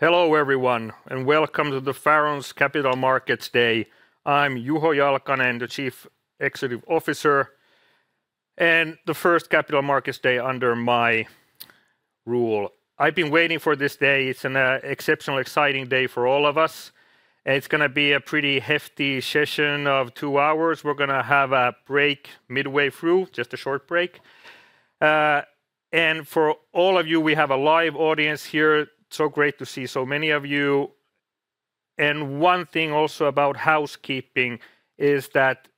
Hello, everyone, and welcome to Faron's Capital Markets Day. I'm Juho Jalkanen, the Chief Executive Officer, and the first Capital Markets Day under my rule. I've been waiting for this day. It's an exceptional, exciting day for all of us, and it's gonna be a pretty hefty session of two hours. We're gonna have a break midway through, just a short break. And for all of you, we have a live audience here, so great to see so many of you. And one thing also about housekeeping is that,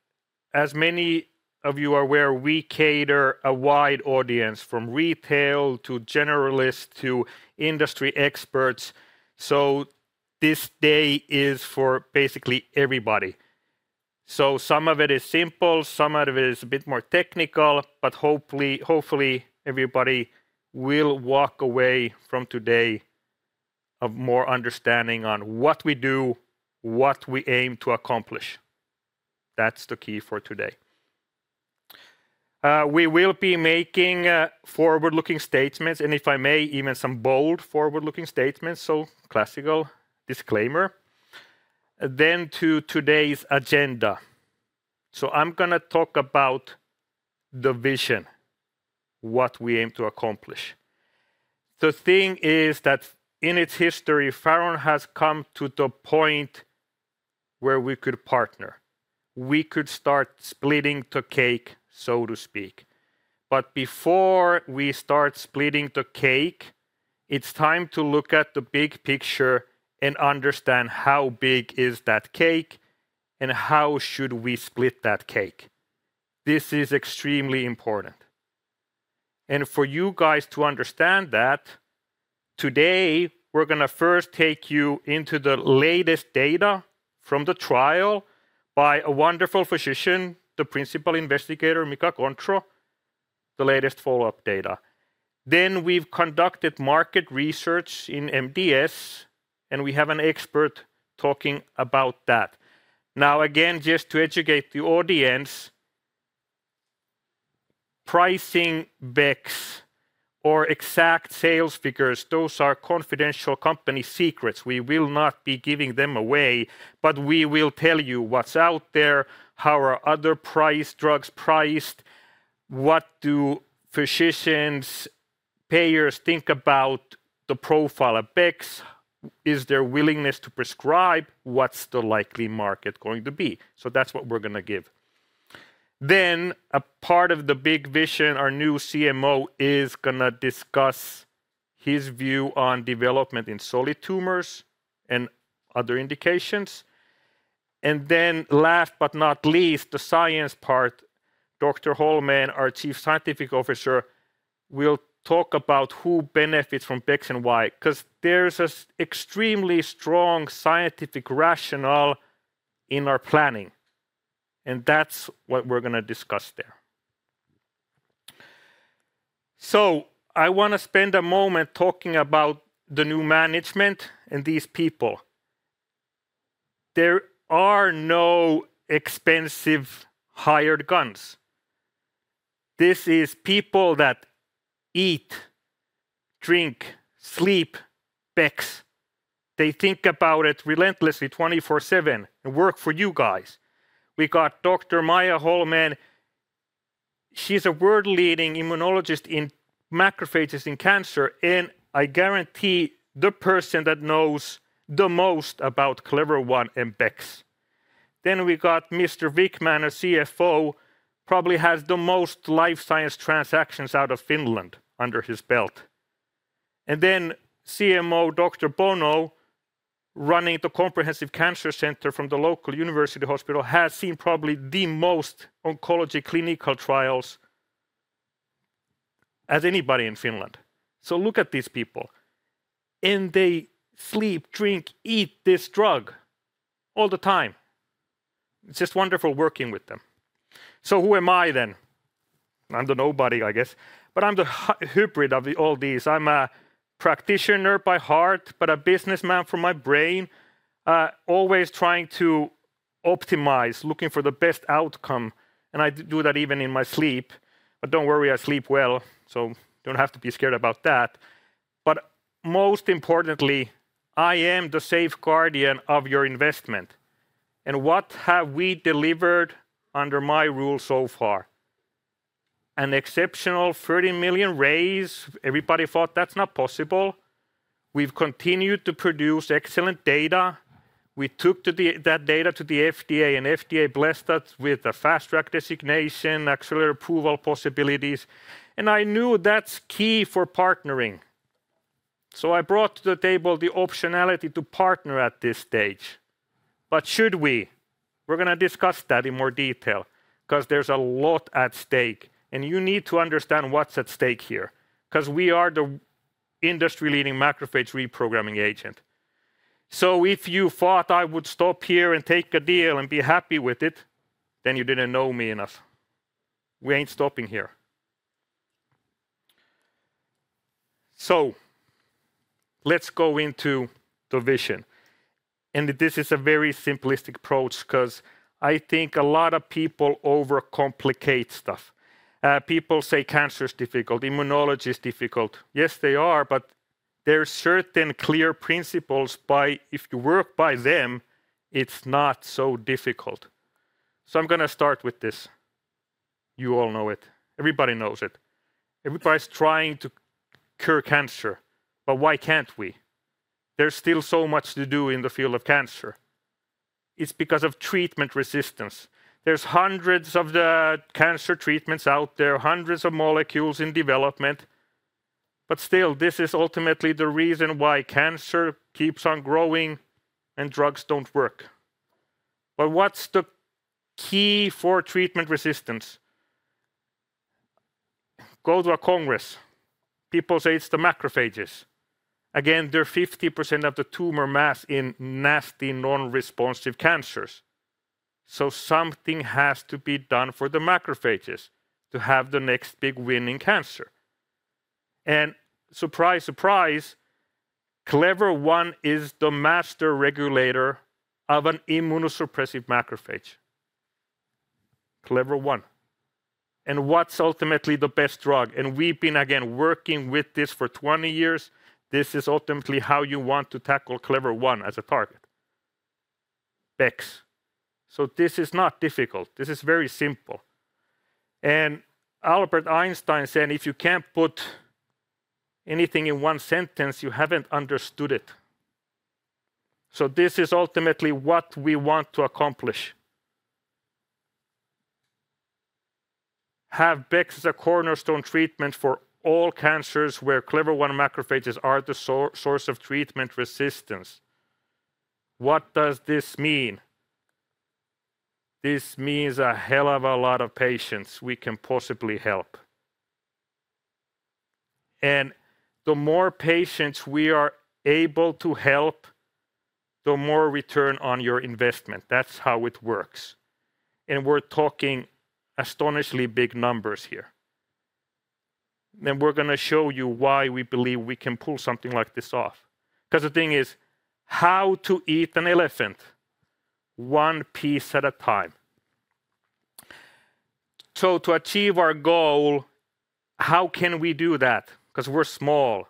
as many of you are aware, we cater a wide audience, from retail, to generalists, to industry experts, so this day is for basically everybody. So some of it is simple, some of it is a bit more technical, but hopefully, hopefully, everybody will walk away from today of more understanding on what we do, what we aim to accomplish. That's the key for today. We will be making forward-looking statements, and if I may, even some bold forward-looking statements, so classical disclaimer. Then to today's agenda. So I'm gonna talk about the vision, what we aim to accomplish. The thing is that in its history, Faron has come to the point where we could partner. We could start splitting the cake, so to speak. But before we start splitting the cake, it's time to look at the big picture and understand how big is that cake and how should we split that cake? This is extremely important. And for you guys to understand that, today, we're gonna first take you into the latest data from the trial by a wonderful physician, the principal investigator, Mika Kontro, the latest follow-up data. Then we've conducted market research in MDS, and we have an expert talking about that. Now, again, just to educate the audience, pricing Bex or exact sales figures, those are confidential company secrets. We will not be giving them away, but we will tell you what's out there, how are other priced drugs priced, what do physicians, payers think about the profile of Bex? Is there willingness to prescribe? What's the likely market going to be? So that's what we're gonna give. Then, a part of the big vision, our new CMO is gonna discuss his view on development in solid tumors and other indications. And then last but not least, the science part, Dr. Hollmén, our Chief Scientific Officer, will talk about who benefits from Bex and why. 'Cause there's an extremely strong scientific rationale in our planning, and that's what we're gonna discuss there. I want to spend a moment talking about the new management and these people. There are no expensive hired guns. This is people that eat, drink, sleep, Bex. They think about it relentlessly, twenty-four/seven, and work for you guys. We got Dr. Maija Hollmén. She's a world-leading immunologist in macrophages in cancer, and I guarantee the person that knows the most about CLEVER-1 and Bex. Then we got Mr. Wichmann, our CFO, probably has the most life science transactions out of Finland under his belt. Then [our] CMO, Dr. Bono, running the comprehensive cancer center from the local university hospital, has seen probably the most oncology clinical trials as anybody in Finland. Look at these people, and they sleep, drink, eat this drug all the time. It's just wonderful working with them. Who am I then? I'm the nobody, I guess, but I'm the hybrid of all these. I'm a practitioner by heart, but a businessman for my brain, always trying to optimize, looking for the best outcome, and I do that even in my sleep. But don't worry, I sleep well, so you don't have to be scared about that. But most importantly, I am the safe guardian of your investment, and what have we delivered under my rule so far? An exceptional 30 million raise. Everybody thought that's not possible. We've continued to produce excellent data. We took that data to the FDA, and FDA blessed us with a Fast Track designation, accelerated approval possibilities, and I knew that's key for partnering. So I brought to the table the optionality to partner at this stage. But should we? We're gonna discuss that in more detail, 'cause there's a lot at stake, and you need to understand what's at stake here, 'cause we are the industry-leading macrophage reprogramming agent. So if you thought I would stop here, and take a deal, and be happy with it, then you didn't know me enough. We ain't stopping here. So let's go into the vision... and this is a very simplistic approach, 'cause I think a lot of people overcomplicate stuff. People say cancer is difficult, immunology is difficult. Yes, they are, but there are certain clear principles by if you work by them, it's not so difficult. So I'm gonna start with this. You all know it. Everybody knows it. Everybody's trying to cure cancer, but why can't we? There's still so much to do in the field of cancer. It's because of treatment resistance. There's hundreds of the cancer treatments out there, hundreds of molecules in development, but still, this is ultimately the reason why cancer keeps on growing and drugs don't work. But what's the key for treatment resistance? Go to a congress. People say it's the macrophages. Again, they're 50% of the tumor mass in nasty, non-responsive cancers. So something has to be done for the macrophages to have the next big win in cancer. And surprise, surprise, CLEVER-1 is the master regulator of an immunosuppressive macrophage. CLEVER-1. And what's ultimately the best drug? And we've been, again, working with this for twenty years. This is ultimately how you want to tackle CLEVER-1 as a target: Bex. So this is not difficult. This is very simple. Albert Einstein said, "If you can't put anything in one sentence, you haven't understood it." So this is ultimately what we want to accomplish. Have Bex as a cornerstone treatment for all cancers where CLEVER-1 macrophages are the source of treatment resistance. What does this mean? This means a hell of a lot of patients we can possibly help. And the more patients we are able to help, the more return on your investment. That's how it works, and we're talking astonishingly big numbers here. Then we're gonna show you why we believe we can pull something like this off. 'Cause the thing is, how to eat an elephant? One piece at a time. So to achieve our goal, how can we do that? 'Cause we're small.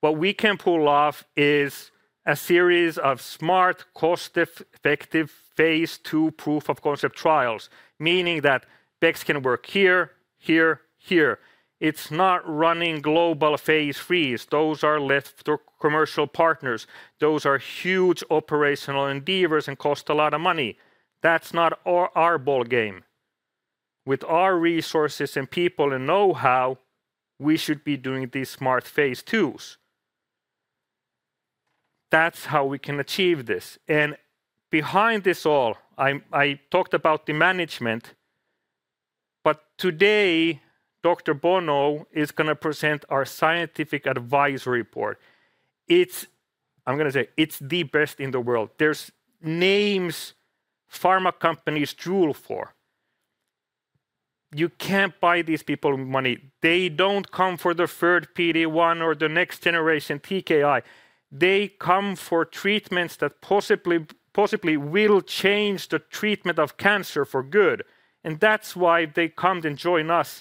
What we can pull off is a series of smart, cost-effective, phase II proof of concept trials, meaning that Bex can work here, here, here. It's not running global phase IIIs. Those are left to commercial partners. Those are huge operational endeavors and cost a lot of money. That's not our ballgame. With our resources and people and know-how, we should be doing these smart phase IIs. That's how we can achieve this. And behind this all, I talked about the management, but today, Dr. Bono is gonna present our scientific advisory board. It's. I'm gonna say, it's the best in the world. There's names pharma companies drool for. You can't buy these people with money. They don't come for the third PD-1 or the next generation TKI. They come for treatments that possibly, possibly will change the treatment of cancer for good, and that's why they come and join us.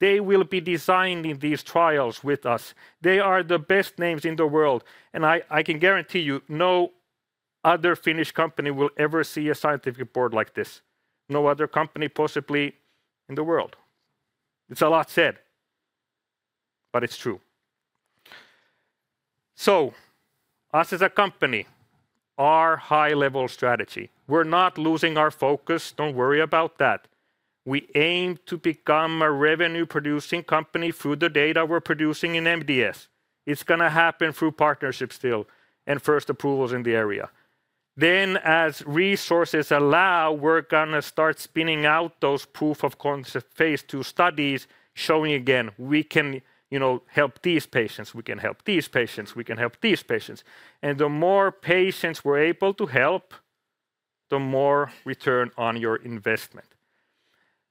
They will be designing these trials with us. They are the best names in the world, and I, I can guarantee you, no other Finnish company will ever see a scientific board like this. No other company, possibly in the world. It's a lot said, but it's true. So, us as a company, our high-level strategy, we're not losing our focus. Don't worry about that. We aim to become a revenue-producing company through the data we're producing in MDS. It's gonna happen through partnerships still, and first approvals in the area. Then, as resources allow, we're gonna start spinning out those proof of concept phase II studies, showing again, we can, you know, help these patients, we can help these patients, we can help these patients. The more patients we're able to help, the more return on your investment.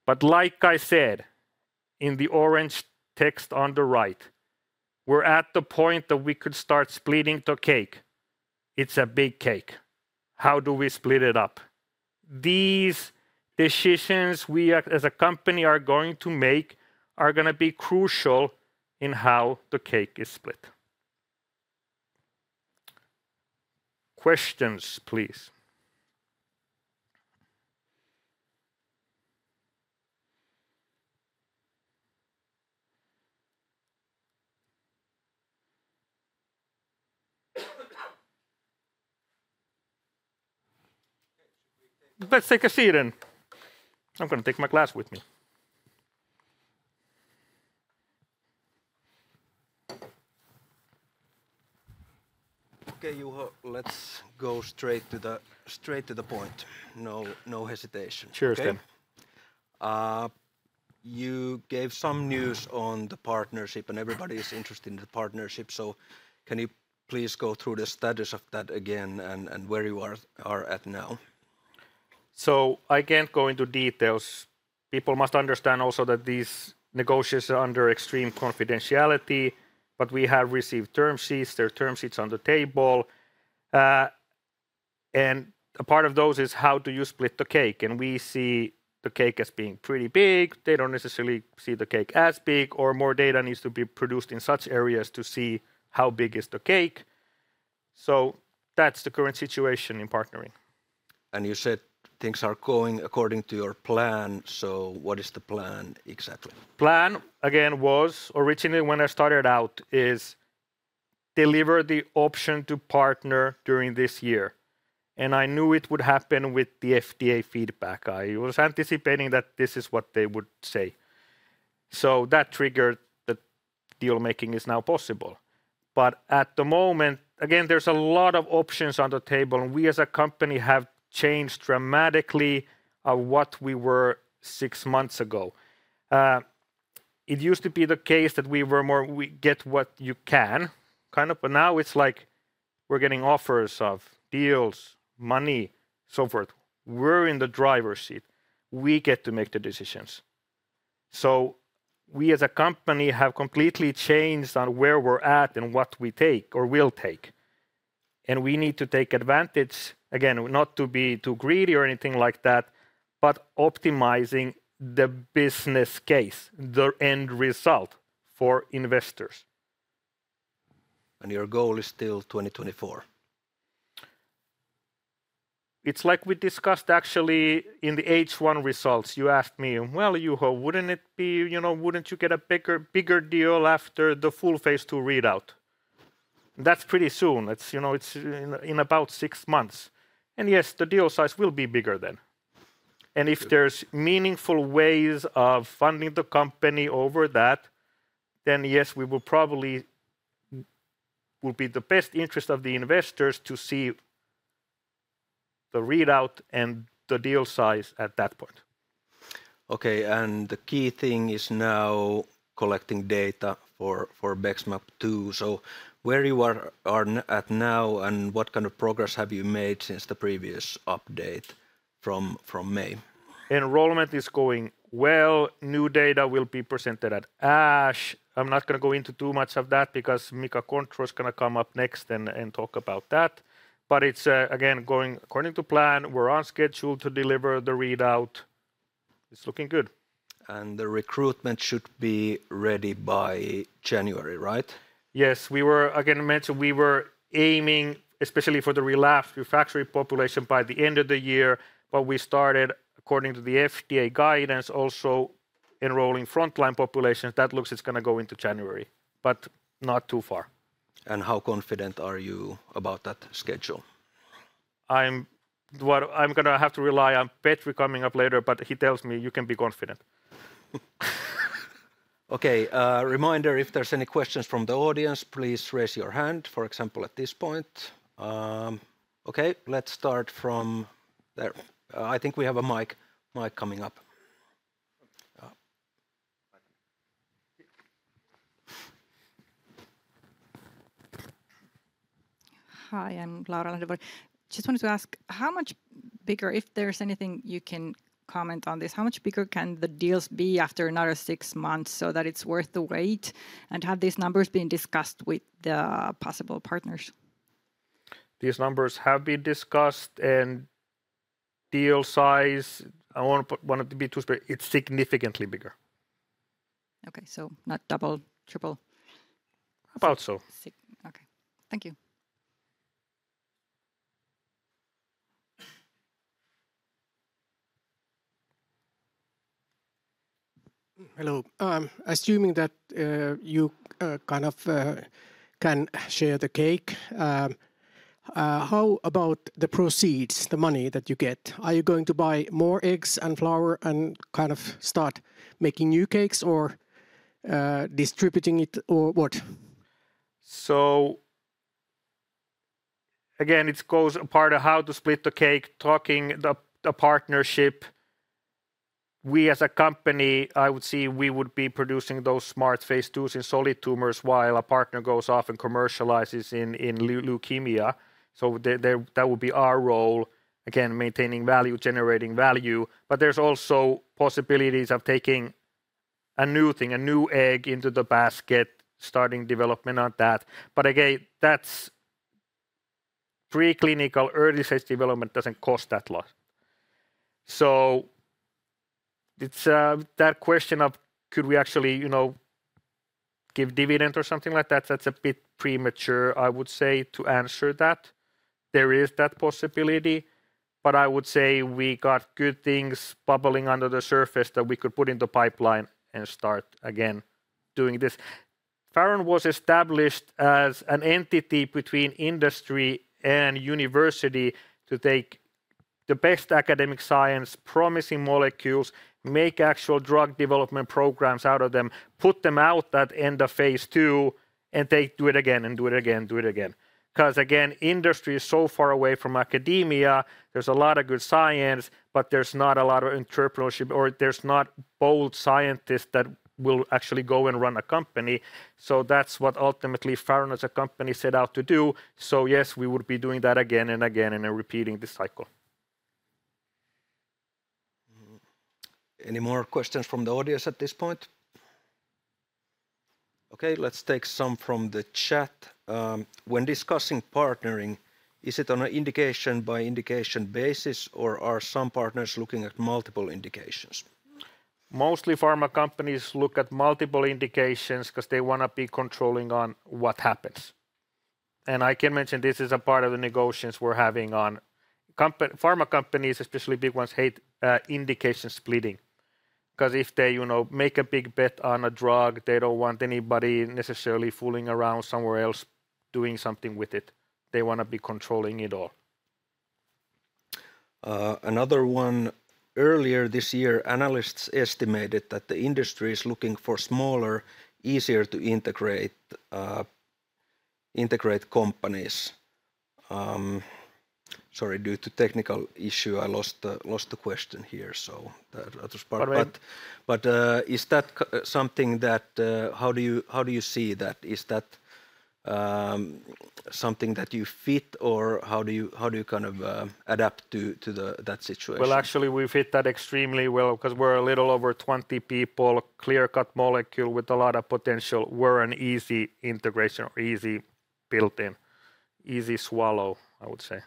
Like I said, in the orange text on the right, we're at the point that we could start splitting the cake. It's a big cake. How do we split it up? These decisions we as a company are going to make, are gonna be crucial in how the cake is split. Questions, please. Let's take a seat then. I'm gonna take my glass with me. Okay, Juho, let's go straight to the, straight to the point. No, no hesitation. Sure. Okay. You gave some news on the partnership, and everybody is interested in the partnership, so can you please go through the status of that again and where you are at now? So I can't go into details. People must understand also that these negotiations are under extreme confidentiality, but we have received term sheets. There are term sheets on the table. And a part of those is how do you split the cake? And we see the cake as being pretty big. They don't necessarily see the cake as big, or more data needs to be produced in such areas to see how big is the cake. So that's the current situation in partnering. You said things are going according to your plan, so what is the plan exactly? Plan, again, was originally when I started out, is deliver the option to partner during this year, and I knew it would happen with the FDA feedback. I was anticipating that this is what they would say, so that triggered the deal making is now possible, but at the moment, again, there's a lot of options on the table, and we as a company have changed dramatically, what we were six months ago. It used to be the case that we were more, "We get what you can," kind of, but now it's like we're getting offers of deals, money, so forth. We're in the driver's seat. We get to make the decisions. So, we as a company have completely changed on where we're at and what we take or will take, and we need to take advantage. Again, not to be too greedy or anything like that, but optimizing the business case, the end result for investors. Your goal is still 2024? It's like we discussed, actually, in the H1 results. You asked me, "Well, Juho, wouldn't it be... You know, wouldn't you get a bigger, bigger deal after the full phase II readout?" That's pretty soon. It's, you know, it's in about six months, and yes, the deal size will be bigger then. Good. If there's meaningful ways of funding the company over that, then yes, we will probably be the best interest of the investors to see the readout and the deal size at that point. Okay, and the key thing is now collecting data for BEXMAB phase II. So where you are at now, and what kind of progress have you made since the previous update from May? Enrollment is going well. New data will be presented at ASH. I'm not gonna go into too much of that, because Mika Kontro is gonna come up next and talk about that. But it's again, going according to plan. We're on schedule to deliver the readout. It's looking good. The recruitment should be ready by January, right? Yes. We were, again, mentioned we were aiming, especially for the relapsed/refractory population by the end of the year, but we started, according to the FDA guidance, also enrolling frontline populations. That looks it's gonna go into January, but not too far. How confident are you about that schedule? Well, I'm gonna have to rely on Petri coming up later, but he tells me, "You can be confident. Okay, reminder, if there's any questions from the audience, please raise your hand, for example, at this point. Okay, let's start from there. I think we have a mic coming up. Hi, I'm Laura Landro. Just wanted to ask, how much bigger, if there's anything you can comment on this, how much bigger can the deals be after another six months so that it's worth the wait? And have these numbers been discussed with the possible partners? These numbers have been discussed, and deal size. I don't want it to be too specific. It's significantly bigger. Okay, so not double, triple? About so. Okay. Thank you. Hello. Assuming that you kind of can share the cake, how about the proceeds, the money that you get? Are you going to buy more eggs and flour and kind of start making new cakes or distributing it, or what? So again, it's a part of how to split the cake, talking about the partnership. We as a company, I would see we would be producing those smart phase IIs in solid tumors while a partner goes off and commercializes in leukemia. So that would be our role, again, maintaining value, generating value. But there's also possibilities of taking a new thing, a new egg into the basket, starting development on that. But again, that's preclinical. Early-stage development doesn't cost that lot. So it's that question of could we actually, you know, give dividend or something like that, that's a bit premature, I would say, to answer that. There is that possibility, but I would say we got good things bubbling under the surface that we could put in the pipeline and start again doing this. Faron was established as an entity between industry and university to take the best academic science, promising molecules, make actual drug development programs out of them, put them out at end of phase II, and they do it again, and do it again, do it again. 'Cause, again, industry is so far away from academia. There's a lot of good science, but there's not a lot of entrepreneurship, or there's not bold scientists that will actually go and run a company. So that's what ultimately Faron as a company set out to do. So yes, we would be doing that again and again, and then repeating the cycle. Any more questions from the audience at this point? Okay, let's take some from the chat. When discussing partnering, is it on an indication by indication basis, or are some partners looking at multiple indications? Mostly, pharma companies look at multiple indications 'cause they wanna be controlling on what happens. And I can mention this is a part of the negotiations we're having on pharma companies, especially big ones, hate indication splitting, 'cause if they, you know, make a big bet on a drug, they don't want anybody necessarily fooling around somewhere else, doing something with it. They wanna be controlling it all. Another one, earlier this year, analysts estimated that the industry is looking for smaller, easier to integrate companies. Sorry, due to technical issue, I lost the question here, so the other part- All right. But, is that something that... how do you see that? Is that something that you fit, or how do you kind of adapt to that situation? Actually, we fit that extremely well, 'cause we're a little over twenty people, clear-cut molecule with a lot of potential. We're an easy integration or easy build-in, easy swallow, I would say.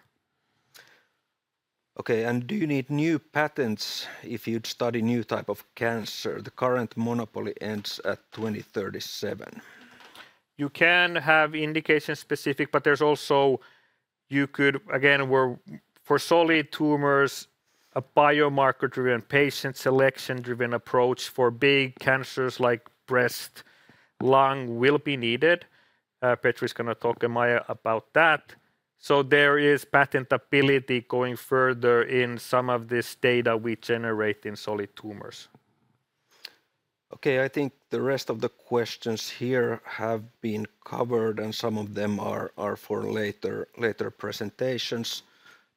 Okay, and do you need new patents if you'd study new type of cancer? The current monopoly ends at 2037. You can have indication-specific, but there's also, for solid tumors, a biomarker-driven, patient selection-driven approach for big cancers like breast, lung, will be needed. Petri is gonna talk in a minute about that. So there is patentability going further in some of this data we generate in solid tumors. Okay, I think the rest of the questions here have been covered, and some of them are for later presentations.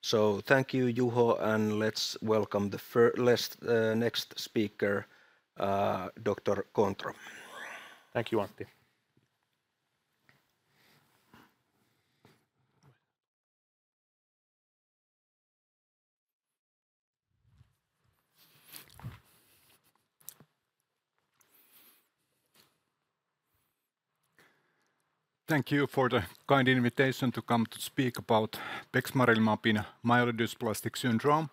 So thank you, Juho, and let's welcome the last next speaker, Dr. Kontro. Thank you, Antti. Thank you for the kind invitation to come to speak about bexmarilimab in myelodysplastic syndrome.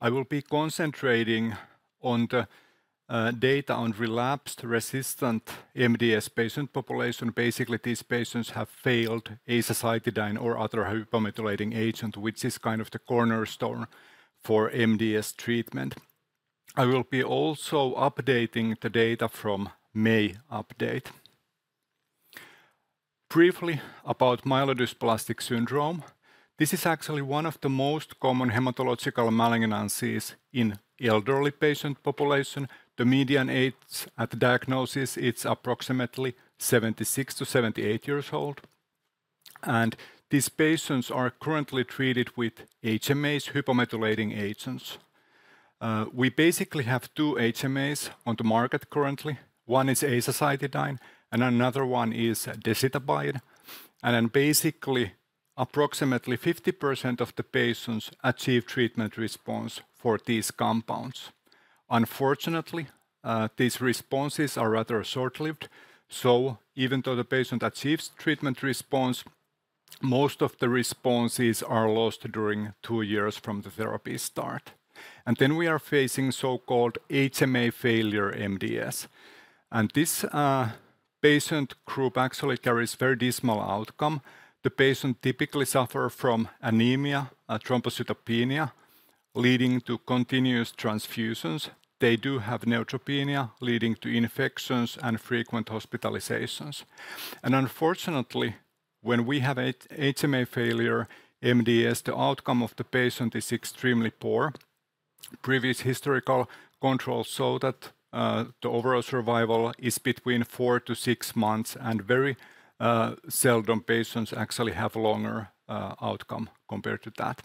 I will be concentrating on the data on relapsed, resistant MDS patient population. Basically, these patients have failed azacitidine or other hypomethylating agent, which is kind of the cornerstone for MDS treatment. I will be also updating the data from May update. Briefly, about myelodysplastic syndrome, this is actually one of the most common hematological malignancies in elderly patient population. The median age at diagnosis, it's approximately 76-78 years old, and these patients are currently treated with HMAs, hypomethylating agents. We basically have two HMAs on the market currently. One is azacitidine, and another one is decitabine. Then basically, approximately 50% of the patients achieve treatment response for these compounds. Unfortunately, these responses are rather short-lived, so even though the patient achieves treatment response, most of the responses are lost during two years from the therapy start, and then we are facing so-called HMA-failure MDS, and this patient group actually carries very dismal outcome. The patient typically suffer from anemia, thrombocytopenia, leading to continuous transfusions. They do have neutropenia, leading to infections and frequent hospitalizations. Unfortunately, when we have HMA-failure MDS, the outcome of the patient is extremely poor. Previous historical controls show that the overall survival is between four to six months, and very seldom patients actually have longer outcome compared to that.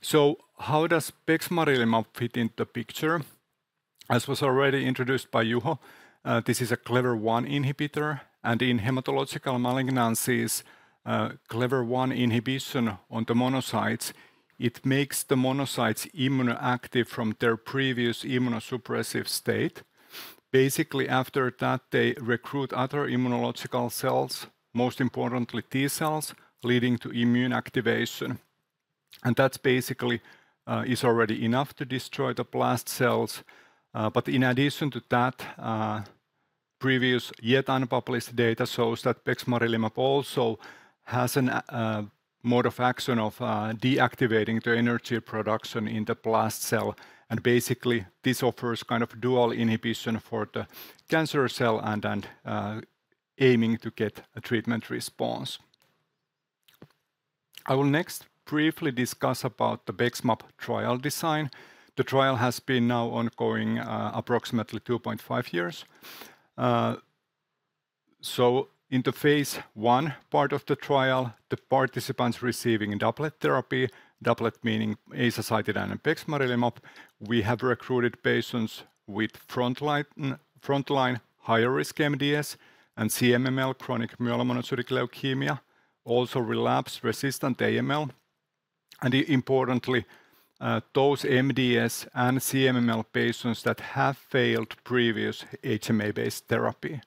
So how does bexmarilimab fit into the picture? As was already introduced by Juho, this is a CLEVER-1 inhibitor, and in hematological malignancies, CLEVER-1 inhibition on the monocytes, it makes the monocytes immunoactive from their previous immunosuppressive state. Basically, after that, they recruit other immunological cells, most importantly T cells, leading to immune activation, and that's basically is already enough to destroy the blast cells. But in addition to that, previous, yet unpublished data shows that bexmarilimab also has a mode of action of deactivating the energy production in the blast cell, and basically, this offers kind of dual inhibition for the cancer cell and aiming to get a treatment response. I will next briefly discuss about the BEXMAB trial design. The trial has been now ongoing approximately 2.5 years. So in the phase I part of the trial, the participants receiving doublet therapy, doublet meaning azacitidine and bexmarilimab, we have recruited patients with frontline higher-risk MDS and CMML, chronic myelomonocytic leukemia, also relapse-resistant AML, and importantly, those MDS and CMML patients that have failed previous HMA-based therapy,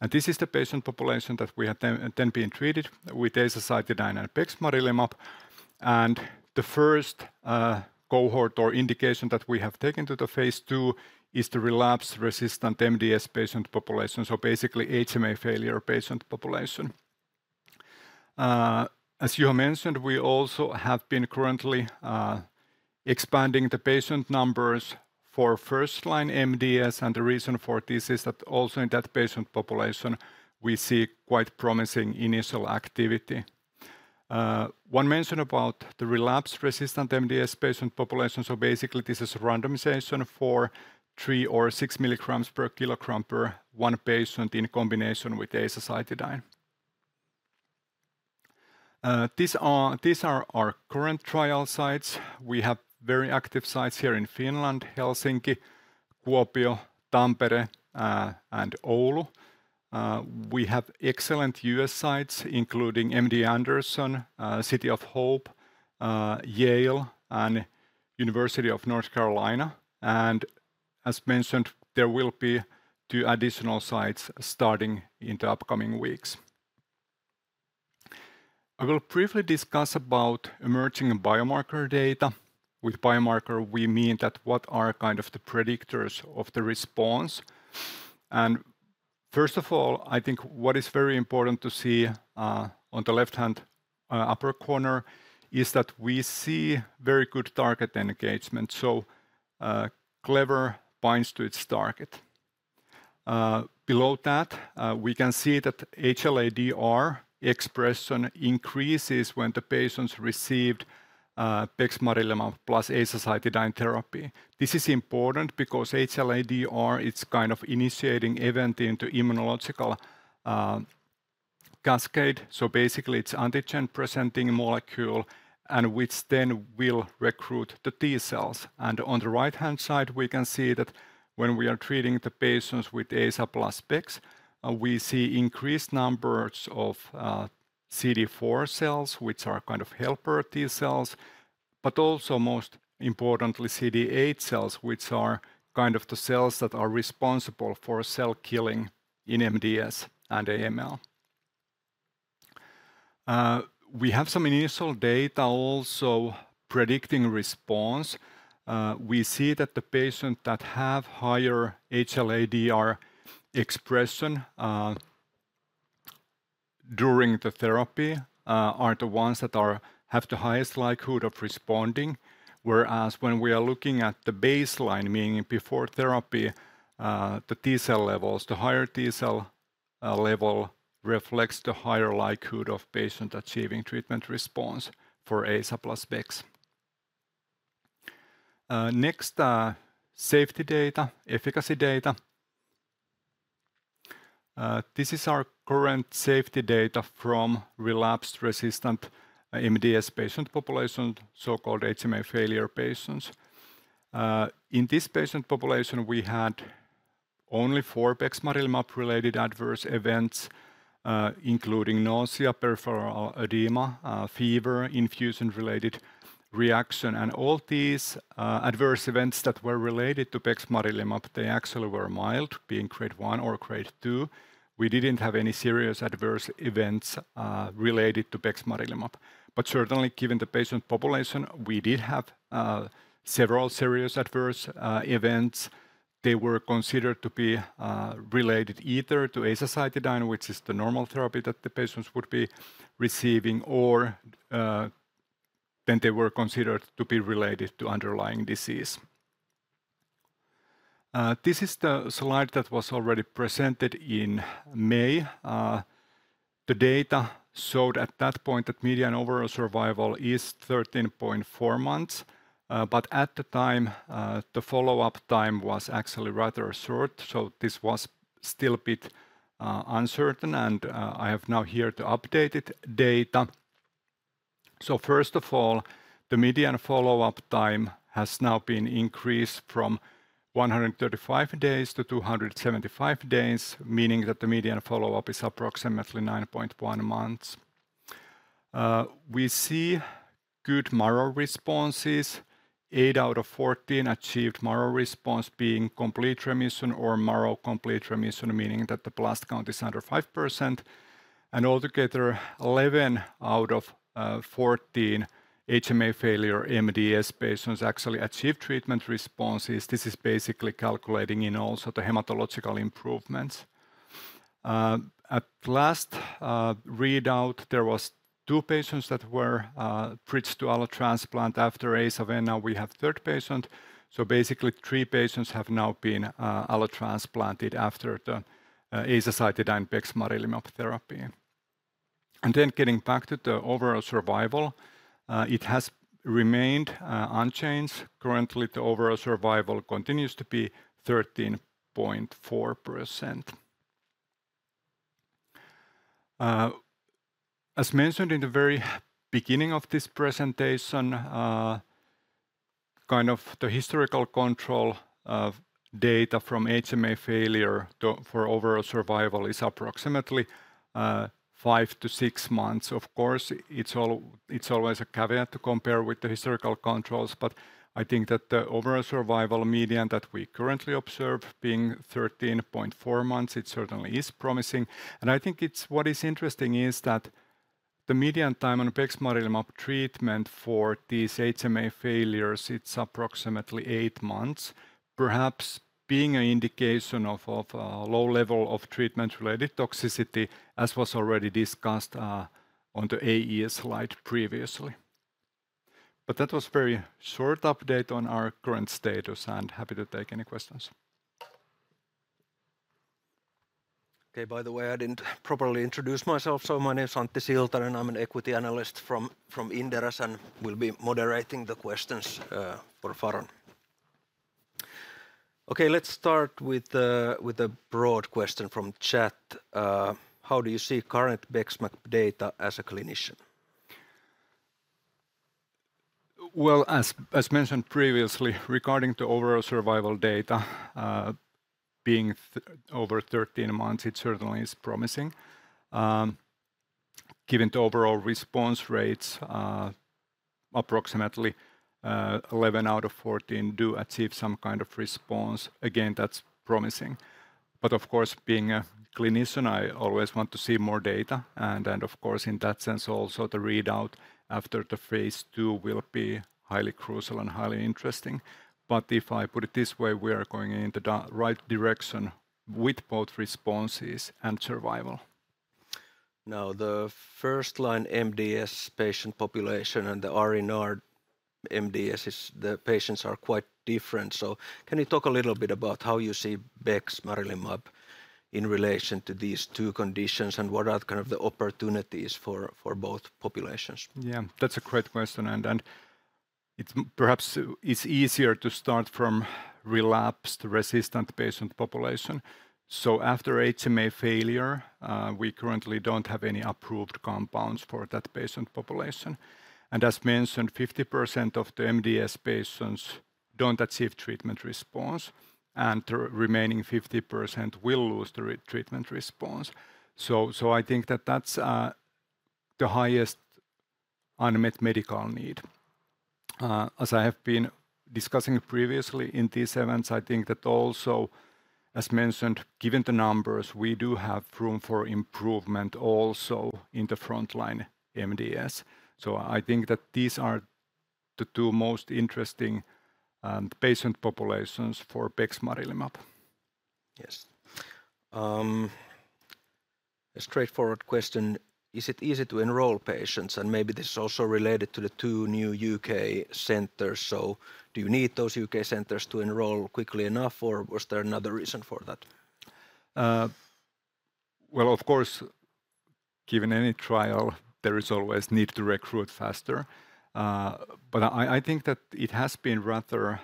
and this is the patient population that we have then been treated with azacitidine and bexmarilimab, and the first cohort or indication that we have taken to the phase II is the relapse-resistant MDS patient population, so basically HMA-failure patient population. As you have mentioned, we also have been currently expanding the patient numbers for first-line MDS, and the reason for this is that also in that patient population, we see quite promising initial activity. One mention about the relapse-resistant MDS patient population, so basically this is a randomization for three or six milligrams per kilogram per one patient in combination with azacitidine. These are our current trial sites. We have very active sites here in Finland, Helsinki, Kuopio, Tampere, and Oulu. We have excellent U.S. sites, including MD Anderson, City of Hope, Yale, and University of North Carolina, and as mentioned, there will be two additional sites starting in the upcoming weeks. I will briefly discuss about emerging biomarker data. With biomarker, we mean that what are kind of the predictors of the response? And first of all, I think what is very important to see, on the left-hand upper corner, is that we see very good target engagement, so, CLEVER binds to its target. Below that, we can see that HLA-DR expression increases when the patients received bexmarilimab plus azacitidine therapy. This is important because HLA-DR, it's kind of initiating event into immunological cascade, so basically, it's antigen-presenting molecule, and which then will recruit the T cells, and on the right-hand side, we can see that when we are treating the patients with aza plus Bex, we see increased numbers of CD4 cells, which are kind of helper T cells, but also, most importantly, CD8 cells, which are kind of the cells that are responsible for cell killing in MDS and AML. We have some initial data also predicting response. We see that the patient that have higher HLA-DR expression during the therapy are the ones that are... have the highest likelihood of responding, whereas when we are looking at the baseline, meaning before therapy, the T-cell levels, the higher T-cell level reflects the higher likelihood of patient achieving treatment response for aza plus Bex. Next, safety data, efficacy data. This is our current safety data from relapsed/refractory MDS patient population, so-called HMA-failure patients. In this patient population, we had only four bexmarilimab-related adverse events, including nausea, peripheral edema, fever, infusion-related reaction, and all these adverse events that were related to bexmarilimab, they actually were mild, being grade one or grade two. We didn't have any serious adverse events related to bexmarilimab, but certainly, given the patient population, we did have several serious adverse events. They were considered to be related either to azacitidine, which is the normal therapy that the patients would be receiving, or then they were considered to be related to underlying disease. This is the slide that was already presented in May. The data showed at that point that median overall survival is 13.4 months, but at the time the follow-up time was actually rather short, so this was still a bit uncertain, and I have now here the updated data. So first of all, the median follow-up time has now been increased from 135 days to 275 days, meaning that the median follow-up is approximately 9.1 months. We see good marrow responses. Eight out of 14 achieved marrow response, being complete remission or marrow complete remission, meaning that the blast count is under 5%, and altogether, 11 out of 14 HMA-failure MDS patients actually achieved treatment responses. This is basically calculating in also the hematological improvements. At last readout, there were two patients that were bridged to allotransplant after aza, and now we have a third patient. So basically, three patients have now been allotransplanted after the azacitidine bexmarilimab therapy. And then getting back to the overall survival, it has remained unchanged. Currently, the overall survival continues to be 13.4%. As mentioned in the very beginning of this presentation, kind of the historical control of data from HMA failure to, for overall survival is approximately five to six months. Of course, it's always a caveat to compare with the historical controls, but I think that the overall survival median that we currently observe being 13.4 months, it certainly is promising. And I think it's what is interesting is that the median time on bexmarilimab treatment for these HMA failures, it's approximately 8 months, perhaps being an indication of low level of treatment-related toxicity, as was already discussed on the AE slide previously. But that was very short update on our current status, and happy to take any questions. Okay, by the way, I didn't properly introduce myself, so my name is Antti Siltanen, and I'm an equity analyst from Inderes, and will be moderating the questions for Faron. Okay, let's start with a broad question from chat. How do you see current bexmarilimab data as a clinician? As mentioned previously, regarding the overall survival data being over 13 months, it certainly is promising. Given the overall response rates, approximately 11 out of 14 do achieve some kind of response. Again, that's promising, but of course, being a clinician, I always want to see more data, and then, of course, in that sense, also the readout after the phase II will be highly crucial and highly interesting. If I put it this way, we are going in the right direction with both responses and survival. Now, the first-line MDS patient population and the r/r MDS is the patients are quite different, so can you talk a little bit about how you see bexmarilimab in relation to these two conditions, and what are kind of the opportunities for both populations? Yeah, that's a great question, and it's perhaps easier to start from relapsed, resistant patient population. So after HMA failure, we currently don't have any approved compounds for that patient population. And as mentioned, 50% of the MDS patients don't achieve treatment response, and the remaining 50% will lose the retreatment response. So I think that that's the highest unmet medical need. As I have been discussing previously in these events, I think that also, as mentioned, given the numbers, we do have room for improvement also in the frontline MDS. So I think that these are the two most interesting patient populations for bexmarilimab. Yes. A straightforward question: Is it easy to enroll patients? And maybe this is also related to the two new U.K. centers, so do you need those U.K. centers to enroll quickly enough, or was there another reason for that? Well, of course, given any trial, there is always need to recruit faster. But I think that it has been rather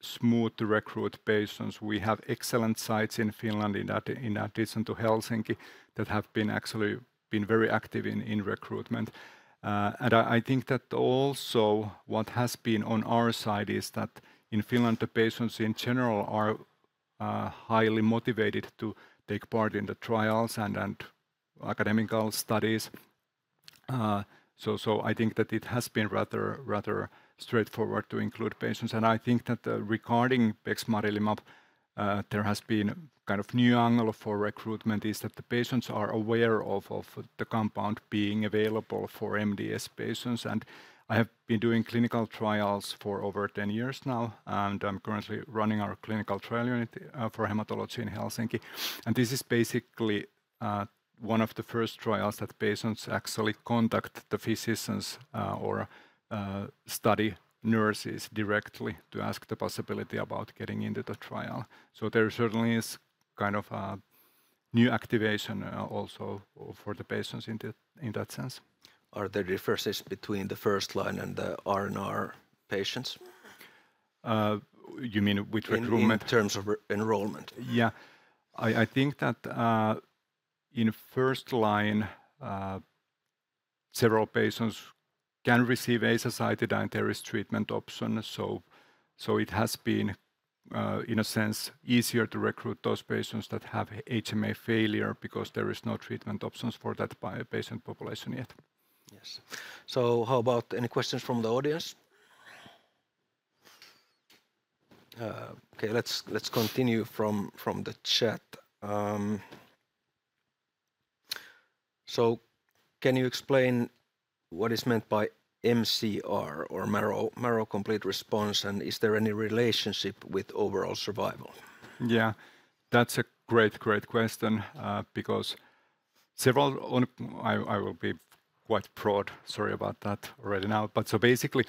smooth to recruit patients. We have excellent sites in Finland, in addition to Helsinki, that have actually been very active in recruitment. And I think that also what has been on our side is that in Finland, the patients in general are highly motivated to take part in the trials and academic studies. So I think that it has been rather straightforward to include patients. I think that regarding bexmarilimab, there has been kind of new angle for recruitment, is that the patients are aware of the compound being available for MDS patients. And I have been doing clinical trials for over 10 years now, and I'm currently running our clinical trial unit for hematology in Helsinki. This is basically one of the first trials that patients actually contact the physicians or study nurses directly to ask the possibility about getting into the trial. So there certainly is kind of a new activation also for the patients in that sense. Are there differences between the first line and the R/R patients? You mean with recruitment? In terms of enrollment. Yeah. I think that in first line several patients can receive azacitidine treatment option, so it has been in a sense easier to recruit those patients that have HMA failure because there is no treatment options for that patient population yet. Yes. So how about any questions from the audience? Okay, let's continue from the chat. So can you explain what is meant by mCR or marrow complete remission, and is there any relationship with overall survival? Yeah, that's a great, great question, because I will be quite broad, sorry about that already now, but so basically,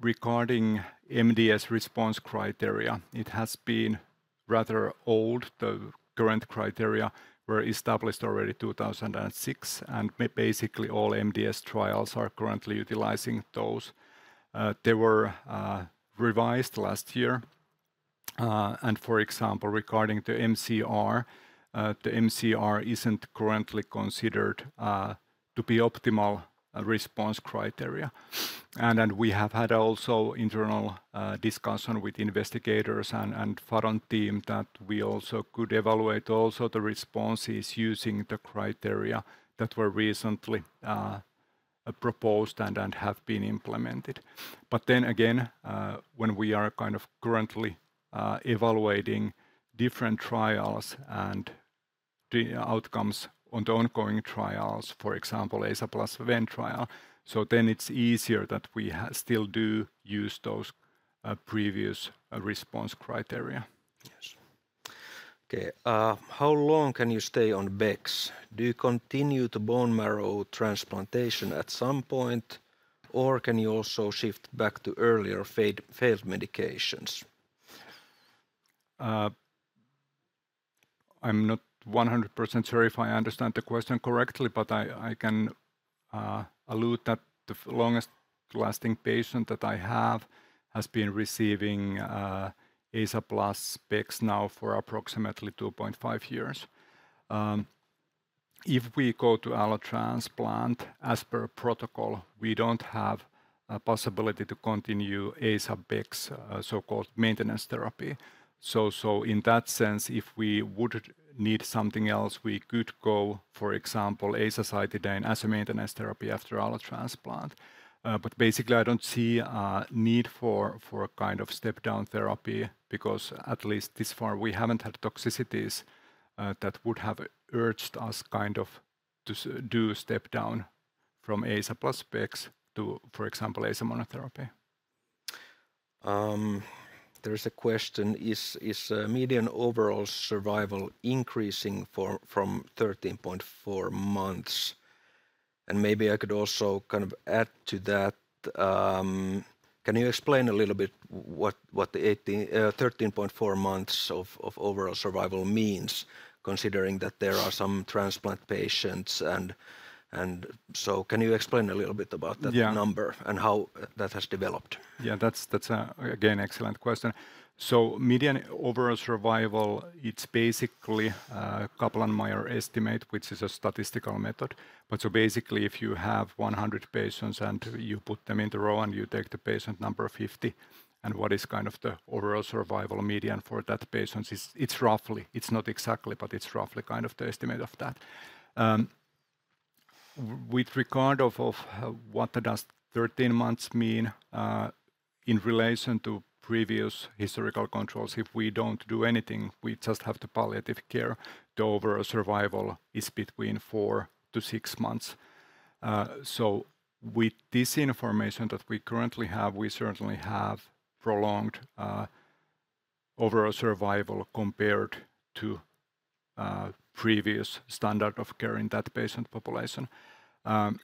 regarding MDS response criteria, it has been rather old. The current criteria were established already 2006, and basically, all MDS trials are currently utilizing those. They were revised last year, and for example, regarding the mCR, the mCR isn't currently considered to be optimal response criteria, and then we have had also internal discussion with investigators and Faron team that we also could evaluate the responses using the criteria that were recently proposed and have been implemented. But then again, when we are kind of currently evaluating different trials and the outcomes on the ongoing trials, for example, AZA plus VEN trial, so then it's easier that we still do use those previous response criteria. Yes. Okay, how long can you stay on Bex? Do you continue the bone marrow transplantation at some point, or can you also shift back to earlier failed medications? I'm not 100% sure if I understand the question correctly, but I, I can allude that the longest lasting patient that I have has been receiving aza plus Bex now for approximately 2.5 years. If we go to allotransplant, as per protocol, we don't have a possibility to continue aza Bex so-called maintenance therapy. In that sense, if we would need something else, we could go, for example, azacitidine as a maintenance therapy after allotransplant. But basically, I don't see a need for a kind of step-down therapy, because at least this far, we haven't had toxicities that would have urged us kind of to do step down from aza plus Bex to, for example, aza monotherapy. There is a question: is median overall survival increasing from 13.4 months? And maybe I could also kind of add to that. Can you explain a little bit what the 13.4 months of overall survival means, considering that there are some transplant patients and so can you explain a little bit about that? Yeah.... number and how that has developed? Yeah, that's a, again, excellent question. So median overall survival, it's basically a Kaplan-Meier estimate, which is a statistical method. But so basically, if you have 100 patients and you put them in the row, and you take the patient number 50, and what is kind of the overall survival median for that patient is, it's roughly, it's not exactly, but it's roughly kind of the estimate of that. With regard to what does 13 months mean in relation to previous historical controls, if we don't do anything, we just have the palliative care, the overall survival is between four to six months. So with this information that we currently have, we certainly have prolonged overall survival compared to previous standard of care in that patient population. So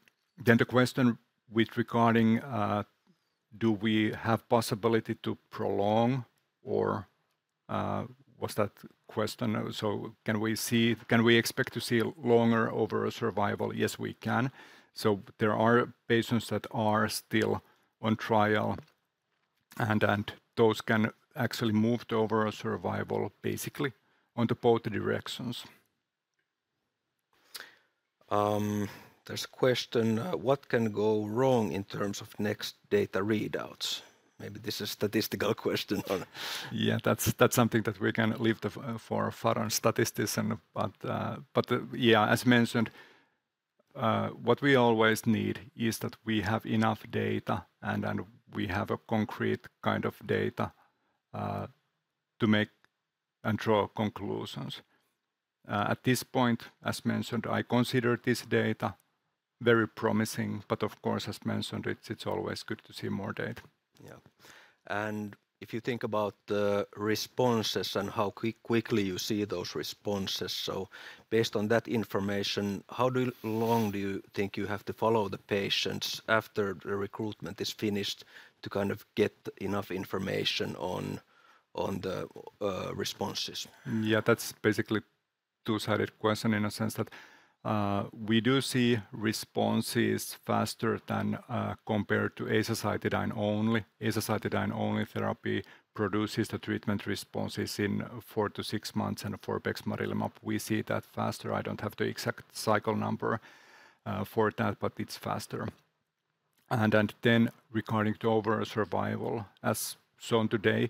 can we expect to see longer overall survival? Yes, we can. So there are patients that are still on trial, and those can actually move the overall survival basically in both directions. There's a question, what can go wrong in terms of next data readouts? Maybe this is a statistical question on. Yeah, that's something that we can leave to the Faron statistician. But, yeah, as mentioned, what we always need is that we have enough data and we have a concrete kind of data to make and draw conclusions. At this point, as mentioned, I consider this data very promising, but of course, as mentioned, it's always good to see more data. Yeah, and if you think about the responses and how quickly you see those responses, so based on that information, how long do you think you have to follow the patients after the recruitment is finished to kind of get enough information on the responses? Yeah, that's basically two-sided question in a sense that, we do see responses faster than, compared to azacitidine only. Azacitidine-only therapy produces the treatment responses in four to six months, and for bexmarilimab, we see that faster. I don't have the exact cycle number, for that, but it's faster. And, and then regarding the overall survival, as shown today,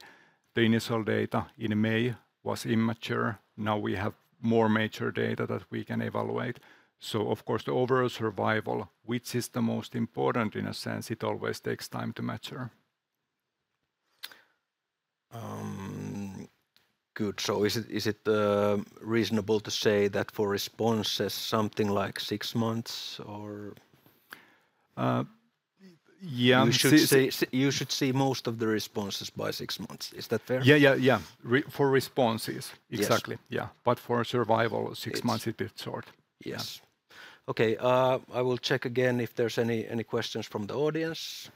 the initial data in May was immature. Now, we have more mature data that we can evaluate. So of course, the overall survival, which is the most important in a sense, it always takes time to mature. Good. Is it reasonable to say that for responses, something like six months or? Uh, yeah. You should see most of the responses by six months. Is that fair? Yeah, yeah, yeah. Ready for responses. Yes.... exactly, yeah. But for survival it's six months, it is short. Yes. Yeah. Okay, I will check again if there's any questions from the audience.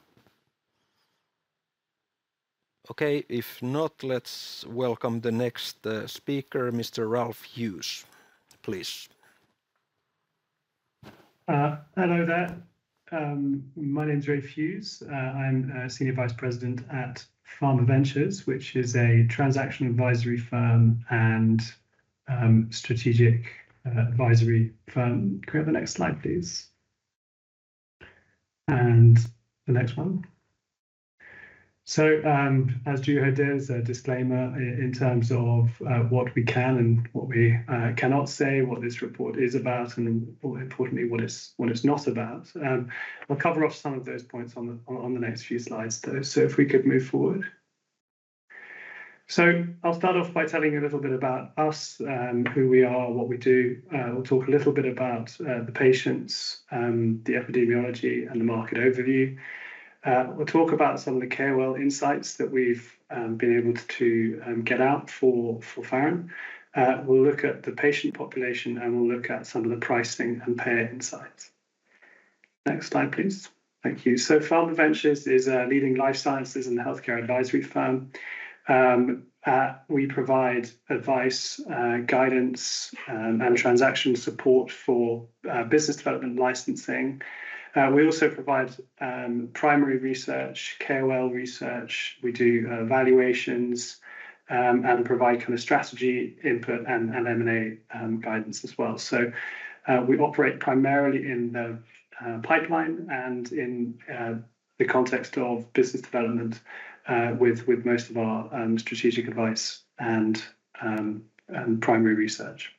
Okay, if not, let's welcome the next speaker, Mr. Ralph Hughes. Please. Hello there. My name's Ralph Hughes. I'm a Senior Vice President at PharmaVentures, which is a transaction advisory firm and, strategic, advisory firm. Can we have the next slide, please, and the next one? As you heard, there's a disclaimer in terms of, what we can and what we, cannot say, what this report is about, and more importantly, what it's not about. I'll cover off some of those points on the next few slides, though. If we could move forward. I'll start off by telling you a little bit about us, who we are, what we do. We'll talk a little bit about, the patients, the epidemiology, and the market overview. We'll talk about some of the KOL insights that we've been able to get out for Faron. We'll look at the patient population, and we'll look at some of the pricing and payer insights. Next slide, please. Thank you. So PharmaVentures is a leading life sciences and healthcare advisory firm. We provide advice, guidance, and transaction support for business development and licensing. We also provide primary research, KOL research. We do valuations, and provide kind of strategy, input, and M&A guidance as well. So, we operate primarily in the pipeline and in the context of business development, with most of our strategic advice and primary research.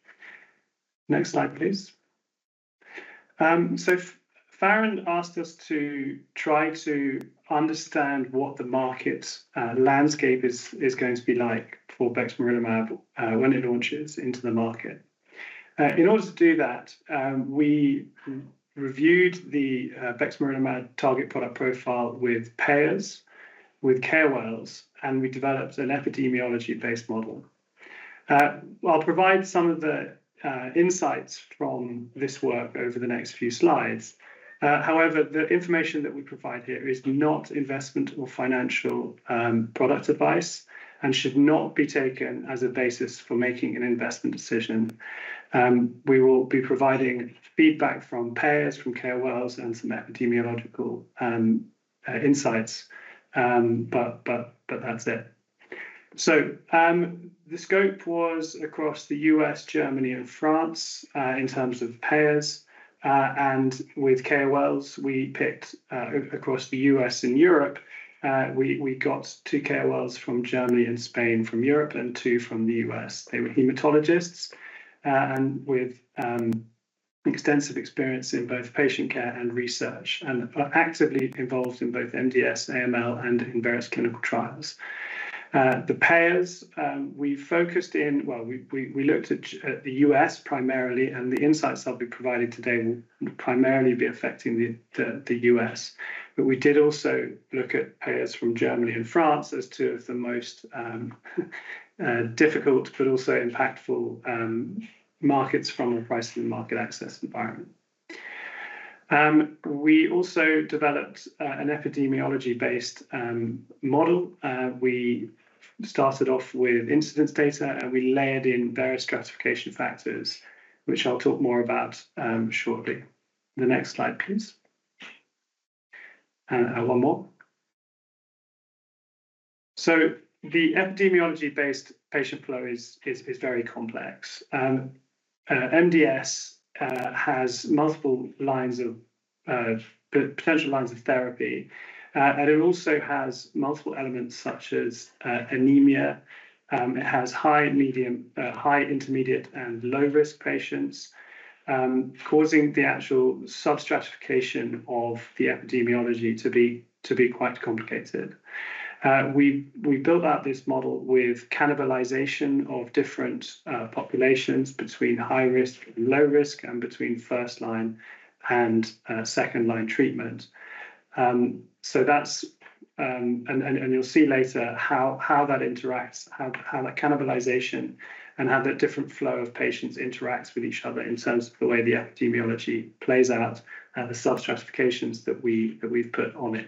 Next slide, please. So Faron asked us to try to understand what the market landscape is going to be like for bexmarilimab when it launches into the market. In order to do that, we reviewed the bexmarilimab target product profile with payers, with KOLs, and we developed an epidemiology-based model. I'll provide some of the insights from this work over the next few slides. However, the information that we provide here is not investment or financial product advice and should not be taken as a basis for making an investment decision. We will be providing feedback from payers, from KOLs, and some epidemiological insights, but that's it. So, the scope was across the U.S., Germany, and France in terms of payers, and with KOLs, we picked across the U.S. and Europe. We got two KOLs from Germany and Spain, from Europe, and two from the U.S. They were hematologists, and with extensive experience in both patient care and research, and are actively involved in both MDS, AML, and in various clinical trials. The payers, we focused in... Well, we looked at the U.S. primarily, and the insights I'll be providing today will primarily be affecting the U.S. But we did also look at payers from Germany and France as two of the most difficult but also impactful markets from a pricing and market access environment. We also developed an epidemiology-based model. We started off with incidence data, and we layered in various stratification factors, which I'll talk more about shortly. The next slide, please. And one more. So the epidemiology-based patient flow is very complex. MDS has multiple lines of potential lines of therapy. And it also has multiple elements, such as anemia. It has high, medium, intermediate, and low-risk patients, causing the actual sub-stratification of the epidemiology to be quite complicated. We built out this model with cannibalization of different populations between high risk and low risk and between first-line and second-line treatment. So that's. And you'll see later how that interacts, how that cannibalization and how the different flow of patients interacts with each other in terms of the way the epidemiology plays out and the sub-stratifications that we've put on it.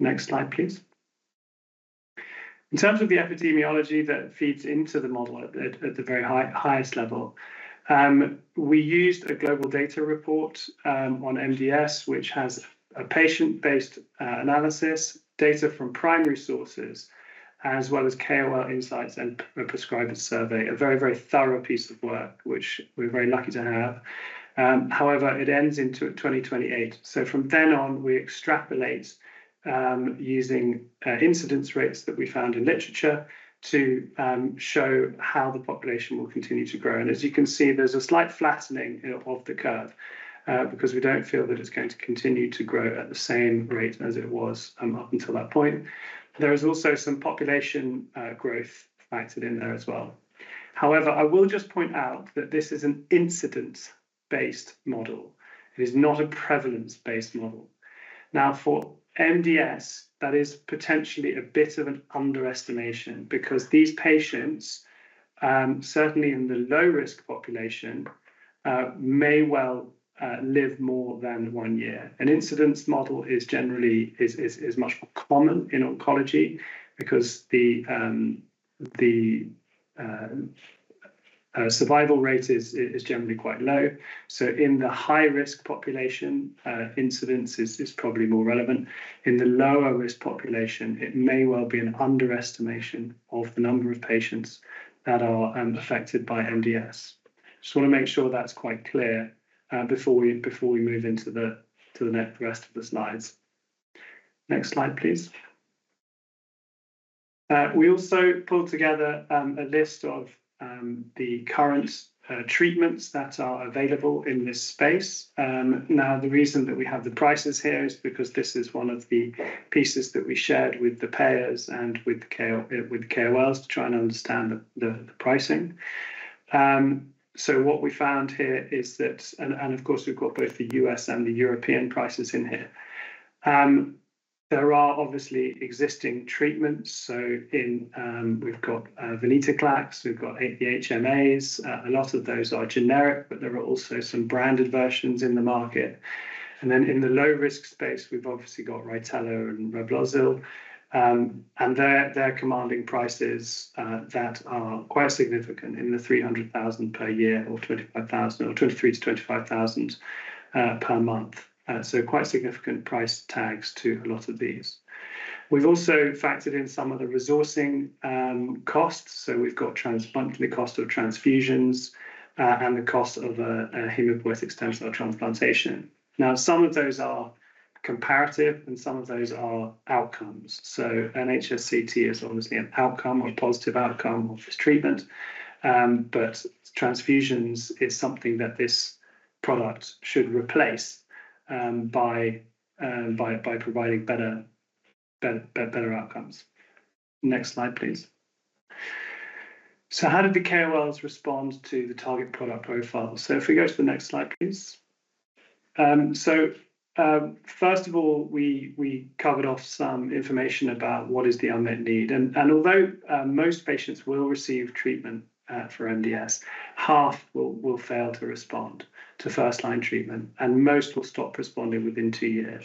Next slide, please. In terms of the epidemiology that feeds into the model at the very highest level, we used a GlobalData report on MDS, which has a patient-based analysis, data from primary sources, as well as KOL insights and a prescriber survey. A very, very thorough piece of work, which we're very lucky to have. However, it ends in twenty twenty-eight, so from then on, we extrapolate using incidence rates that we found in literature to show how the population will continue to grow. And as you can see, there's a slight flattening of the curve because we don't feel that it's going to continue to grow at the same rate as it was up until that point. There is also some population growth factored in there as well. However, I will just point out that this is an incidence-based model. It is not a prevalence-based model. Now, for MDS, that is potentially a bit of an underestimation because these patients certainly in the low-risk population may well live more than one year. An incidence model is generally much more common in oncology because the survival rate is generally quite low. So in the high-risk population incidence is probably more relevant. In the lower-risk population, it may well be an underestimation of the number of patients that are affected by MDS. Just wanna make sure that's quite clear before we move into the rest of the slides. Next slide, please. We also pulled together a list of the current treatments that are available in this space. Now, the reason that we have the prices here is because this is one of the pieces that we shared with the payers and with the KOLs to try and understand the pricing. So what we found here is that. And of course, we've got both the U.S. and the European prices in here. There are obviously existing treatments, so we've got venetoclax, we've got HMAs. A lot of those are generic, but there are also some branded versions in the market. And then in the low-risk space, we've obviously got Rytelo and Reblozyl. They're commanding prices that are quite significant in the $300,000 per year, or $25,000, or $23,000-$25,000 per month. So quite significant price tags to a lot of these. We've also factored in some of the resourcing costs, so we've got transfusion monthly cost of transfusions and the cost of a hematopoietic stem cell transplantation. Now, some of those are comparative, and some of those are outcomes. So an HSCT is obviously an outcome or positive outcome of this treatment. But transfusions is something that this product should replace by providing better outcomes. Next slide, please. So how did the KOLs respond to the target product profile? So if we go to the next slide, please. First of all, we covered off some information about what is the unmet need. Although most patients will receive treatment for MDS, half will fail to respond to first-line treatment, and most will stop responding within two years.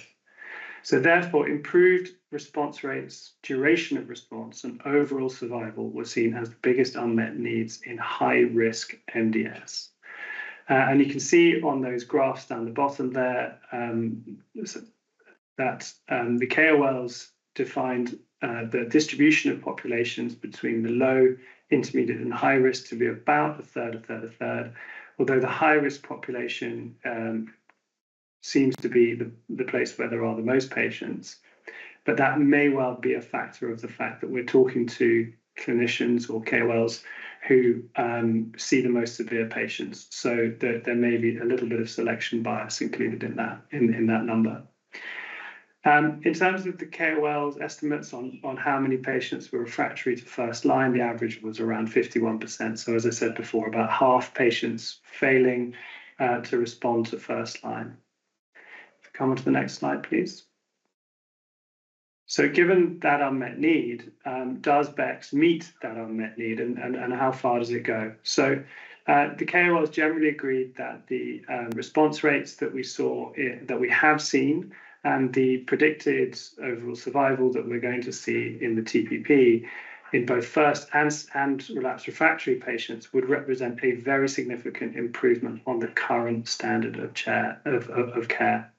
Therefore, improved response rates, duration of response, and overall survival were seen as the biggest unmet needs in high-risk MDS. You can see on those graphs down the bottom there, so that the KOLs defined the distribution of populations between the low, intermediate, and high risk to be about a third, a third, a third. Although the high-risk population seems to be the place where there are the most patients, but that may well be a factor of the fact that we're talking to clinicians or KOLs who see the most severe patients. There may be a little bit of selection bias included in that number. In terms of the KOLs estimates on how many patients were refractory to first line, the average was around 51%. As I said before, about half patients failing to respond to first line. If we come on to the next slide, please. Given that unmet need, does Bex meet that unmet need, and how far does it go? The KOLs generally agreed that the response rates that we have seen, and the predicted overall survival that we're going to see in the TPP, in both first and relapse refractory patients, would represent a very significant improvement on the current standard of care.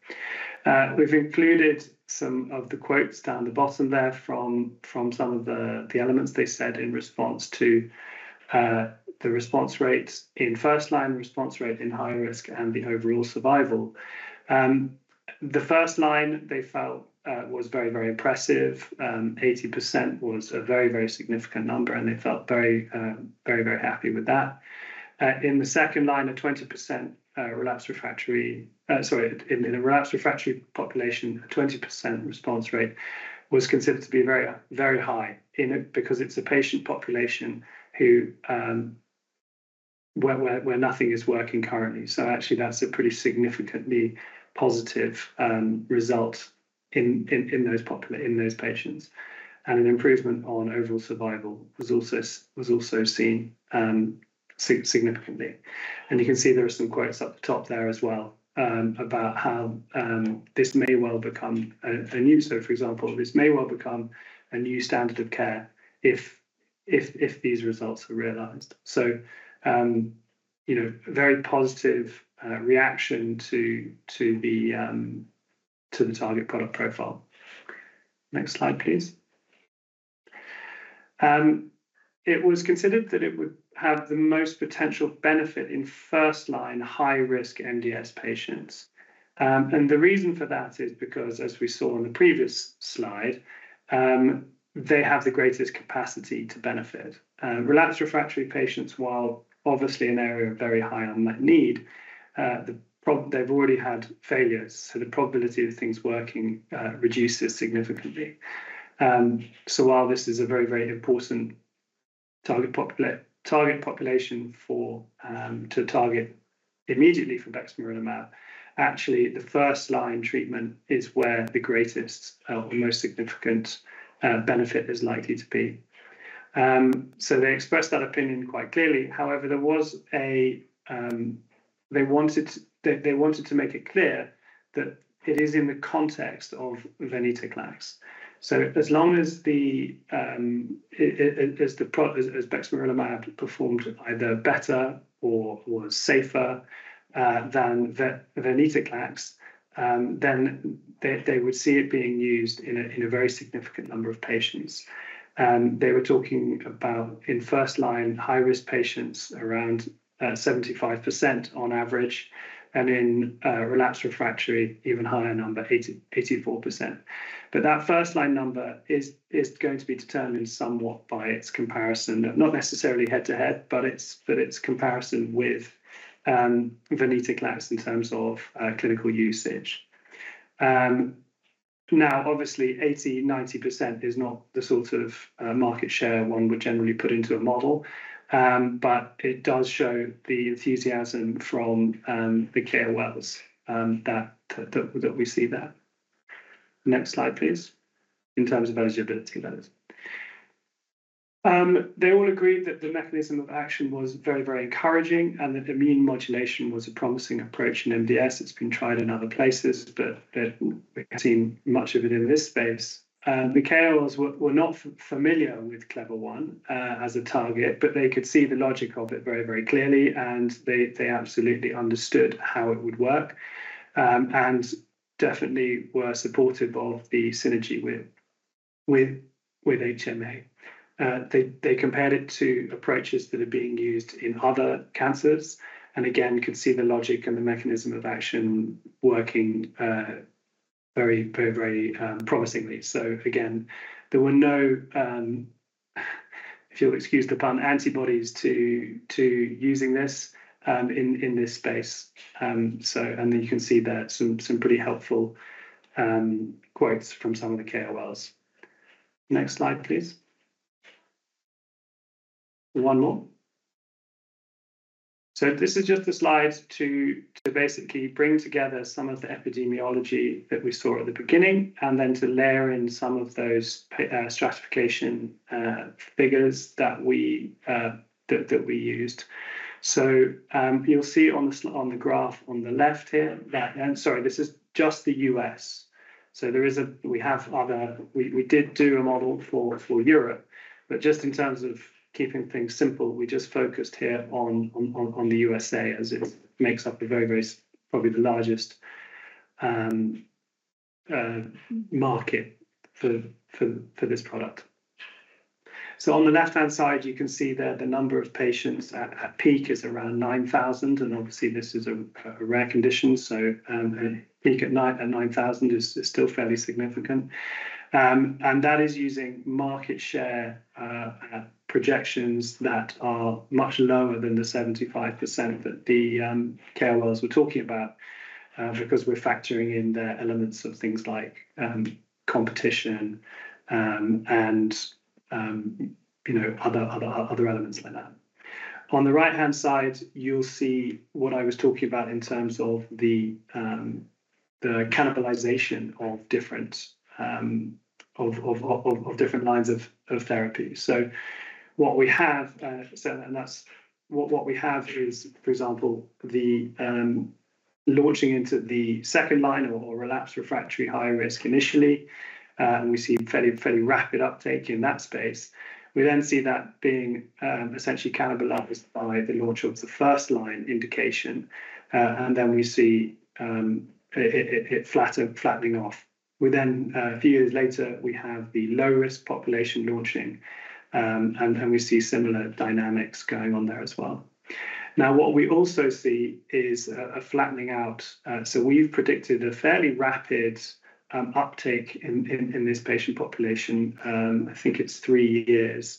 We've included some of the quotes down the bottom there from some of the elements they said in response to the response rates in first-line, response rate in high-risk, and the overall survival. The first line, they felt, was very, very impressive. Eighty percent was a very, very significant number, and they felt very, very, very happy with that. In the second line, a 20% relapse refractory- sorry, in the relapse refractory population, a 20% response rate was considered to be very, very high in a- because it's a patient population who, where nothing is working currently. So actually, that's a pretty significantly positive result in those patients. And an improvement on overall survival was also seen significantly. You can see there are some quotes at the top there as well, about how this may well become a new standard of care. For example, "This may well become a new standard of care if these results are realized." So you know, a very positive reaction to the target product profile. Next slide, please. It was considered that it would have the most potential benefit in first-line, high-risk MDS patients. And the reason for that is because, as we saw on the previous slide, they have the greatest capacity to benefit. Relapse refractory patients, while obviously an area of very high unmet need, they've already had failures, so the probability of things working reduces significantly. So while this is a very, very important target population for to target immediately for bexmarilimab, actually, the first-line treatment is where the greatest or the most significant benefit is likely to be. So they expressed that opinion quite clearly. However, they wanted to make it clear that it is in the context of venetoclax. So as long as bexmarilimab performed either better or safer than venetoclax, then they would see it being used in a very significant number of patients. They were talking about, in first-line, high-risk patients, around 75% on average, and in relapsed/refractory, even higher number, 84%. But that first-line number is going to be determined somewhat by its comparison, not necessarily head-to-head, but its comparison with venetoclax in terms of clinical usage. Now, obviously, 80%-90% is not the sort of market share one would generally put into a model. But it does show the enthusiasm from the KOLs that we see there. Next slide, please. In terms of eligibility letters. They all agreed that the mechanism of action was very, very encouraging and that immune modulation was a promising approach in MDS. It's been tried in other places, but they've not seen much of it in this space. The KOLs were not familiar with CLEVER-1 as a target, but they could see the logic of it very clearly, and they absolutely understood how it would work, and definitely were supportive of the synergy with HMA. They compared it to approaches that are being used in other cancers, and again, could see the logic and the mechanism of action working very promisingly. So again, there were no, if you'll excuse the pun, antibodies to using this in this space. And you can see there some pretty helpful quotes from some of the KOLs. Next slide, please. One more. So this is just a slide to basically bring together some of the epidemiology that we saw at the beginning, and then to layer in some of those stratification figures that we used. So you'll see on the slide, on the graph on the left here, that. And sorry, this is just the U.S. So there is a. We have other. We did do a model for Europe, but just in terms of keeping things simple, we just focused here on the USA as it makes up a very, very significant probably the largest market for this product. So on the left-hand side, you can see there the number of patients at peak is around nine thousand, and obviously this is a rare condition, so a peak at nine thousand is still fairly significant. And that is using market share projections that are much lower than the 75% that the KOLs were talking about, because we're factoring in the elements of things like competition, and you know, other elements like that. On the right-hand side, you'll see what I was talking about in terms of the cannibalization of different lines of therapy. So what we have is, for example, the launching into the second line or relapsed/refractory high risk initially, and we see fairly rapid uptake in that space. We then see that being essentially cannibalized by the launch of the first-line indication, and then we see it flattening off. We then, a few years later, we have the low-risk population launching, and then we see similar dynamics going on there as well. Now, what we also see is a flattening out. So we've predicted a fairly rapid uptake in this patient population. I think it's three years,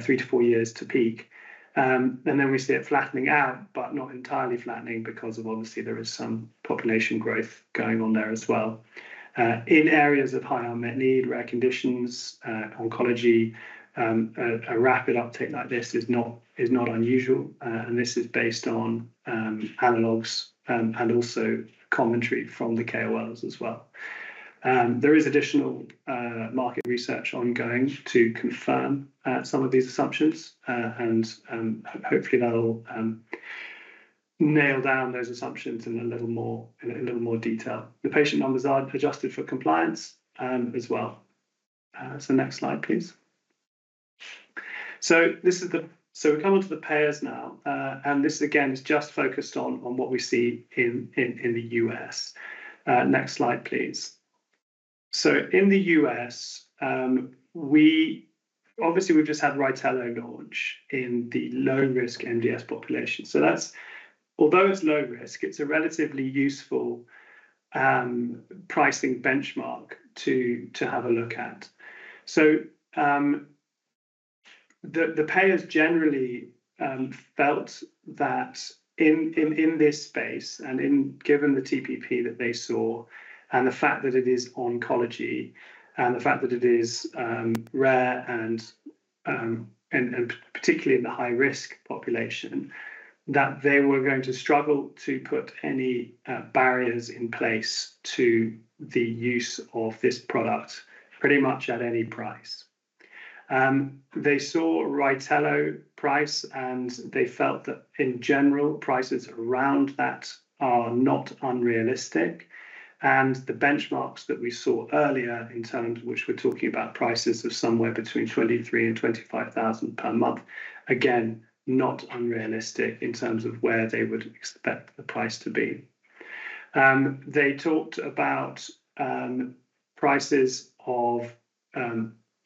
three to four years to peak. And then we see it flattening out, but not entirely flattening because obviously there is some population growth going on there as well. In areas of high unmet need, rare conditions, oncology, a rapid uptake like this is not unusual, and this is based on analogues, and also commentary from the KOLs as well. There is additional market research ongoing to confirm some of these assumptions, and hopefully, that'll nail down those assumptions in a little more detail. The patient numbers are adjusted for compliance, as well. So next slide, please. So this is the... So we come on to the payers now, and this, again, is just focused on what we see in the U.S. Next slide, please. So in the U.S., we obviously, we've just had Rytelo launch in the low-risk MDS population, so that's Although it's low risk, it's a relatively useful pricing benchmark to have a look at. So, the payers generally felt that in this space, and given the TPP that they saw, and the fact that it is oncology, and the fact that it is rare and particularly in the high-risk population, that they were going to struggle to put any barriers in place to the use of this product, pretty much at any price. They saw Rytelo price, and they felt that, in general, prices around that are not unrealistic. The benchmarks that we saw earlier, in terms which we're talking about prices of somewhere between $23,000-$25,000 per month, again, not unrealistic in terms of where they would expect the price to be. They talked about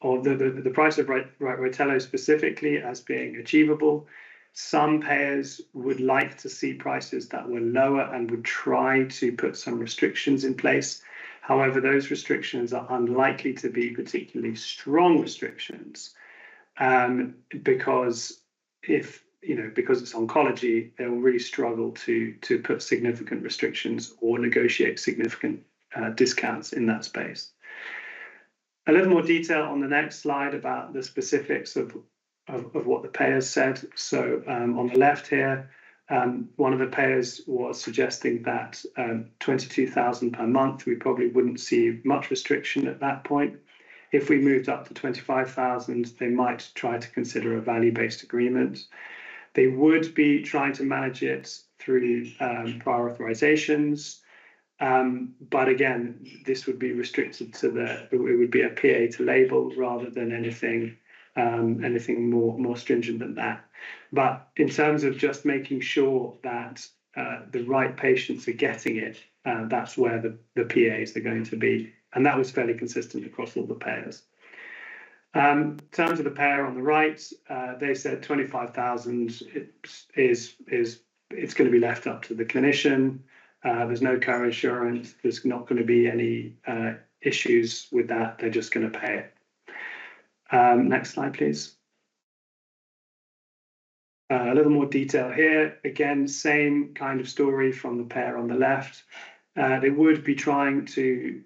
the price of Rytelo specifically as being achievable. Some payers would like to see prices that were lower and would try to put some restrictions in place. However, those restrictions are unlikely to be particularly strong restrictions, because, you know, because it's oncology, they will really struggle to put significant restrictions or negotiate significant discounts in that space. A little more detail on the next slide about the specifics of what the payers said. On the left here, one of the payers was suggesting that 22,000 per month, we probably wouldn't see much restriction at that point. If we moved up to 25,000, they might try to consider a value-based agreement. They would be trying to manage it through prior authorizations. But again, this would be restricted to it would be a PA to label rather than anything anything more stringent than that. But in terms of just making sure that the right patients are getting it, that's where the PAs are going to be, and that was fairly consistent across all the payers. In terms of the payer on the right, they said 25,000, it's gonna be left up to the clinician. There's no coinsurance, there's not gonna be any issues with that. They're just gonna pay it. Next slide, please. A little more detail here. Again, same kind of story from the payer on the left. They would be trying to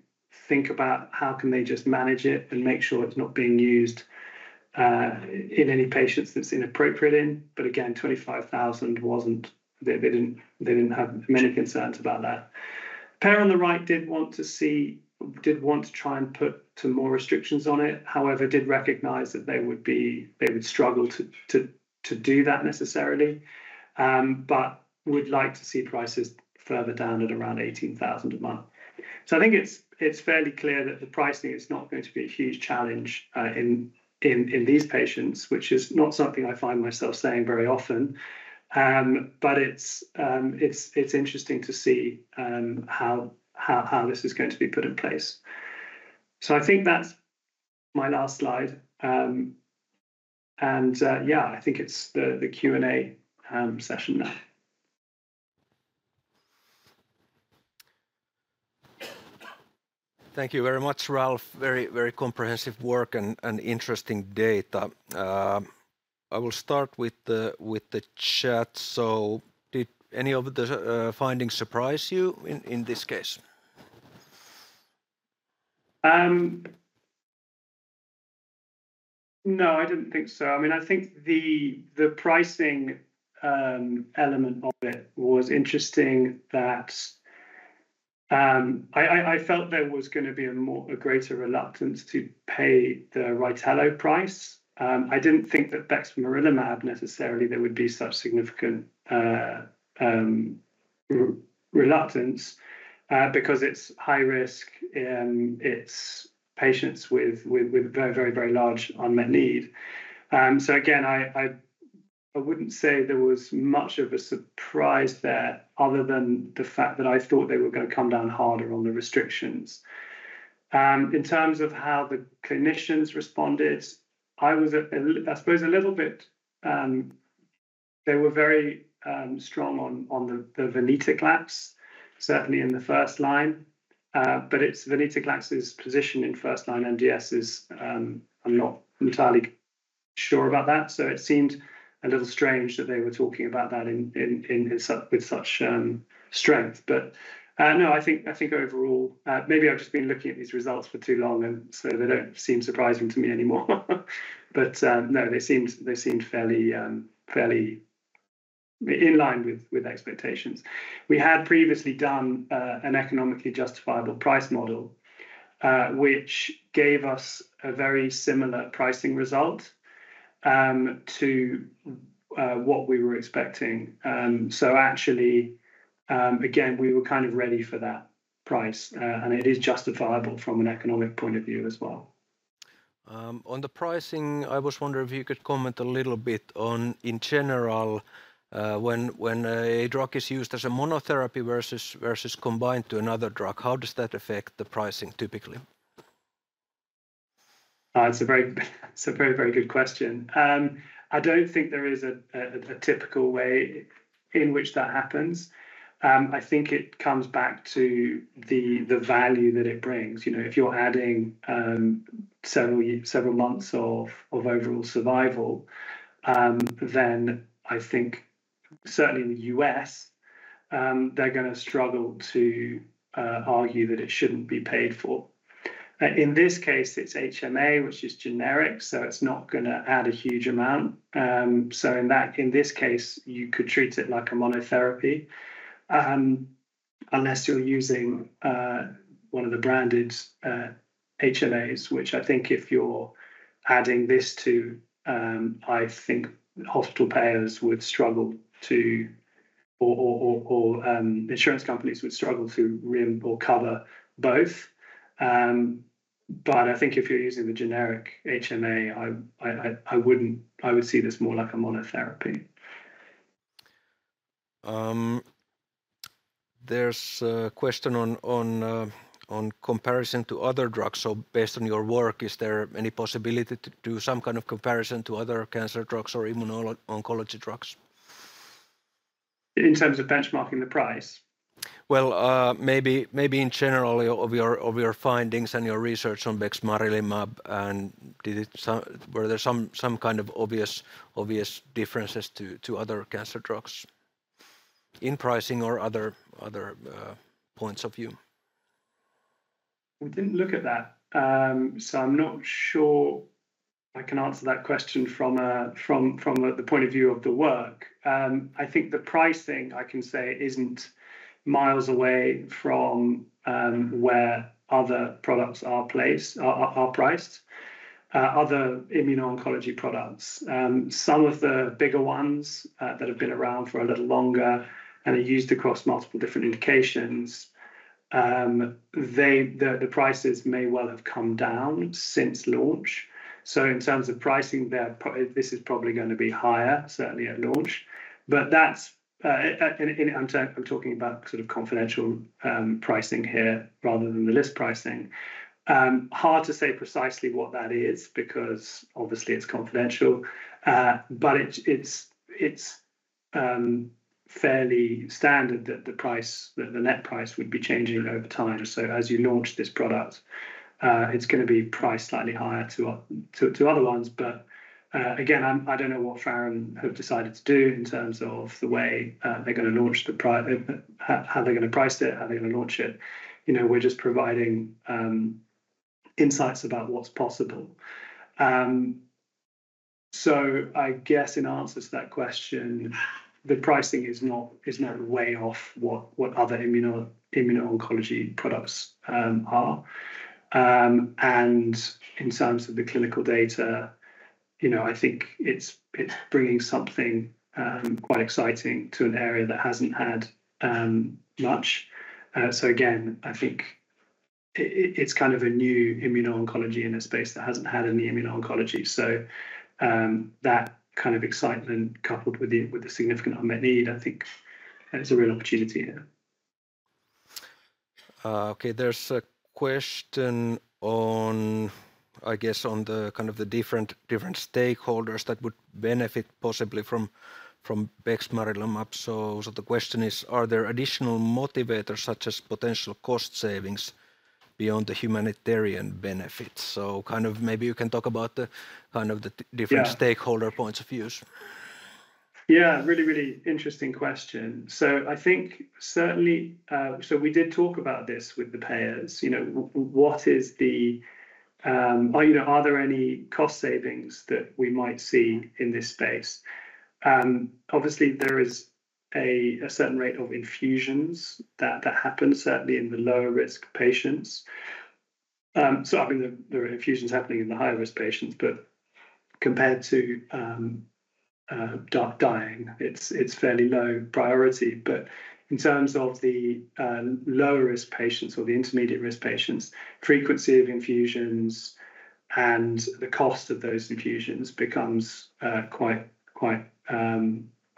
think about how can they just manage it and make sure it's not being used in any patients that's inappropriate, but again, 25,000 wasn't- they didn't have many concerns about that. Payer on the right did want to try and put some more restrictions on it. However, did recognize that they would struggle to do that necessarily, but would like to see prices further down at around 18,000 a month. So I think it's fairly clear that the pricing is not going to be a huge challenge in these patients, which is not something I find myself saying very often. But it's interesting to see how this is going to be put in place. So I think that's my last slide. And yeah, I think it's the Q&A session now. Thank you very much, Ralph. Very, very comprehensive work and interesting data. I will start with the chat. So did any of the findings surprise you in this case? No, I didn't think so. I mean, I think the pricing element of it was interesting, that I felt there was gonna be a greater reluctance to pay the Rytelo price. I didn't think that bexmarilimab necessarily there would be such significant reluctance because it's high risk, it's patients with very large unmet need. So again, I wouldn't say there was much of a surprise there, other than the fact that I thought they were gonna come down harder on the restrictions. In terms of how the clinicians responded, I suppose a little bit. They were very strong on the venetoclax, certainly in the first line. But it's venetoclax's position in first-line MDS. I'm not entirely sure about that, so it seemed a little strange that they were talking about that in with such strength. But no, I think overall, maybe I've just been looking at these results for too long, and so they don't seem surprising to me anymore. But no, they seemed fairly in line with expectations. We had previously done an economically justifiable price model, which gave us a very similar pricing result to what we were expecting. So actually, again, we were kind of ready for that price, and it is justifiable from an economic point of view as well. On the pricing, I was wondering if you could comment a little bit on, in general, when a drug is used as a monotherapy versus combined to another drug, how does that affect the pricing typically? It's a very, very good question. I don't think there is a typical way in which that happens. I think it comes back to the value that it brings. You know, if you're adding several months of overall survival, then I think certainly in the U.S., they're gonna struggle to argue that it shouldn't be paid for. In this case, it's HMA, which is generic, so it's not gonna add a huge amount. So in that, in this case, you could treat it like a monotherapy. Unless you're using one of the branded HMAs, which I think if you're adding this to, I think hospital payers would struggle to, or insurance companies would struggle to reimburse or cover both. But I think if you're using the generic HMA, I would see this more like a monotherapy. There's a question on comparison to other drugs. So based on your work, is there any possibility to do some kind of comparison to other cancer drugs or immuno-oncology drugs? In terms of benchmarking the price? Maybe in general of your findings and your research on bexmarilimab, and did it so were there some kind of obvious differences to other cancer drugs in pricing or other points of view? We didn't look at that. I'm not sure I can answer that question from the point of view of the work. I think the pricing, I can say, isn't miles away from where other products are placed, are priced, other immuno-oncology products. Some of the bigger ones that have been around for a little longer and are used across multiple different indications, the prices may well have come down since launch. In terms of pricing, they're this is probably gonna be higher, certainly at launch. But that's, and I'm talking about sort of confidential pricing here rather than the list pricing. Hard to say precisely what that is because obviously it's confidential, but it's fairly standard that the price, the net price would be changing over time. So as you launch this product, it's gonna be priced slightly higher to other ones. But again, I don't know what Faron have decided to do in terms of the way they're gonna launch it, how they're gonna price it, how they're gonna launch it. You know, we're just providing insights about what's possible. So I guess in answer to that question, the pricing is not way off what other immuno-oncology products are, and in terms of the clinical data, you know, I think it's bringing something quite exciting to an area that hasn't had much. So again, I think it's kind of a new immuno-oncology in a space that hasn't had any immuno-oncology. So, that kind of excitement coupled with the significant unmet need, I think it's a real opportunity here. Okay, there's a question on, I guess, on the kind of different stakeholders that would benefit possibly from bexmarilimab. So the question is, "Are there additional motivators, such as potential cost savings, beyond the humanitarian benefits?" So kind of maybe you can talk about the kind of the- Yeah.... different stakeholder points of views. Yeah, really, really interesting question. So I think certainly. So we did talk about this with the payers, you know, what is the, are there any cost savings that we might see in this space? Obviously, there is a certain rate of infusions that happen, certainly in the lower-risk patients. So, I mean, there are infusions happening in the high-risk patients, but compared to decitabine, it's fairly low priority. But in terms of the lower-risk patients or the intermediate-risk patients, frequency of infusions and the cost of those infusions becomes quite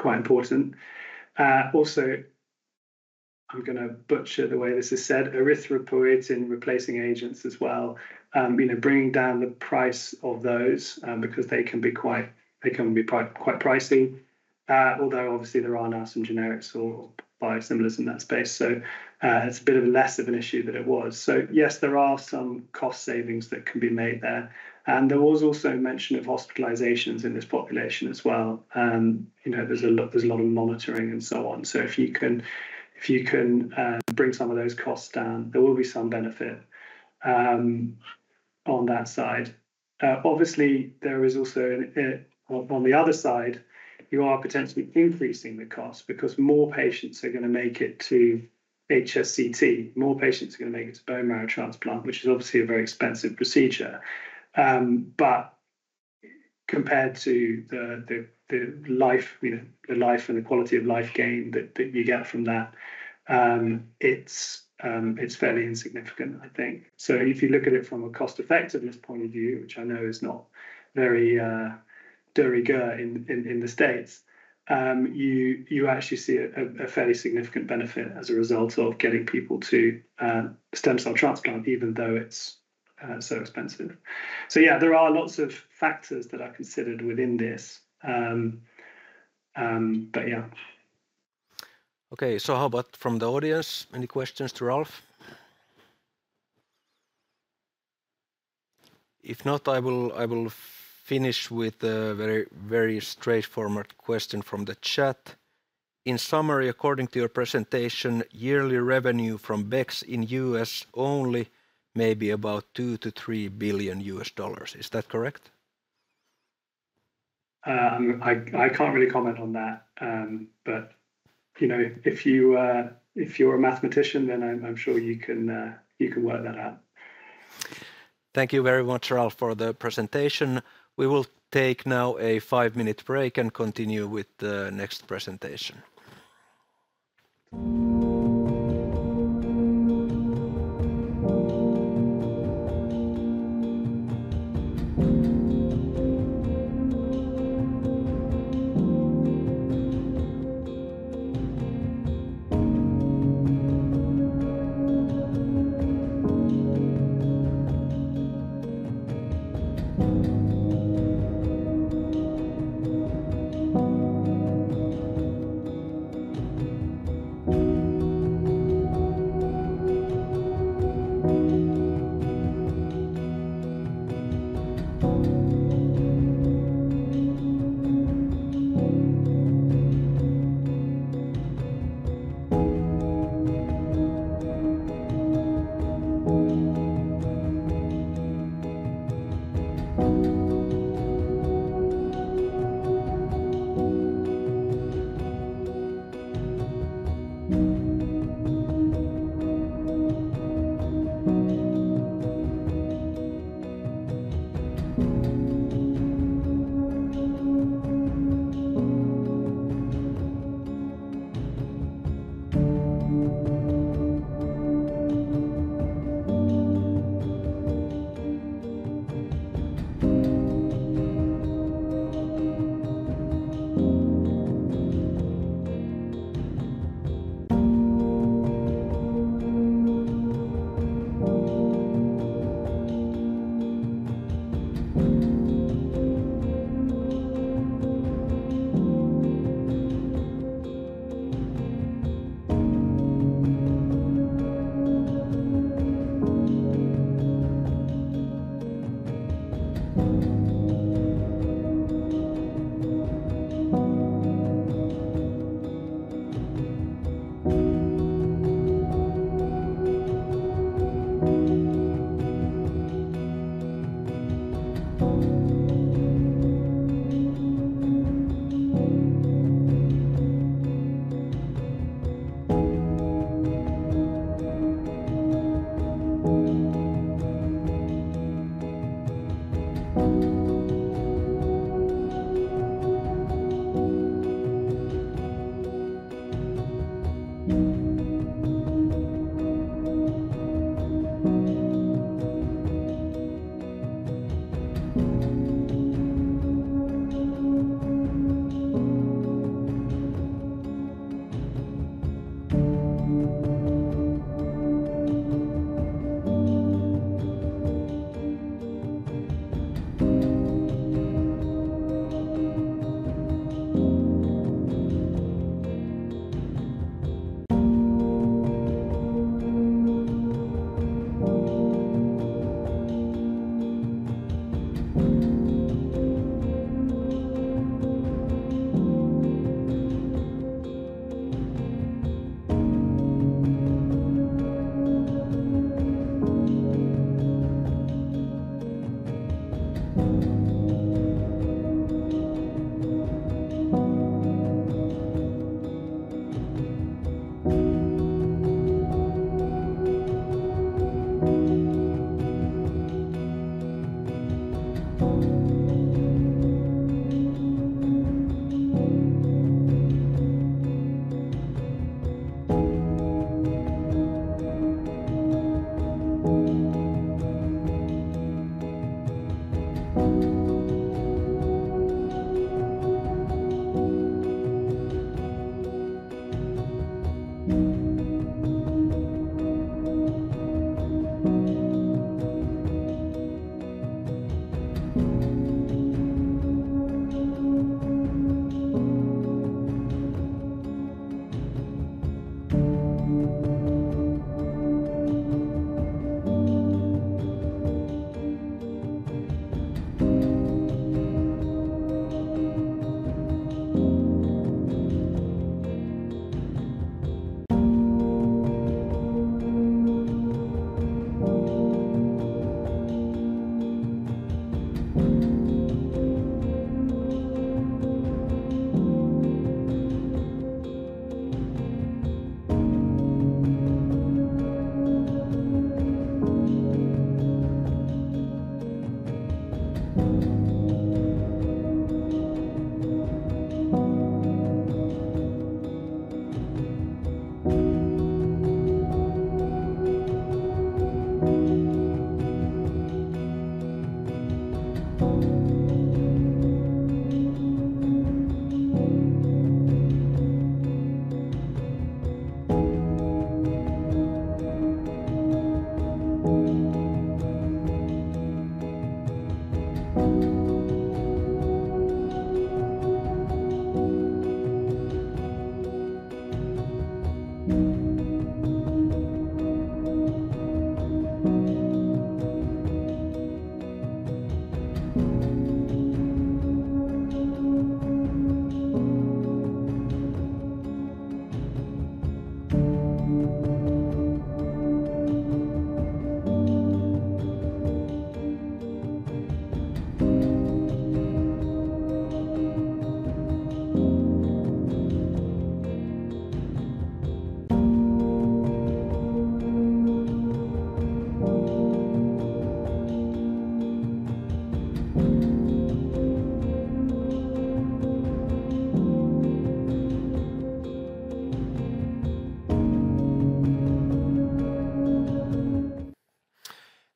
important. Also, I'm gonna butcher the way this is said, erythropoietin-stimulating agents as well, you know, bringing down the price of those, because they can be quite pricey. Although obviously there are now some generics or biosimilars in that space, so it's a bit of a less of an issue than it was. So yes, there are some cost savings that can be made there, and there was also mention of hospitalizations in this population as well. You know, there's a lot of monitoring and so on. So if you can bring some of those costs down, there will be some benefit on that side. Obviously, there is also on the other side, you are potentially increasing the cost because more patients are gonna make it to HSCT. More patients are gonna make it to bone marrow transplant, which is obviously a very expensive procedure. But compared to the life, you know, the life and the quality of life gain that you get from that, it's fairly insignificant, I think. So if you look at it from a cost-effectiveness point of view, which I know is not very de rigueur in the States, you actually see a fairly significant benefit as a result of getting people to stem cell transplant, even though it's so expensive. So yeah, there are lots of factors that are considered within this, but yeah. Okay, so how about from the audience? Any questions to Ralph? If not, I will finish with a very, very straightforward question from the chat. "In summary, according to your presentation, yearly revenue from Bex in U.S. only may be about $2 billion-$3 billion. Is that correct?... I can't really comment on that. But you know, if you're a mathematician, then I'm sure you can work that out. Thank you very much, Ralph, for the presentation. We will take now a five-minute break and continue with the next presentation.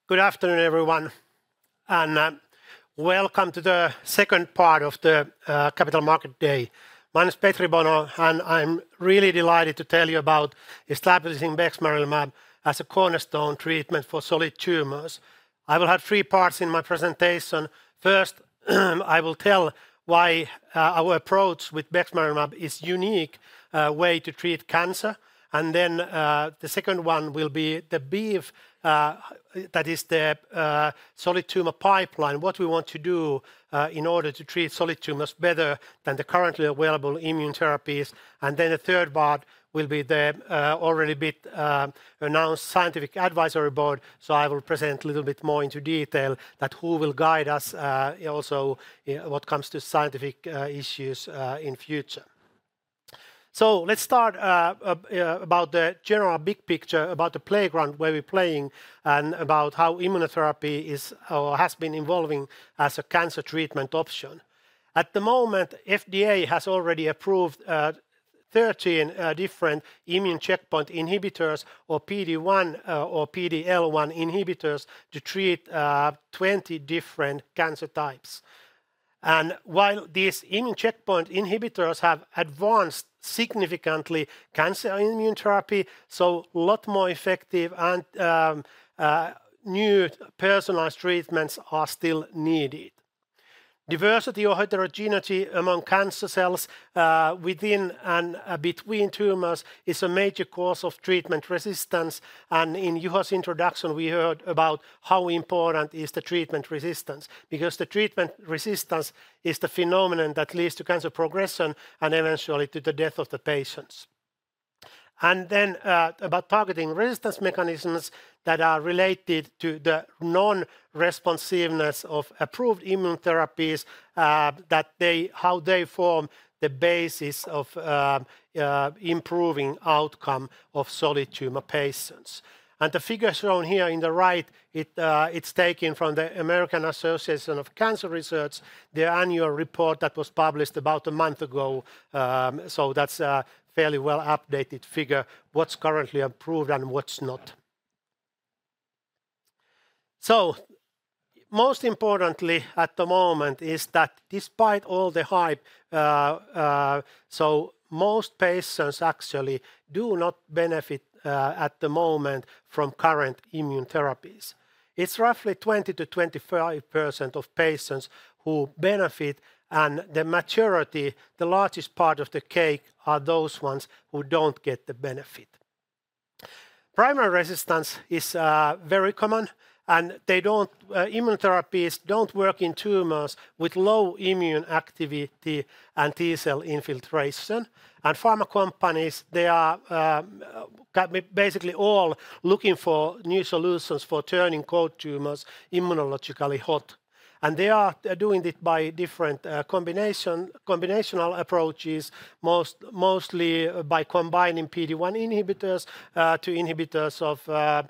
Good afternoon, everyone, and welcome to the second part of the Capital Markets Day. My name is Petri Bono, and I'm really delighted to tell you about establishing bexmarilimab as a cornerstone treatment for solid tumors. I will have three parts in my presentation. First, I will tell why our approach with bexmarilimab is unique way to treat cancer. And then the second one will be the Bex, that is the solid tumor pipeline, what we want to do in order to treat solid tumors better than the currently available immune therapies. And then the third part will be the already announced scientific advisory board. So I will present a little bit more into detail that who will guide us also when it comes to scientific issues in future. So let's start about the general big picture, about the playground where we're playing, and about how immunotherapy is or has been evolving as a cancer treatment option. At the moment, FDA has already approved 13 different immune checkpoint inhibitors, or PD-1 or PD-L1 inhibitors, to treat 20 different cancer types. And while these immune checkpoint inhibitors have advanced significantly cancer immune therapy, so lot more effective and new personalized treatments are still needed. Diversity or heterogeneity among cancer cells within and between tumors is a major cause of treatment resistance, and in Juho's introduction, we heard about how important is the treatment resistance, because the treatment resistance is the phenomenon that leads to cancer progression and eventually to the death of the patients. And then, about targeting resistance mechanisms that are related to the non-responsiveness of approved immune therapies, how they form the basis of improving outcome of solid tumor patients. And the figure shown here in the right, it's taken from the American Association for Cancer Research, their annual report that was published about a month ago. So that's a fairly well-updated figure, what's currently approved and what's not. So most importantly at the moment is that despite all the hype, so most patients actually do not benefit at the moment from current immune therapies. It's roughly 20%-25% of patients who benefit, and the majority, the largest part of the cake, are those ones who don't get the benefit. Primary resistance is very common, and they don't immune therapies don't work in tumors with low immune activity and T cell infiltration, and pharma companies, they are, basically all looking for new solutions for turning cold tumors immunologically hot, and they are doing it by different, combination, combinational approaches, mostly by combining PD-1 inhibitors, to inhibitors of,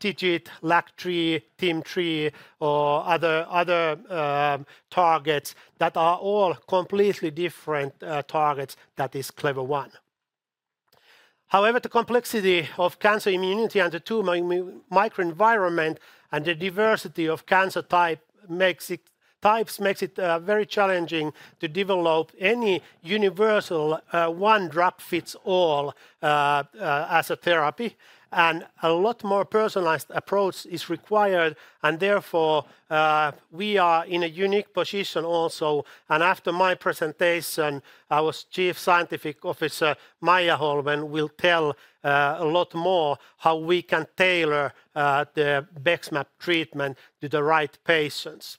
TIGIT, LAG-3, TIM-3, or other, targets. That are all completely different, targets, that is CLEVER-1. However, the complexity of cancer immunity and the tumor microenvironment and the diversity of cancer types makes it very challenging to develop any universal, one drug fits all, as a therapy, and a lot more personalized approach is required, and therefore, we are in a unique position also. After my presentation, our Chief Scientific Officer, Maija Hollmén, will tell a lot more how we can tailor the BEXMAB treatment to the right patients.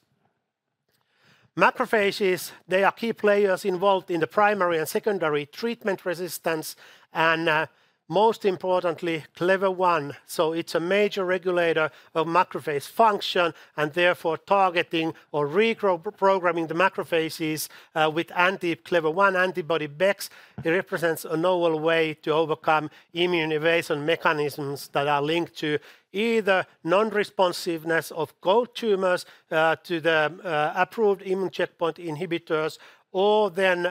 Macrophages, they are key players involved in the primary and secondary treatment resistance, and most importantly, CLEVER-1. So it's a major regulator of macrophage function, and therefore targeting or reprogramming the macrophages with anti-CLEVER-1 antibody, bex, represents a novel way to overcome immune evasion mechanisms that are linked to either non-responsiveness of cold tumors to the approved immune checkpoint inhibitors, or then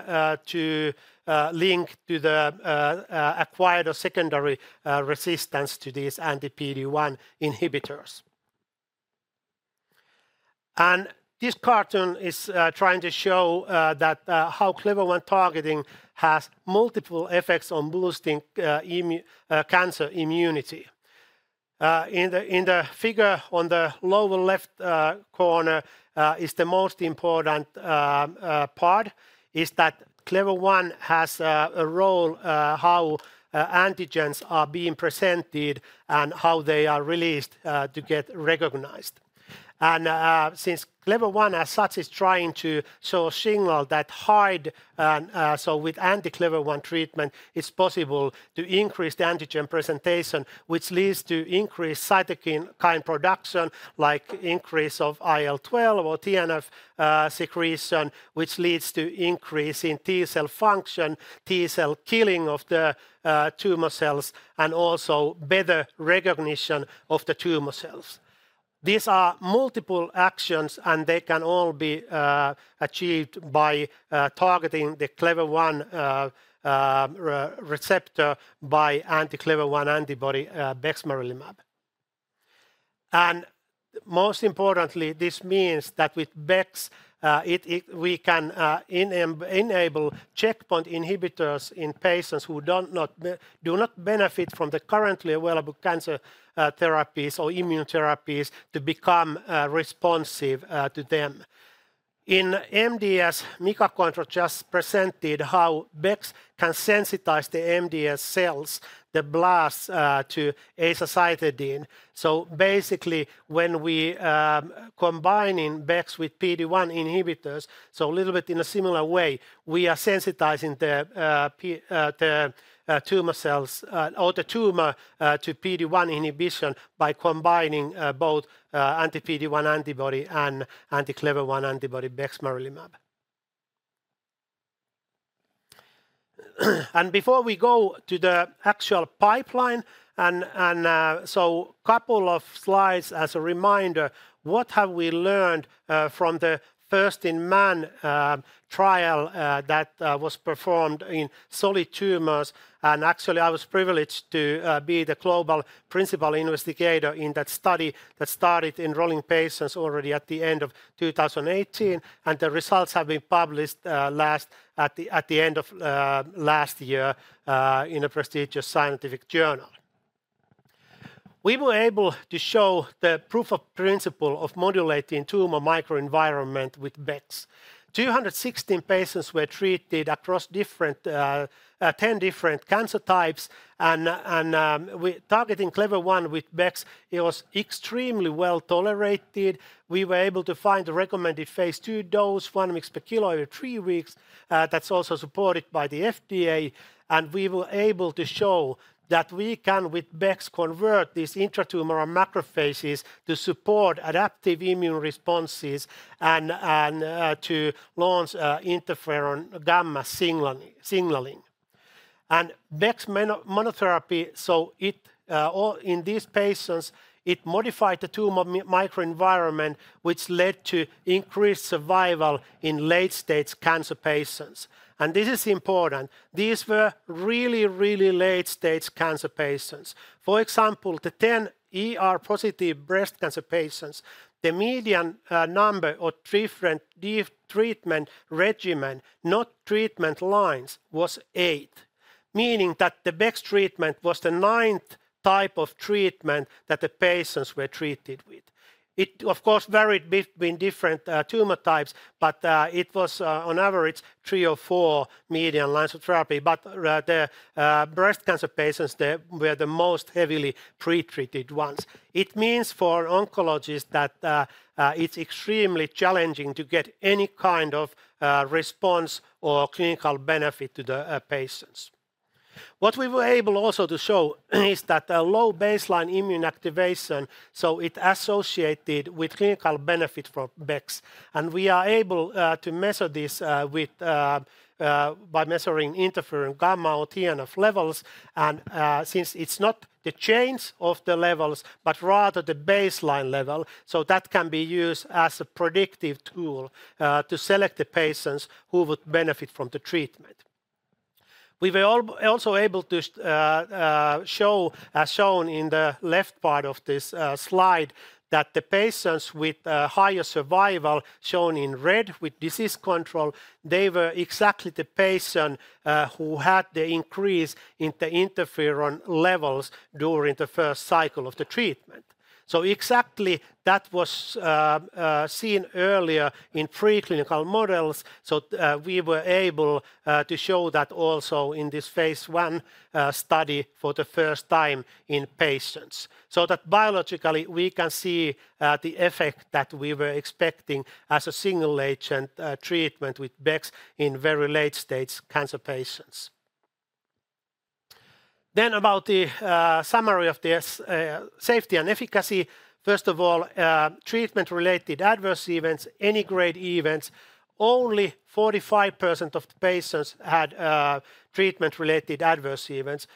to link to the acquired or secondary resistance to these anti-PD-1 inhibitors. This cartoon is trying to show that how CLEVER-1 targeting has multiple effects on boosting immune cancer immunity. In the figure on the lower left corner is the most important part is that CLEVER-1 has a role how antigens are being presented and how they are released to get recognized, and since CLEVER-1 as such is trying to show a signal that hide, and so with anti-CLEVER-1 treatment, it's possible to increase the antigen presentation, which leads to increased cytokine production, like increase of IL-12 or TNF secretion, which leads to increase in T cell function, T cell killing of the tumor cells, and also better recognition of the tumor cells. These are multiple actions, and they can all be achieved by targeting the CLEVER-1 receptor by anti-CLEVER-1 antibody bexmarilimab. And most importantly, this means that with Bex, it we can enable checkpoint inhibitors in patients who do not benefit from the currently available cancer therapies or immune therapies to become responsive to them. In MDS, Mika Kontro just presented how Bex can sensitize the MDS cells, the blasts to azacitidine. So basically, when we combining Bex with PD-1 inhibitors, so a little bit in a similar way, we are sensitizing the tumor cells or the tumor to PD-1 inhibition by combining both anti-PD-1 antibody and anti-CLEVER-1 antibody, bexmarilimab. And before we go to the actual pipeline, and so couple of slides as a reminder, what have we learned from the first-in-man trial that was performed in solid tumors? Actually, I was privileged to be the global principal investigator in that study that started enrolling patients already at the end of 2018, and the results have been published last at the end of last year in a prestigious scientific journal. We were able to show the proof of principle of modulating tumor microenvironment with Bex. 216 patients were treated across different 10 different cancer types, and targeting CLEVER-1 with Bex, it was extremely well tolerated. We were able to find the recommended phase II dose, 1 mg per kilo every three weeks. That's also supported by the FDA, and we were able to show that we can, with Bex, convert these intratumoral macrophages to support adaptive immune responses and to launch interferon gamma signaling. Bex monotherapy, so it or in these patients, it modified the tumor microenvironment, which led to increased survival in late-stage cancer patients. This is important. These were really, really late-stage cancer patients. For example, the ten ER-positive breast cancer patients, the median number of different treatment regimen, not treatment lines, was eight, meaning that the Bex treatment was the ninth type of treatment that the patients were treated with. It, of course, varied between different tumor types, but it was on average three or four median lines of therapy. The breast cancer patients, they were the most heavily pre-treated ones. It means for oncologists that it's extremely challenging to get any kind of response or clinical benefit to the patients. What we were able also to show is that a low baseline immune activation, so it associated with clinical benefit for Bex. And we are able to measure this by measuring interferon gamma or TNF levels. And since it's not the change of the levels, but rather the baseline level, so that can be used as a predictive tool to select the patients who would benefit from the treatment. We were also able to show, as shown in the left part of this slide, that the patients with higher survival, shown in red with disease control, they were exactly the patient who had the increase in the interferon levels during the first cycle of the treatment. So exactly that was seen earlier in preclinical models. So, we were able to show that also in this phase I study for the first time in patients, so that biologically, we can see the effect that we were expecting as a single agent treatment with Bex in very late-stage cancer patients, then about the summary of this safety and efficacy. First of all, treatment-related adverse events, any grade events, only 45% of the patients had treatment-related adverse events.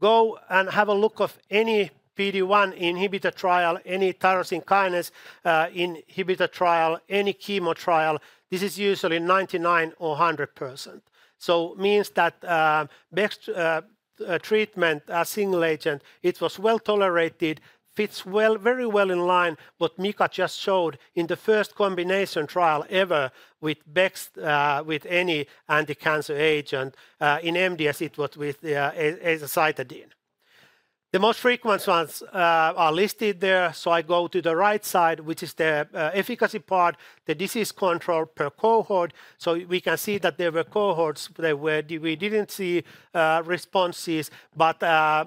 Go and have a look of any PD-1 inhibitor trial, any tyrosine kinase inhibitor trial, any chemo trial. This is usually 99% or 100%. So means that Bex treatment, a single agent, it was well tolerated, fits well, very well in line. What Mika just showed in the first combination trial ever with Bex, with any anti-cancer agent, in MDS, it was with azacitidine. The most frequent ones are listed there. So I go to the right side, which is the efficacy part, the disease control per cohort. So we can see that there were cohorts where we didn't see responses, but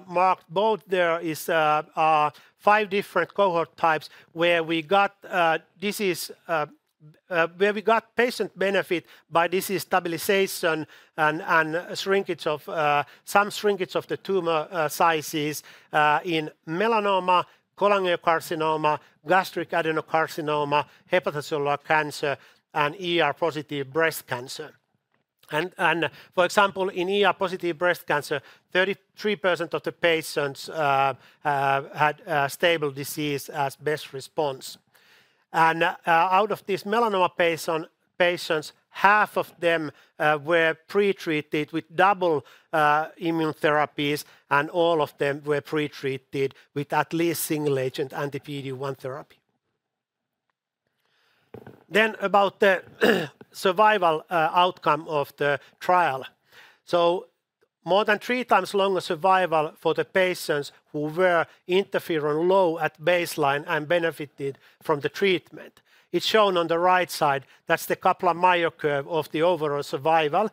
marked both there is five different cohort types where we got disease where we got patient benefit by disease stabilization and shrinkage of some shrinkage of the tumor sizes in melanoma, cholangiocarcinoma, gastric adenocarcinoma, hepatocellular cancer, and ER-positive breast cancer. For example, in ER-positive breast cancer, 33% of the patients had stable disease as best response. Out of these melanoma patients, half of them were pre-treated with double immunotherapies, and all of them were pre-treated with at least single-agent anti-PD-1 therapy. About the survival outcome of the trial. More than three times longer survival for the patients who were interferon low at baseline and benefited from the treatment. It's shown on the right side. That's the Kaplan-Meier curve of the overall survival,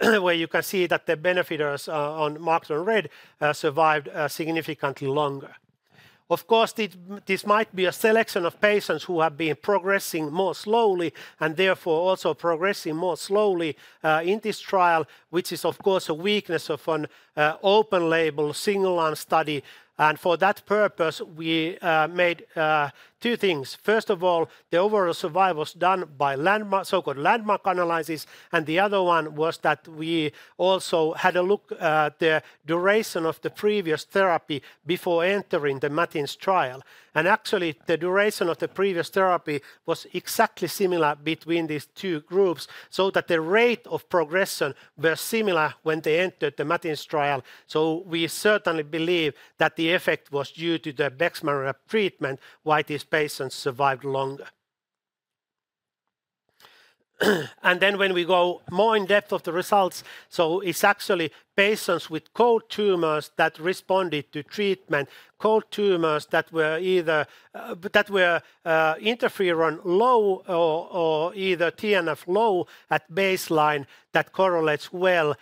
where you can see that the benefiters, ones marked on red, survived significantly longer. Of course, this might be a selection of patients who have been progressing more slowly and therefore also progressing more slowly in this trial, which is of course a weakness of an open-label, single-arm study. For that purpose, we made two things. First of all, the overall survival was done by landmark, so-called landmark analysis, and the other one was that we also had a look at the duration of the previous therapy before entering the MATINS trial. And actually, the duration of the previous therapy was exactly similar between these two groups, so that the rate of progression were similar when they entered the MATINS trial. So we certainly believe that the effect was due to the bexmarilimab treatment, why these patients survived longer. And then when we go more in depth of the results, so it's actually patients with cold tumors that responded to treatment, cold tumors that were either interferon-low or TNF-low at baseline. That correlates well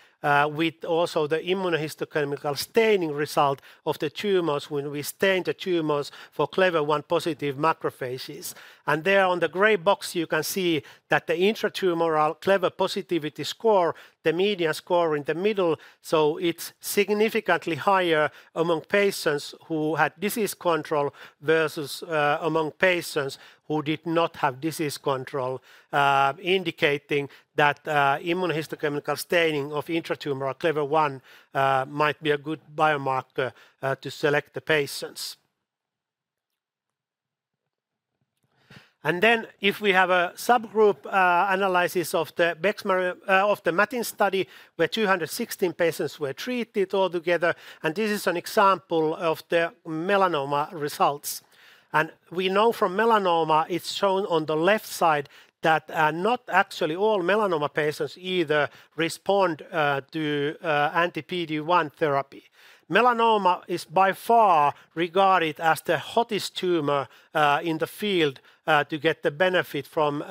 with also the immunohistochemical staining result of the tumors when we stain the tumors for CLEVER-1 positive macrophages. There on the gray box, you can see that the intratumoral CLEVER-1 positivity score, the median score in the middle, so it's significantly higher among patients who had disease control versus among patients who did not have disease control, indicating that immunohistochemical staining of intratumoral CLEVER-1 might be a good biomarker to select the patients. Then, if we have a subgroup analysis of the bexmarilimab of the MATINS study, where 216 patients were treated altogether, and this is an example of the melanoma results. We know from melanoma, it's shown on the left side, that not actually all melanoma patients either respond to anti-PD-1 therapy. Melanoma is by far regarded as the hottest tumor in the field to get the benefit from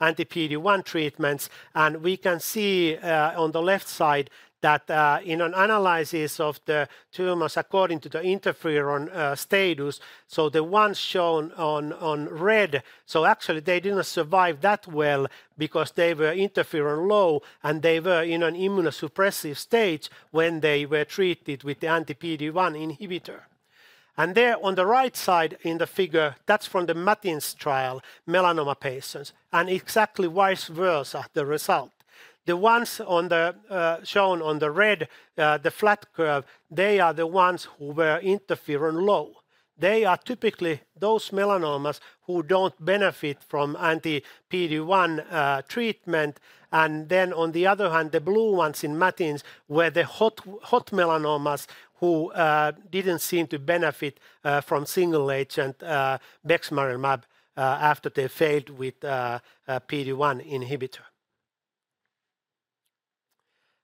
anti-PD-1 treatments. We can see on the left side that in an analysis of the tumors according to the interferon status, so the ones shown on red, so actually they didn't survive that well because they were interferon low, and they were in an immunosuppressive state when they were treated with the anti-PD-1 inhibitor. There on the right side in the figure, that's from the MATINS trial, melanoma patients, and exactly vice versa, the result. The ones shown on the red, the flat curve, they are the ones who were interferon low. They are typically those melanomas who don't benefit from anti-PD-1 treatment. On the other hand, the blue ones in MATINS were the hot, hot melanomas who didn't seem to benefit from single-agent bexmarilimab after they failed with a PD-1 inhibitor.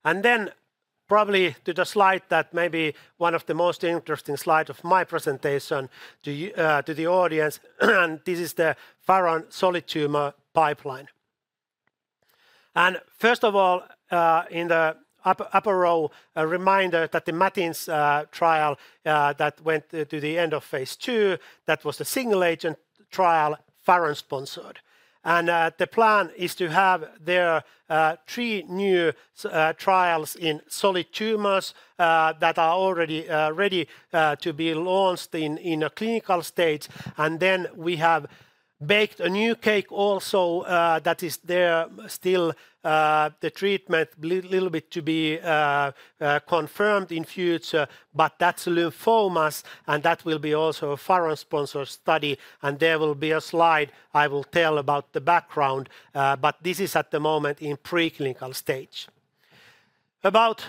And then probably to the slide that may be one of the most interesting slide of my presentation to the audience. And this is the Faron solid tumor pipeline. And first of all, in the upper row, a reminder that the MATINS trial that went to the end of phase II, that was a single-agent trial, Faron sponsored. And the plan is to have their three new trials in solid tumors that are already ready to be launched in a clinical state. And then we have baked a new cake also, that is there still, the treatment little bit to be confirmed in future, but that's lymphomas, and that will be also a Faron-sponsored study, and there will be a slide I will tell about the background, but this is at the moment in preclinical stage. About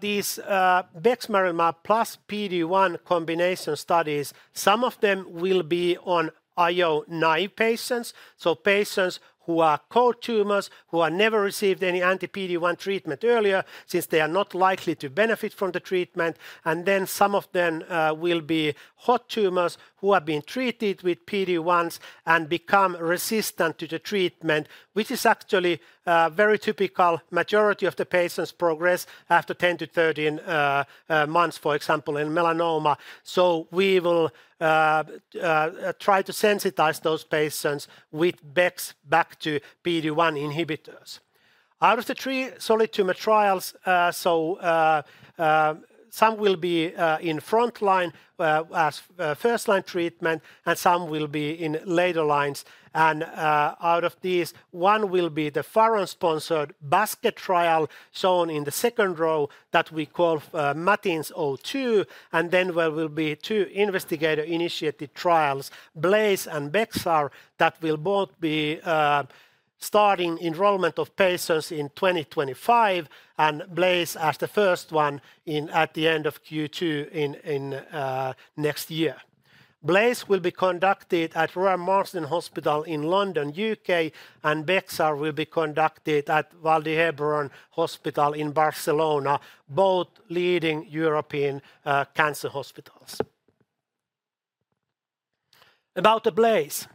these bexmarilimab plus PD-1 combination studies, some of them will be on IO naive patients, so patients who are cold tumors, who have never received any anti-PD-1 treatment earlier, since they are not likely to benefit from the treatment. And then some of them will be hot tumors who have been treated with PD-1s and become resistant to the treatment, which is actually very typical. Majority of the patients progress after 10-13 months, for example, in melanoma. So we will try to sensitize those patients with bex back to PD-1 inhibitors. Out of the three solid tumor trials, so some will be in frontline as first-line treatment, and some will be in later lines. And out of these, one will be the Faron-sponsored basket trial, shown in the second row, that we call MATINS-02, and then there will be two investigator-initiated trials, BLAZE and BexSAR, that will both be starting enrollment of patients in twenty twenty-five, and BLAZE as the first one in at the end of Q2 in next year. BLAZE will be conducted at Royal Marsden Hospital in London, U.K., and BexSAR will be conducted at Vall d'Hebron Hospital in Barcelona, both leading European cancer hospitals. About the BLAZE.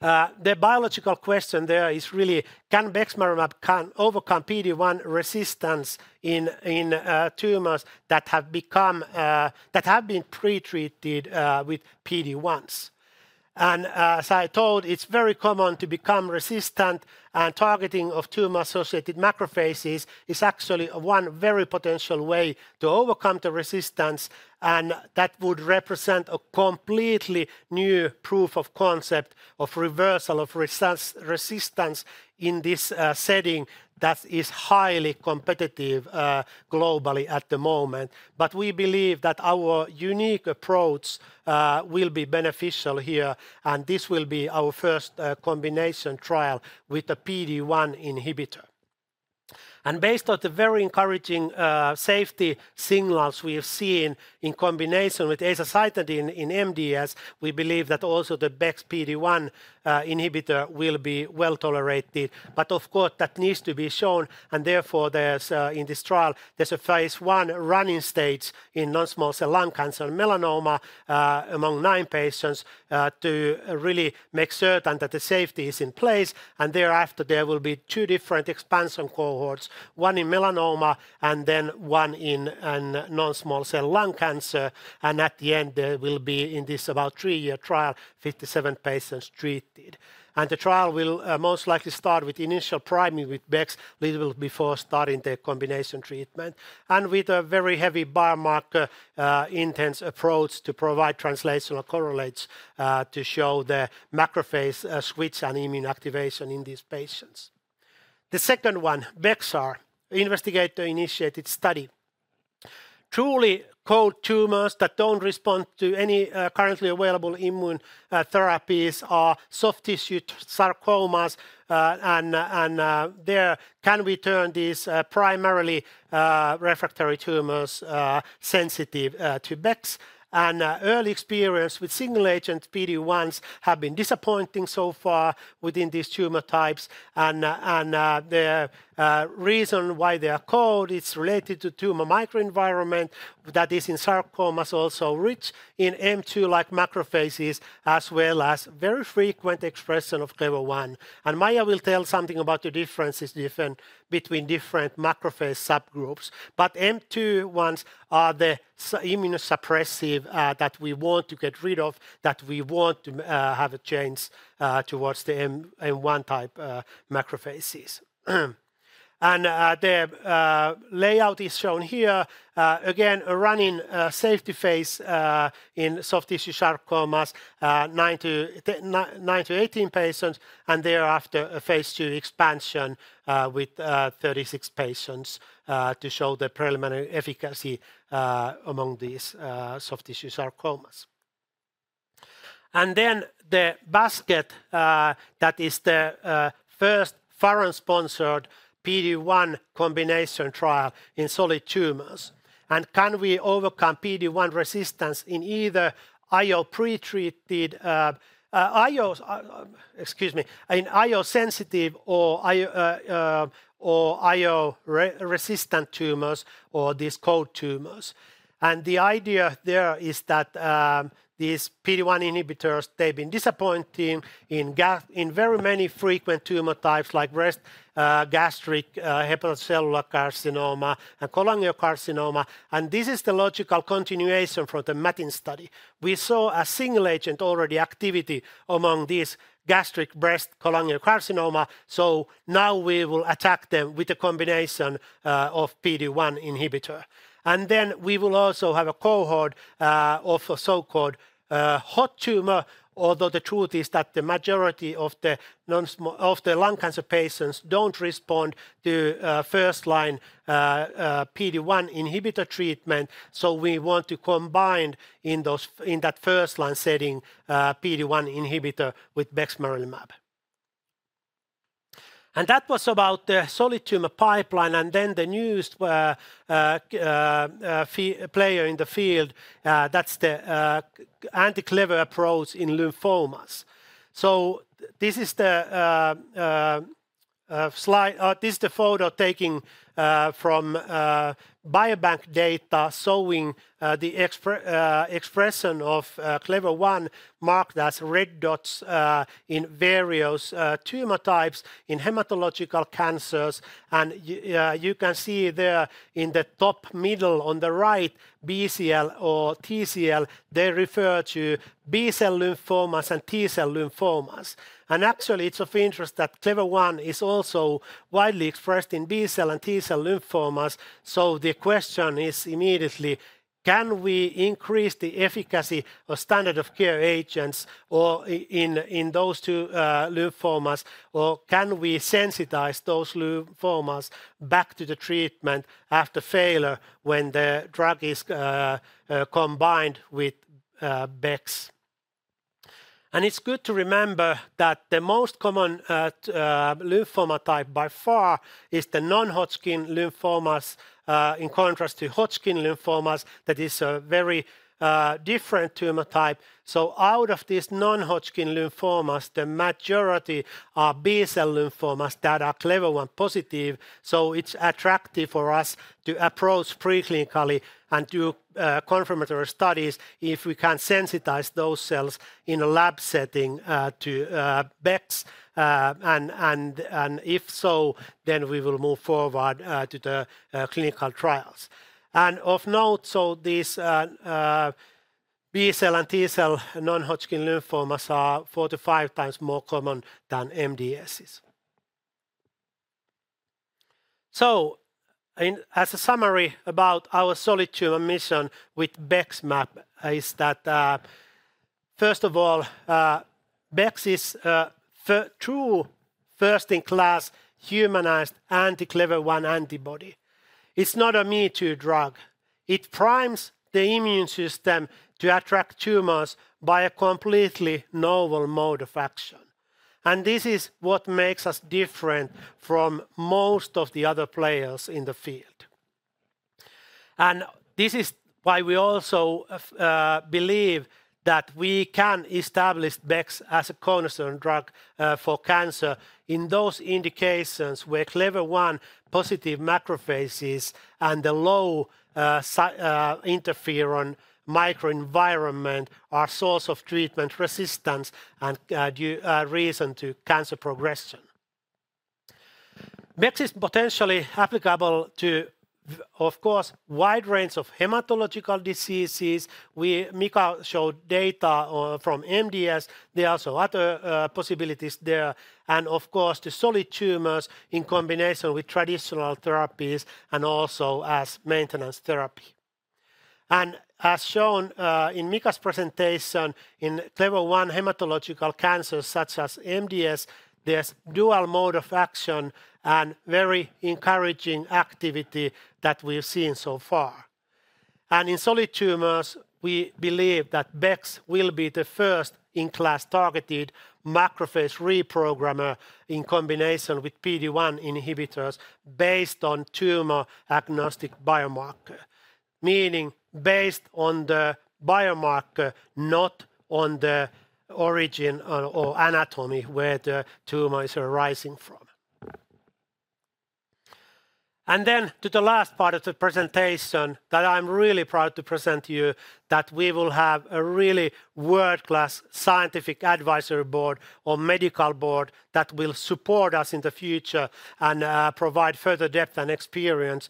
The biological question there is really: Can bexmarilimab overcome PD-1 resistance in tumors that have become that have been pre-treated with PD-1s? And as I told, it's very common to become resistant, and targeting of tumor-associated macrophages is actually one very potential way to overcome the resistance, and that would represent a completely new proof of concept of reversal of resistance in this setting that is highly competitive globally at the moment. But we believe that our unique approach will be beneficial here, and this will be our first combination trial with a PD-1 inhibitor. And based on the very encouraging safety signals we have seen in combination with azacitidine in MDS, we believe that also the bexmarilimab PD-1 inhibitor will be well-tolerated. But of course, that needs to be shown, and therefore, there's, in this trial, there's a phase I running stage in non-small cell lung cancer and melanoma, among nine patients, to really make certain that the safety is in place. And thereafter, there will be two different expansion cohorts, one in melanoma and then one in non-small cell lung cancer. And at the end, there will be, in this about three-year trial, 57 patients treated. And the trial will, most likely start with initial priming with Bex before starting the combination treatment, and with a very heavy biomarker intense approach to provide translational correlates, to show the macrophage switch and immune activation in these patients. The second one, BexSAR, investigator-initiated study. Truly cold tumors that don't respond to any currently available immune therapies are soft tissue sarcomas, and there, can we turn these primarily refractory tumors sensitive to bex? And early experience with single-agent PD-1s have been disappointing so far within these tumor types. And the reason why they are cold, it's related to tumor microenvironment. That is in sarcomas, also rich in M2-like macrophages, as well as very frequent expression of CLEVER-1. And Maija will tell something about the differences between different macrophage subgroups. But M2 ones are the immunosuppressive that we want to get rid of, that we want to have a chance towards the M1 type macrophages. And the layout is shown here. Again, a running safety phase in soft tissue sarcomas, nine to 18 patients, and thereafter, a phase II expansion with 36 patients to show the preliminary efficacy among these soft tissue sarcomas. Then the basket, that is the first Faron-sponsored PD-1 combination trial in solid tumors. Can we overcome PD-1 resistance in either IO pre-treated, IO... Excuse me, in IO-sensitive or IO or IO-resistant tumors or these cold tumors? The idea there is that these PD-1 inhibitors, they've been disappointing in very many frequent tumor types, like breast, gastric, hepatocellular carcinoma, and cholangiocarcinoma. This is the logical continuation from the MATINS study. We saw a single agent activity among these gastric breast cholangiocarcinoma, so now we will attack them with a combination of PD-1 inhibitor. Then we will also have a cohort of a so-called hot tumor, although the truth is that the majority of the non-small cell lung cancer patients don't respond to first-line PD-1 inhibitor treatment. We want to combine in those, in that first-line setting, PD-1 inhibitor with bexmarilimab. And that was about the solid tumor pipeline, and then the newest key player in the field, that's the anti-CLEVER-1 approach in lymphomas. This is the slide, this is the photomicrograph taken from biobank data showing the expression of CLEVER-1 marked as red dots in various tumor types in hematological cancers. You can see there in the top middle on the right, BCL or TCL. They refer to B-cell lymphomas and T-cell lymphomas. Actually, it's of interest that CLEVER-1 is also widely expressed in B-cell and T-cell lymphomas. The question is immediately, can we increase the efficacy of standard of care agents or in those two lymphomas, or can we sensitize those lymphomas back to the treatment after failure when the drug is combined with Bex? It's good to remember that the most common lymphoma type by far is the non-Hodgkin lymphomas in contrast to Hodgkin lymphomas. That is a very different tumor type. Out of these non-Hodgkin lymphomas, the majority are B-cell lymphomas that are CLEVER-1 positive. It's attractive for us to approach preclinically and do confirmatory studies if we can sensitize those cells in a lab setting to Bex. If so, then we will move forward to the clinical trials. Of note, these B-cell and T-cell non-Hodgkin lymphomas are 45 times more common than MDSes. As a summary about our solid tumor mission with BEXMAB is that, first of all, Bex is a true first-in-class humanized anti-CLEVER-1 antibody. It's not a me-too drug. It primes the immune system to attract tumors by a completely novel mode of action. This is what makes us different from most of the other players in the field. This is why we also believe that we can establish Bex as a cornerstone drug for cancer in those indications where CLEVER-1 positive macrophages and the low interferon microenvironment are source of treatment resistance and the reason for cancer progression. Bex is potentially applicable to, of course, wide range of hematological diseases. As Mika showed data from MDS. There are also other possibilities there, and of course, the solid tumors in combination with traditional therapies and also as maintenance therapy. As shown in Mika's presentation, in CLEVER-1 hematological cancers such as MDS, there's dual mode of action and very encouraging activity that we've seen so far. In solid tumors, we believe that Bex will be the first-in-class targeted macrophage reprogrammer in combination with PD-1 inhibitors based on tumor-agnostic biomarker. Meaning based on the biomarker, not on the origin or anatomy where the tumor is arising from. And then to the last part of the presentation that I'm really proud to present to you, that we will have a really world-class scientific advisory board or medical board that will support us in the future and provide further depth and experience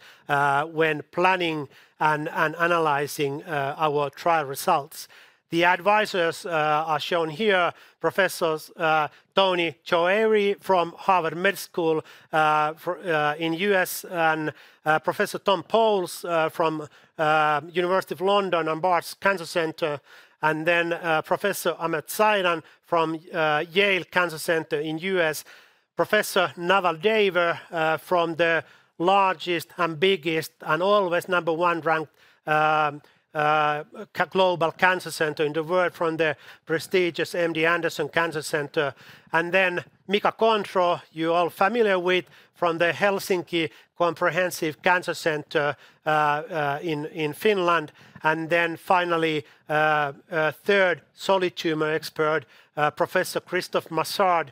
when planning and analyzing our trial results. The advisors are shown here, Professors Toni Choueiri from Harvard Medical School in the U.S., and Professor Thomas Powles from University of London and Barts Cancer Centre, and then Professor Amer Zeidan from Yale Cancer Center in the U.S. Professor Naval Daver from the largest and biggest and always number one ranked global cancer center in the world, from the prestigious MD Anderson Cancer Center. Mika Kontro, you're all familiar with, from the Helsinki Comprehensive Cancer Center in Finland. Then finally, a third solid tumor expert, Professor Christophe Massard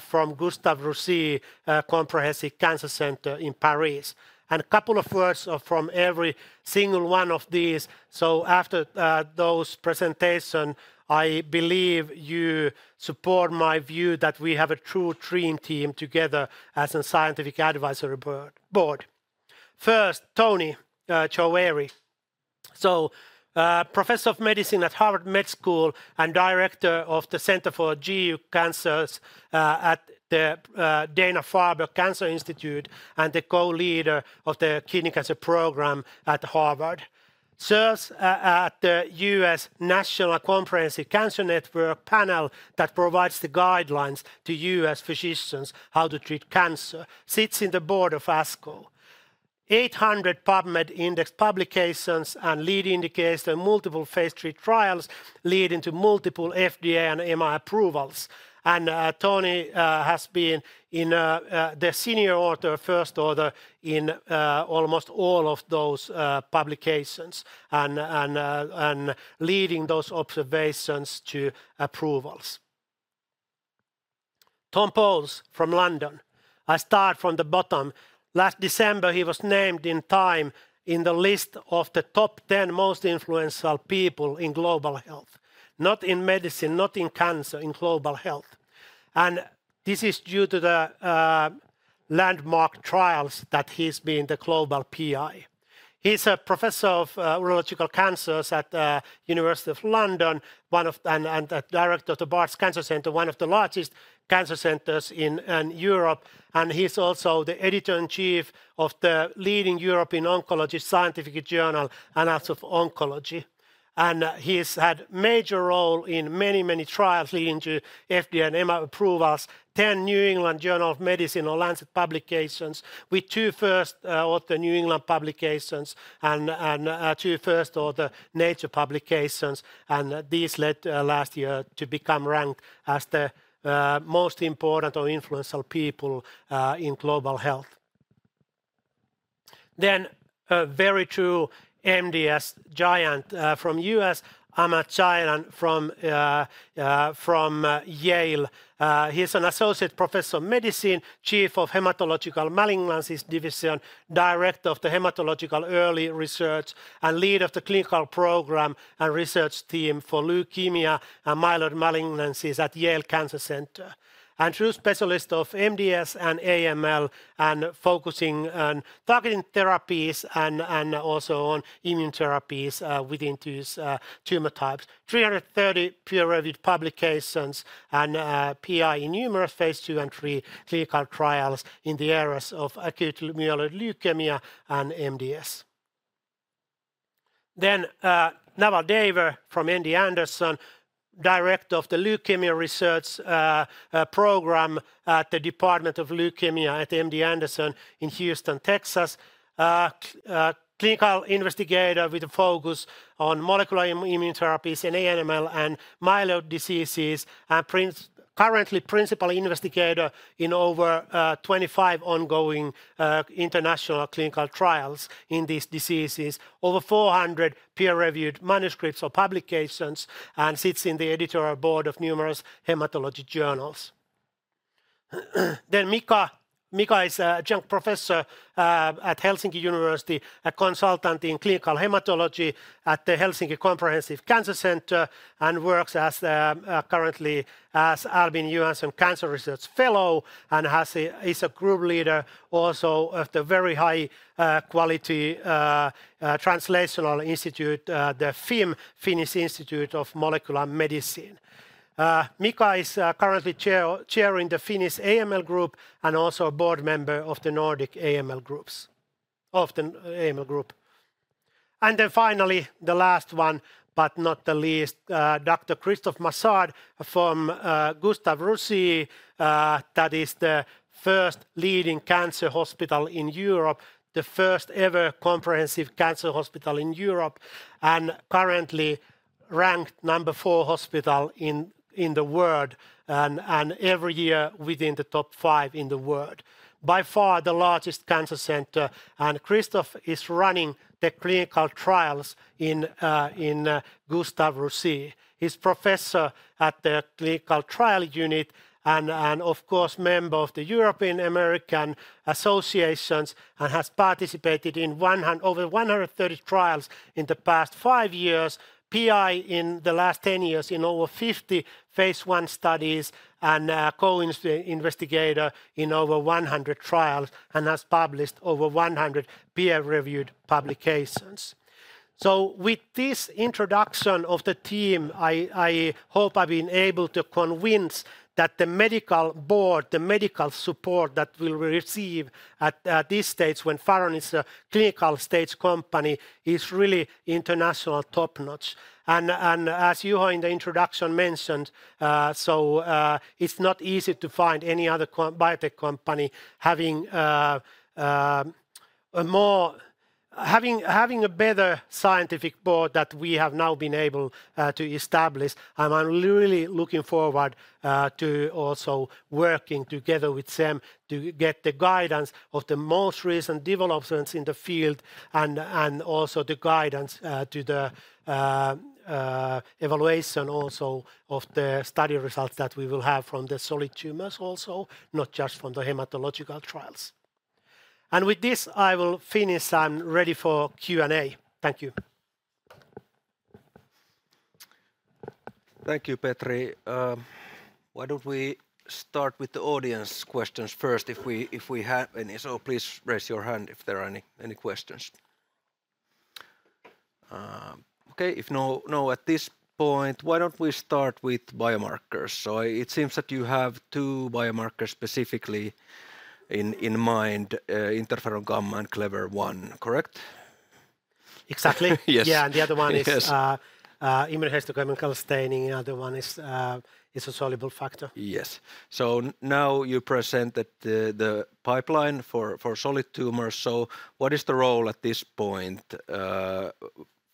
from Gustave Roussy Comprehensive Cancer Center in Paris. And a couple of words from every single one of these. So after those presentations, I believe you support my view that we have a true dream team together as a scientific advisory board. First, Toni Choueiri. So, Professor of Medicine at Harvard Medical School and Director of the Center for GU Cancers at the Dana-Farber Cancer Institute, and the co-leader of the Kidney Cancer Program at Harvard. Serves at the U.S. National Comprehensive Cancer Network panel that provides the guidelines to U.S. physicians how to treat cancer. Sits in the board of ASCO. 800 PubMed indexed publications and lead indicates that multiple phase III trials lead into multiple FDA and EMA approvals. And, Toni, has been the senior author, first author in almost all of those publications, and leading those observations to approvals. Thomas Powles from London. I start from the bottom. Last December, he was named in Time in the list of the top 10 most influential people in global health. Not in medicine, not in cancer, in global health. And this is due to the landmark trials that he's been the global PI. He's a professor of urological cancers at University of London, one of and a director of the Barts Cancer Centre, one of the largest cancer centers in Europe. And he's also the editor-in-chief of the leading European oncology scientific journal, Annals of Oncology. And he's had major role in many, many trials leading to FDA and EMA approvals. 10 New England Journal of Medicine or Lancet publications, with two first author New England publications and two first author Nature publications, and these led last year to become ranked as the most important or influential people in global health. Then, a very true MDS giant from U.S., Amer Zeidan from Yale. He's an associate professor of medicine, chief of Hematological Malignancies Division, director of the Hematological Early Research, and lead of the clinical program and research team for leukemia and myeloid malignancies at Yale Cancer Center. A true specialist of MDS and AML, focusing on targeted therapies and also on immune therapies within these tumor types. 330 peer-reviewed publications, and PI in numerous phase II and III clinical trials in the areas of acute myeloid leukemia and MDS. Then, Naval Daver from MD Anderson, director of the Leukemia Research Program at the Department of Leukemia at MD Anderson in Houston, Texas. Clinical investigator with a focus on molecular immune therapies in AML and myeloid diseases, and currently principal investigator in over 25 ongoing international clinical trials in these diseases. Over 400 peer-reviewed manuscripts or publications, and sits in the editorial board of numerous hematology journals. Then, Mika. Mika is adjunct professor at Helsinki University, a consultant in clinical hematology at the Helsinki Comprehensive Cancer Center, and works as currently as Albin Johansson Cancer Research Fellow, and is a group leader also of the very high quality translational institute, the FIMM, Finnish Institute of Molecular Medicine. Mika is currently chairing the Finnish AML Group and also a board member of the Nordic AML Group. And then finally, the last one, but not the least, Dr. Christophe Massard from Gustave Roussy. That is the first leading cancer hospital in Europe, the first ever comprehensive cancer hospital in Europe, and currently ranked number four hospital in the world, and every year within the top five in the world. By far, the largest cancer center, and Christophe is running the clinical trials in Gustave Roussy. He's professor at the clinical trial unit and of course, member of the European American Associations, and has participated in over one hundred and thirty trials in the past five years, PI in the last ten years in over 50 phase I studies, and co-investigator in over 100 trials, and has published over 100 peer-reviewed publications. So with this introduction of the team, I hope I've been able to convince that the medical board, the medical support that we'll receive at this stage, when Faron is a clinical stage company, is really international top-notch. As you heard in the introduction mentioned, it's not easy to find any other biotech company having a more... Having a better scientific board that we have now been able to establish. And I'm really looking forward to also working together with them to get the guidance of the most recent developments in the field and also the guidance to the evaluation also of the study results that we will have from the solid tumors also, not just from the hematological trials. And with this, I will finish. I'm ready for Q&A. Thank you. Thank you, Petri. Why don't we start with the audience questions first, if we have any? So please raise your hand if there are any questions. Okay, if no at this point, why don't we start with biomarkers? So it seems that you have two biomarkers specifically in mind, Interferon Gamma and CLEVER-1, correct?... Exactly. Yes. Yeah, and the other one is- Yes.... immunohistochemical staining, the other one is a soluble factor. Yes, so now you presented the pipeline for solid tumors, so what is the role at this point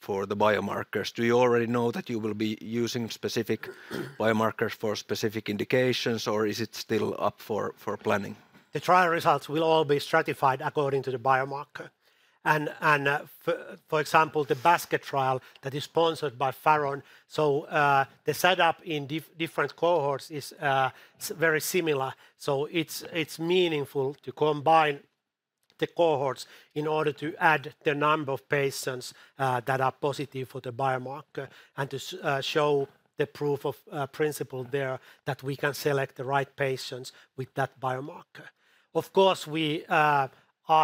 for the biomarkers? Do you already know that you will be using specific biomarkers for specific indications, or is it still up for planning? The trial results will all be stratified according to the biomarker. For example, the basket trial that is sponsored by Faron, so the setup in different cohorts is very similar. So it's meaningful to combine the cohorts in order to add the number of patients that are positive for the biomarker, and to show the proof of principle there, that we can select the right patients with that biomarker. Of course, we are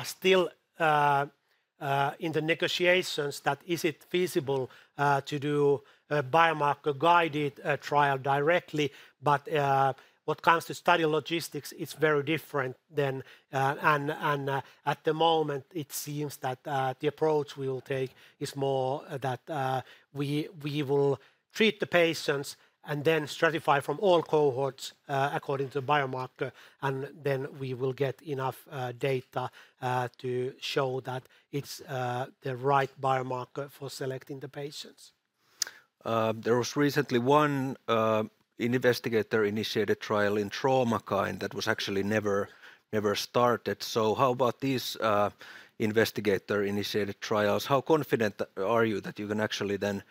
still in the negotiations that is it feasible to do a biomarker-guided trial directly? But when it comes to study logistics, it's very different than. At the moment, it seems that the approach we will take is more that we will treat the patients and then stratify from all cohorts according to the biomarker, and then we will get enough data to show that it's the right biomarker for selecting the patients. There was recently one investigator-initiated trial in Traumakine that was actually never started. So how about these investigator-initiated trials? How confident are you that you can actually then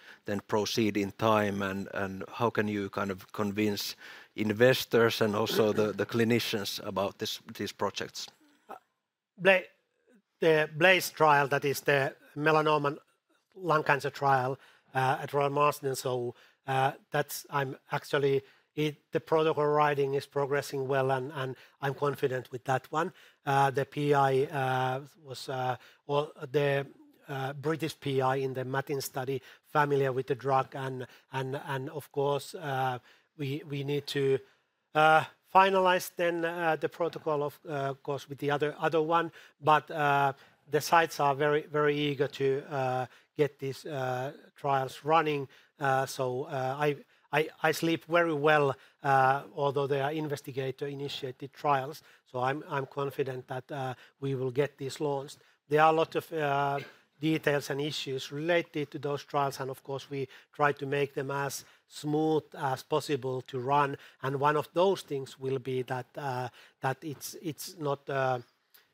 proceed in time, and how can you kind of convince investors and also the clinicians about these projects? The BLAZE trial, that is the melanoma lung cancer trial at Royal Marsden, so that's. I'm actually the protocol writing is progressing well, and I'm confident with that one. The PI was the British PI in the MATINS study, familiar with the drug. Of course, we need to finalize the protocol of course with the other one. The sites are very eager to get these trials running. I sleep very well although they are investigator-initiated trials. I'm confident that we will get this launched. There are a lot of details and issues related to those trials, and of course, we try to make them as smooth as possible to run. One of those things will be that it's not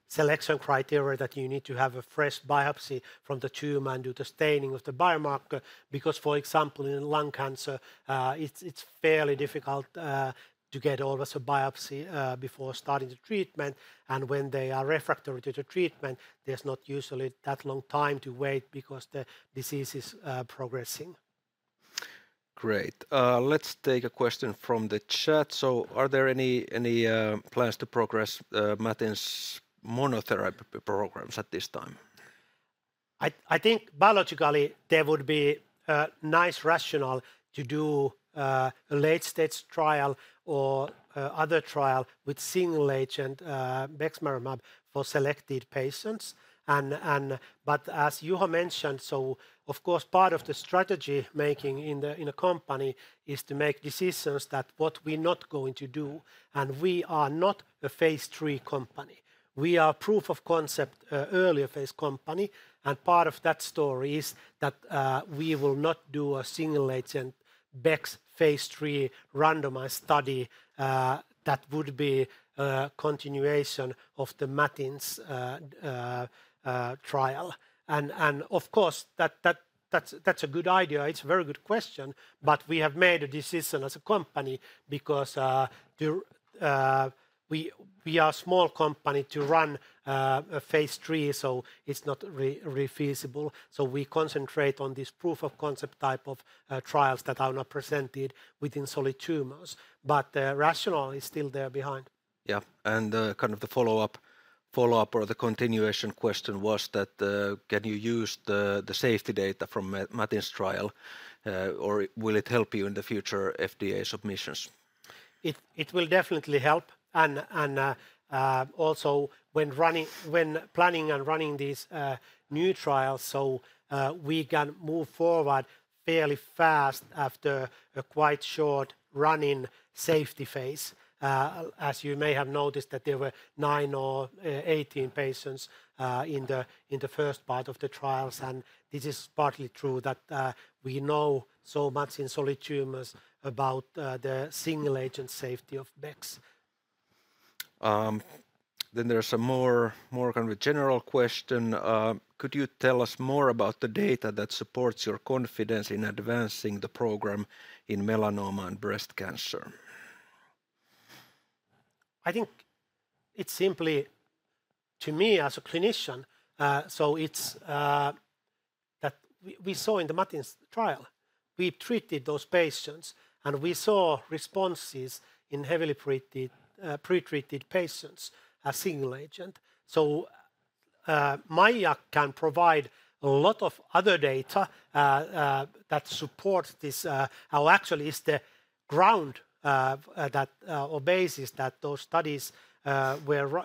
selection criteria that you need to have a fresh biopsy from the tumor and do the staining of the biomarker, because, for example, in lung cancer, it's fairly difficult to get always a biopsy before starting the treatment. When they are refractory to the treatment, there's not usually that long time to wait, because the disease is progressing. Great. Let's take a question from the chat. So are there any plans to progress MATINS' monotherapy programs at this time? I think biologically there would be a nice rationale to do a late-stage trial or other trial with single agent bexmarilimab for selected patients. And but as you have mentioned, so of course, part of the strategy making in a company is to make decisions that what we're not going to do, and we are not a phase III company. We are proof of concept earlier phase company, and part of that story is that we will not do a single agent Bex phase III randomized study. That would be a continuation of the MATINS trial. And of course, that's a good idea. It's a very good question, but we have made a decision as a company because we are a small company to run a phase III, so it's not feasible. So we concentrate on this proof of concept type of trials that are now presented within solid tumors, but the rationale is still there behind. Yeah, and kind of the follow-up or the continuation question was that can you use the safety data from MATINS trial or will it help you in the future FDA submissions? It will definitely help, and also when planning and running these new trials, so we can move forward fairly fast after a quite short run-in safety phase. As you may have noticed, that there were nine or 18 patients in the first part of the trials, and this is partly true, that we know so much in solid tumors about the single-agent safety of Bex. Then there is a more kind of a general question. Could you tell us more about the data that supports your confidence in advancing the program in melanoma and breast cancer? I think it's simply, to me as a clinician, so it's that we saw in the MATINS trial, we treated those patients, and we saw responses in heavily pretreated patients, a single agent. So, Maija can provide a lot of other data that supports this, how actually is the ground or basis that those studies were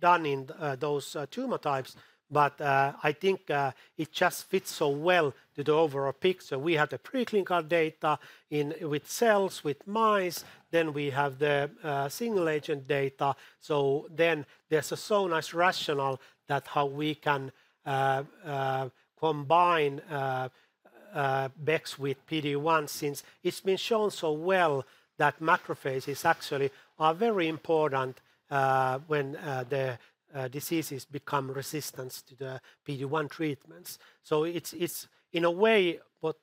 done in those tumor types. But, I think it just fits so well to the overall picture. We have the preclinical data in with cells, with mice, then we have the single agent data. So then there's a so nice rationale that how we can combine Bex with PD-1, since it's been shown so well that macrophages actually are very important when the diseases become resistant to the PD-1 treatments. So it's, it's, in a way, what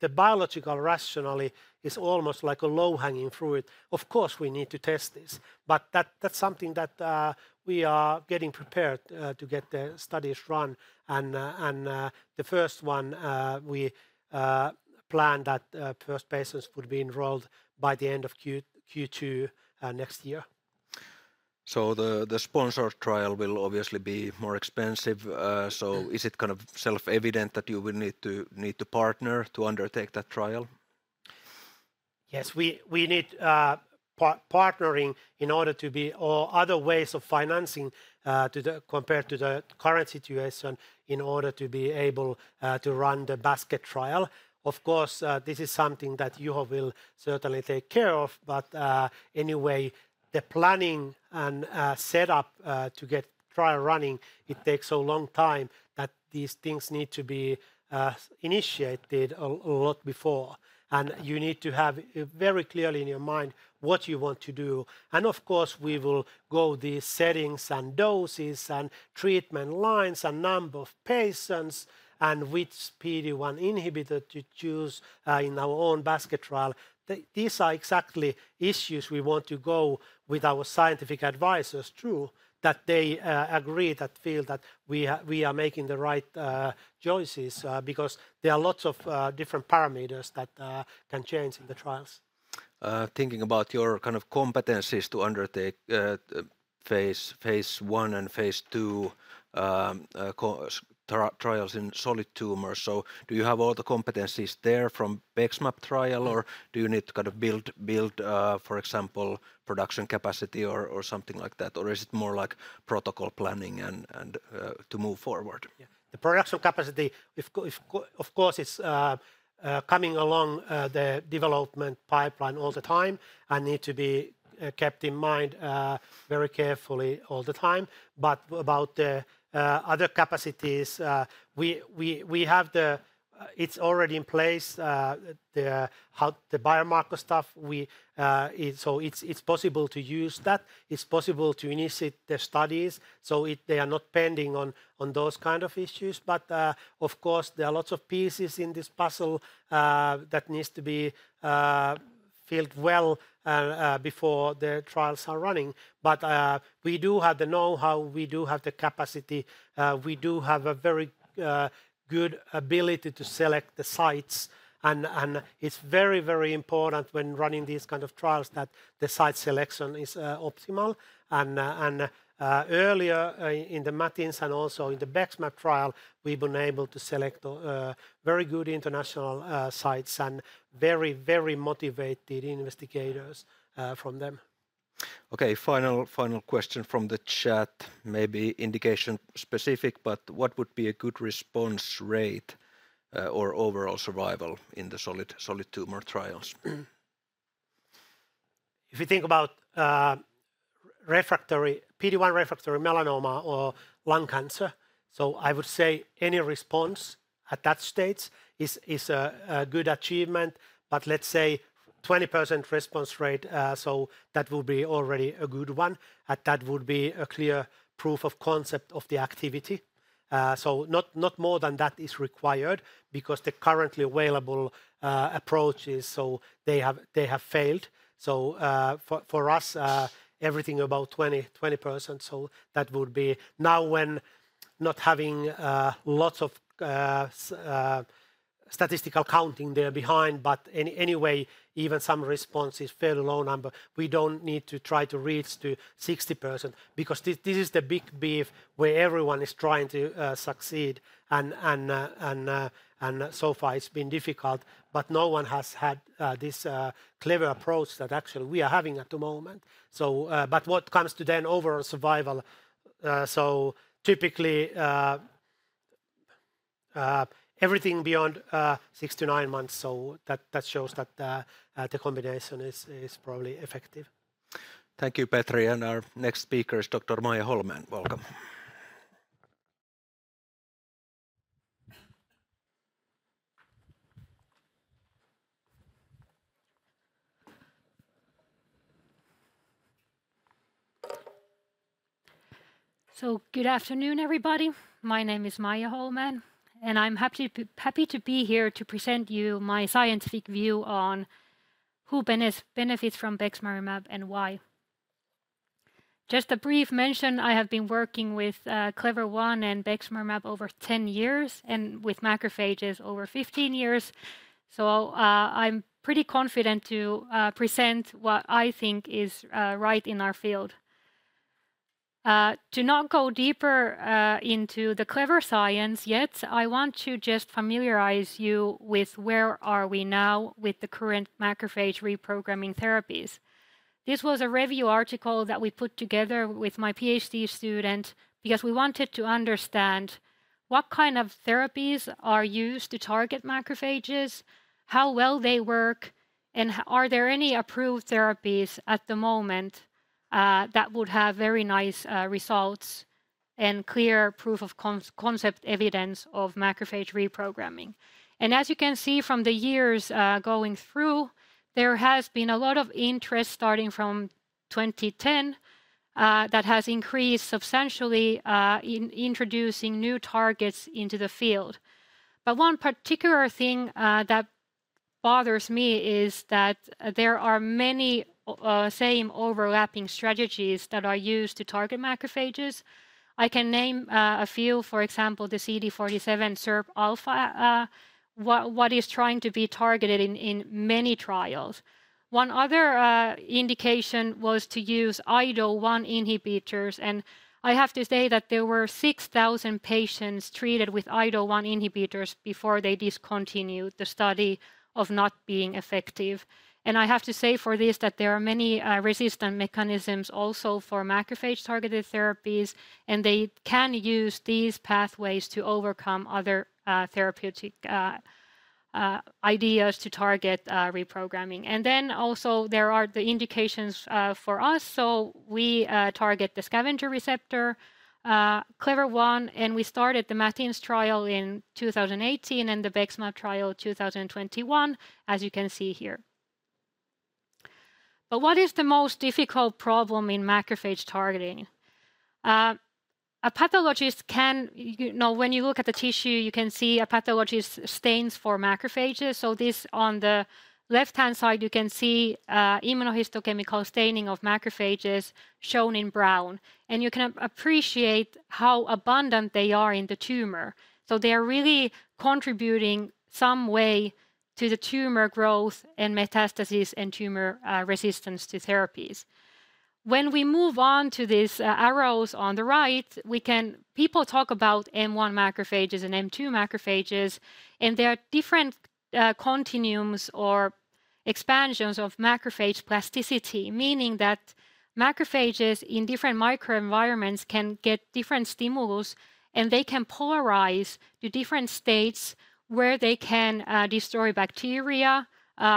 the biological rationale is almost like a low-hanging fruit. Of course, we need to test this, but that, that's something that we are getting prepared to get the studies run. And, and, the first one, we plan that first patients would be enrolled by the end of Q2 next year. So the sponsor trial will obviously be more expensive. So is it kind of self-evident that you will need to partner to undertake that trial? Yes, we need partnering in order to be... or other ways of financing to, compared to the current situation, in order to be able to run the basket trial. Of course, this is something that Juho will certainly take care of, but anyway, the planning and setup to get trial running. It takes a long time. These things need to be initiated a lot before. Yeah. You need to have, very clearly in your mind what you want to do. Of course, we will go the settings and doses and treatment lines and number of patients, and which PD-1 inhibitor to choose, in our own basket trial. These are exactly issues we want to go with our scientific advisors through, that they agree, that feel that we are, we are making the right, choices. Because there are lots of, different parameters that, can change in the trials. Thinking about your kind of competencies to undertake phase I and phase II clinical trials in solid tumors, so do you have all the competencies there from BEXMAB trial? Or do you need to kind of build, for example, production capacity or something like that, or is it more like protocol planning and to move forward? Yeah. The production capacity, of course, it's coming along the development pipeline all the time and need to be kept in mind very carefully all the time. But about the other capacities, we have it already in place, the biomarker stuff. So it's possible to use that. It's possible to initiate the studies, so they are not pending on those kind of issues. But, of course, there are lots of pieces in this puzzle that needs to be filled well before the trials are running. We do have the know-how, we do have the capacity, we do have a very good ability to select the sites, and it's very, very important when running these kind of trials, that the site selection is optimal. Earlier, in the MATINS and also in the BEXMAB trial, we've been able to select very good international sites and very, very motivated investigators from them. Okay, final, final question from the chat. Maybe indication specific, but what would be a good response rate, or overall survival in the solid tumor trials? If you think about refractory PD-1 refractory melanoma or lung cancer, so I would say any response at that stage is a good achievement, but let's say 20% response rate, so that will be already a good one, and that would be a clear proof of concept of the activity. So not more than that is required because the currently available approaches, so they have failed. So for us everything about 20%, so that would be. Now when not having lots of statistical counting there behind, but anyway, even some response is fairly low number. We don't need to try to reach to 60%, because this is the big beef where everyone is trying to succeed, and so far it's been difficult, but no one has had this clever approach that actually we are having at the moment. But what comes to then overall survival, so typically everything beyond six to nine months, so that shows that the combination is probably effective. Thank you, Petri. And our next speaker is Dr. Maija Hollmén. Welcome. Good afternoon, everybody. My name is Maija Hollmén, and I'm happy to be here to present you my scientific view on who benefits from bexmarilimab and why. Just a brief mention, I have been working with CLEVER-1 and bexmarilimab over 10 years, and with macrophages over 15 years, so I'm pretty confident to present what I think is right in our field. To not go deeper into the CLEVER science yet, I want to just familiarize you with where are we now with the current macrophage reprogramming therapies. This was a review article that we put together with my PhD student, because we wanted to understand what kind of therapies are used to target macrophages, how well they work, and are there any approved therapies at the moment that would have very nice results and clear proof of concept evidence of macrophage reprogramming? As you can see from the years going through, there has been a lot of interest starting from twenty ten that has increased substantially in introducing new targets into the field. But one particular thing that bothers me is that there are many same overlapping strategies that are used to target macrophages. I can name a few, for example, the CD47 SIRP alpha what is trying to be targeted in many trials. One other indication was to use IDO1 inhibitors, and I have to say that there were 6,000 patients treated with IDO1 inhibitors before they discontinued the study of not being effective. I have to say for this that there are many resistant mechanisms also for macrophage-targeted therapies, and they can use these pathways to overcome other therapeutic ideas to target reprogramming. Then, also, there are the indications for us. We target the scavenger receptor CLEVER-1, and we started the MATINS trial in 2018 and the BEXMAB trial in 2021, as you can see here. What is the most difficult problem in macrophage targeting? A pathologist can. You know, when you look at the tissue, you can see a pathologist stains for macrophages. So this on the left-hand side, you can see, immunohistochemical staining of macrophages shown in brown, and you can appreciate how abundant they are in the tumor. So they are really contributing some way to the tumor growth and metastasis and tumor, resistance to therapies. When we move on to these, arrows on the right, we can people talk about M1 macrophages and M2 macrophages, and there are different, continuums or expansions of macrophage plasticity. Meaning that macrophages in different microenvironments can get different stimulus, and they can polarize to different states, where they can, destroy bacteria,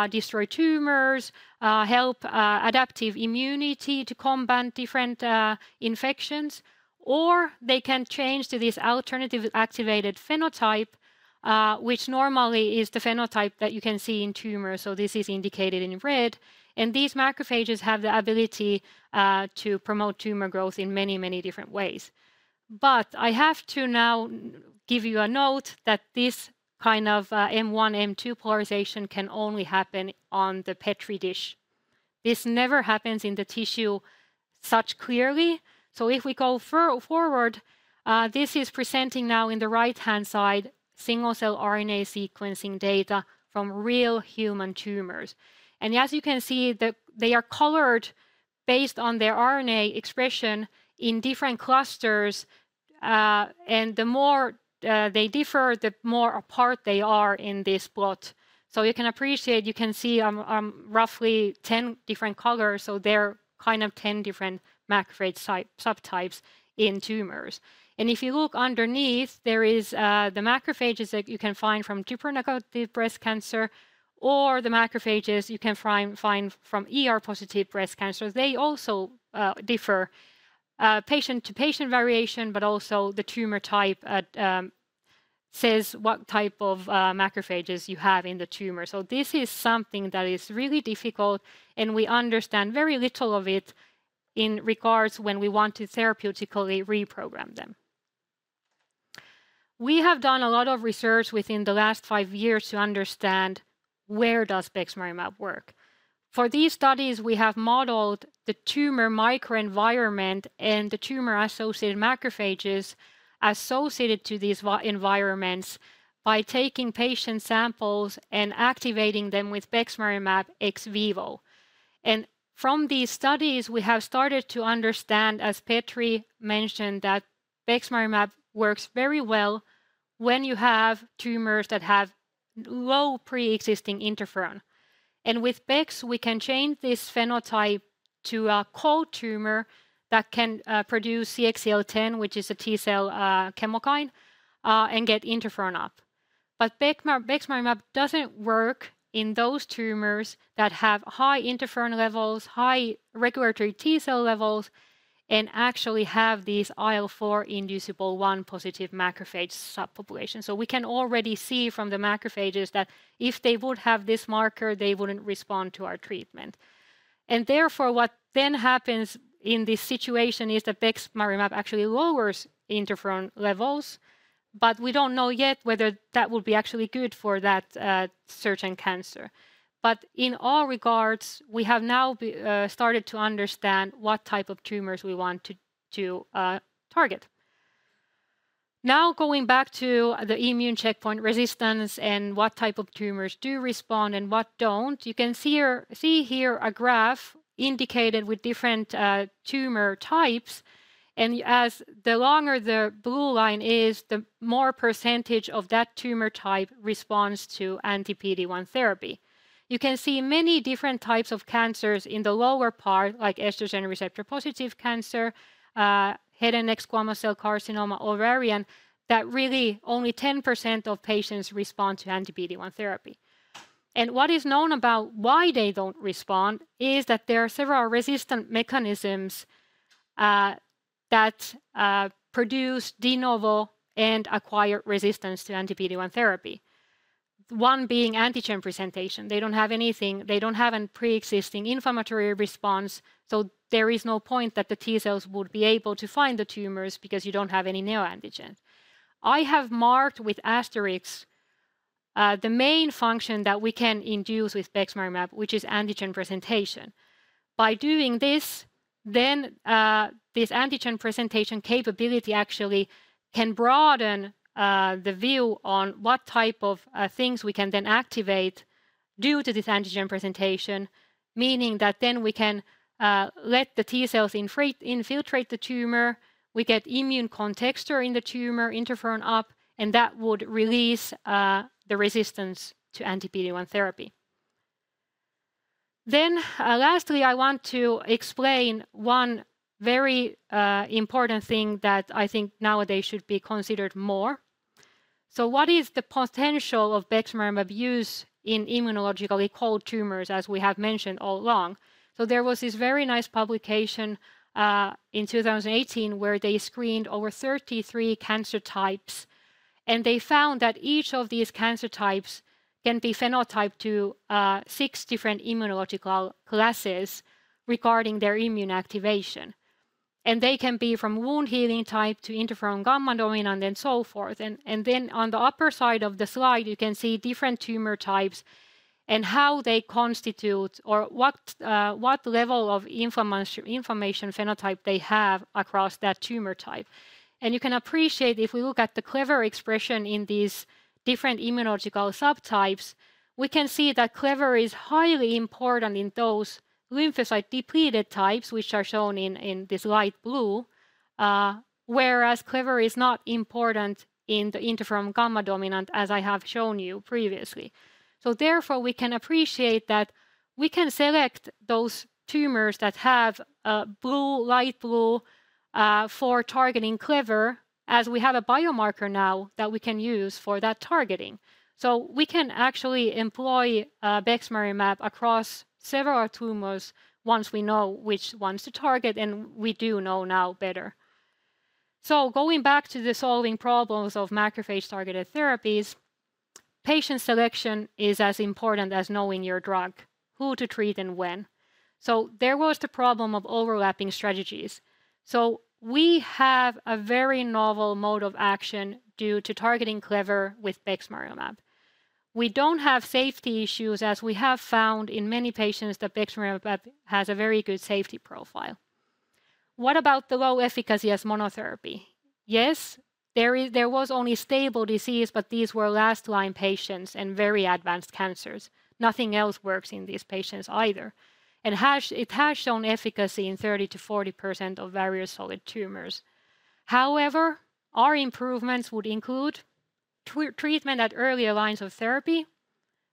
destroy tumors, help, adaptive immunity to combat different, infections. Or they can change to this alternative activated phenotype, which normally is the phenotype that you can see in tumors, so this is indicated in red. And these macrophages have the ability to promote tumor growth in many, many different ways. But I have to now give you a note that this kind of M1, M2 polarization can only happen on the Petri dish. This never happens in the tissue so clearly. So if we go forward, this is presenting now in the right-hand side, single-cell RNA sequencing data from real human tumors. And as you can see, they are colored based on their RNA expression in different clusters. And the more they differ, the more apart they are in this plot. So you can appreciate, you can see roughly ten different colors, so there are kind of ten different macrophage subtypes in tumors. If you look underneath, there is the macrophages that you can find from triple-negative breast cancer, or the macrophages you can find from ER-positive breast cancers. They also differ. Patient-to-patient variation, but also the tumor type that says what type of macrophages you have in the tumor. This is something that is really difficult, and we understand very little of it in regards when we want to therapeutically reprogram them. We have done a lot of research within the last five years to understand where does bexmarilimab work. For these studies, we have modeled the tumor microenvironment and the tumor-associated macrophages associated to these environments by taking patient samples and activating them with bexmarilimab ex vivo. From these studies, we have started to understand, as Petri mentioned, that bexmarilimab works very well when you have tumors that have low pre-existing interferon. And with Bex, we can change this phenotype to a cold tumor that can produce CXCL10, which is a T cell chemokine, and get interferon up. But bexmarilimab doesn't work in those tumors that have high interferon levels, high regulatory T cell levels, and actually have these IL4I1-positive macrophage subpopulation. So we can already see from the macrophages that if they would have this marker, they wouldn't respond to our treatment. And therefore, what then happens in this situation is that bexmarilimab actually lowers interferon levels, but we don't know yet whether that would be actually good for that certain cancer. But in all regards, we have now started to understand what type of tumors we want to target. Now going back to the immune checkpoint resistance and what type of tumors do respond and what don't, you can see here a graph indicated with different tumor types, and as the longer the blue line is, the more percentage of that tumor type responds to anti-PD-1 therapy. You can see many different types of cancers in the lower part, like estrogen receptor-positive cancer, head and neck squamous cell carcinoma, ovarian, that really only 10% of patients respond to anti-PD-1 therapy. And what is known about why they don't respond is that there are several resistant mechanisms that produce de novo and acquired resistance to anti-PD-1 therapy. One being antigen presentation. They don't have anything. They don't have a preexisting inflammatory response, so there is no point that the T cells would be able to find the tumors because you don't have any neoantigen. I have marked with asterisks the main function that we can induce with bexmarilimab, which is antigen presentation. By doing this, then, this antigen presentation capability actually can broaden the view on what type of things we can then activate due to this antigen presentation. Meaning that then we can let the T cells infiltrate the tumor, we get immune contexture in the tumor, interferon up, and that would release the resistance to anti-PD-1 therapy. Then, lastly, I want to explain one very important thing that I think nowadays should be considered more. So what is the potential of bexmarilimab use in immunologically cold tumors, as we have mentioned all along? There was this very nice publication in 2018, where they screened over 33 cancer types, and they found that each of these cancer types can be phenotyped to six different immunological classes regarding their immune activation. They can be from wound-healing type to interferon gamma dominant, and so forth. Then on the upper side of the slide, you can see different tumor types and how they constitute or what level of inflammation phenotype they have across that tumor type. You can appreciate, if we look at the CLEVER expression in these different immunological subtypes, we can see that CLEVER is highly important in those lymphocyte-depleted types, which are shown in this light blue. Whereas CLEVER is not important in the interferon gamma dominant, as I have shown you previously. So therefore, we can appreciate that we can select those tumors that have a blue, light blue, for targeting CLEVER-1, as we have a biomarker now that we can use for that targeting. So we can actually employ, bexmarilimab across several tumors once we know which ones to target, and we do know now better. So going back to the solving problems of macrophage-targeted therapies, patient selection is as important as knowing your drug, who to treat and when. So there was the problem of overlapping strategies. So we have a very novel mode of action due to targeting CLEVER-1 with bexmarilimab. We don't have safety issues, as we have found in many patients that bexmarilimab has a very good safety profile. What about the low efficacy as monotherapy? Yes, there is, there was only stable disease, but these were last-line patients and very advanced cancers. Nothing else works in these patients either. It has shown efficacy in 30%-40% of various solid tumors. However, our improvements would include treatment at earlier lines of therapy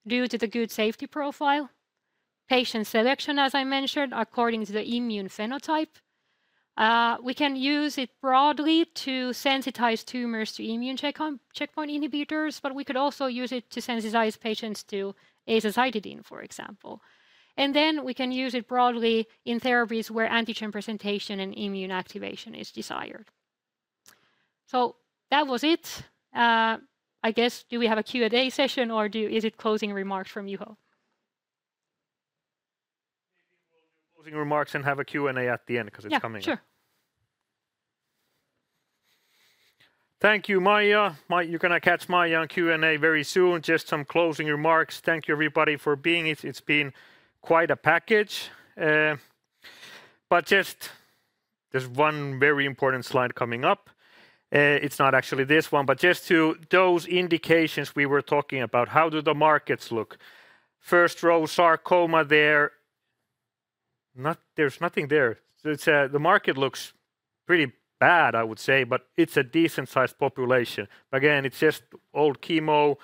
due to the good safety profile, patient selection, as I mentioned, according to the immune phenotype. We can use it broadly to sensitize tumors to immune checkpoint inhibitors, but we could also use it to sensitize patients to azacitidine, for example. And then we can use it broadly in therapies where antigen presentation and immune activation is desired. So that was it. I guess, do we have a Q&A session, or is it closing remarks from Juho? Maybe we'll do closing remarks and have a Q&A at the end, 'cause it's coming up. Yeah, sure. Thank you, Maija. Maija, you're going to catch Maija on Q&A very soon. Just some closing remarks. Thank you, everybody, for being here. It's been quite a package. But just there's one very important slide coming up. It's not actually this one, but just to those indications we were talking about, how do the markets look? First row, sarcoma there. There's nothing there. So it's, the market looks pretty bad, I would say, but it's a decent-sized population. Again, it's just old chemo.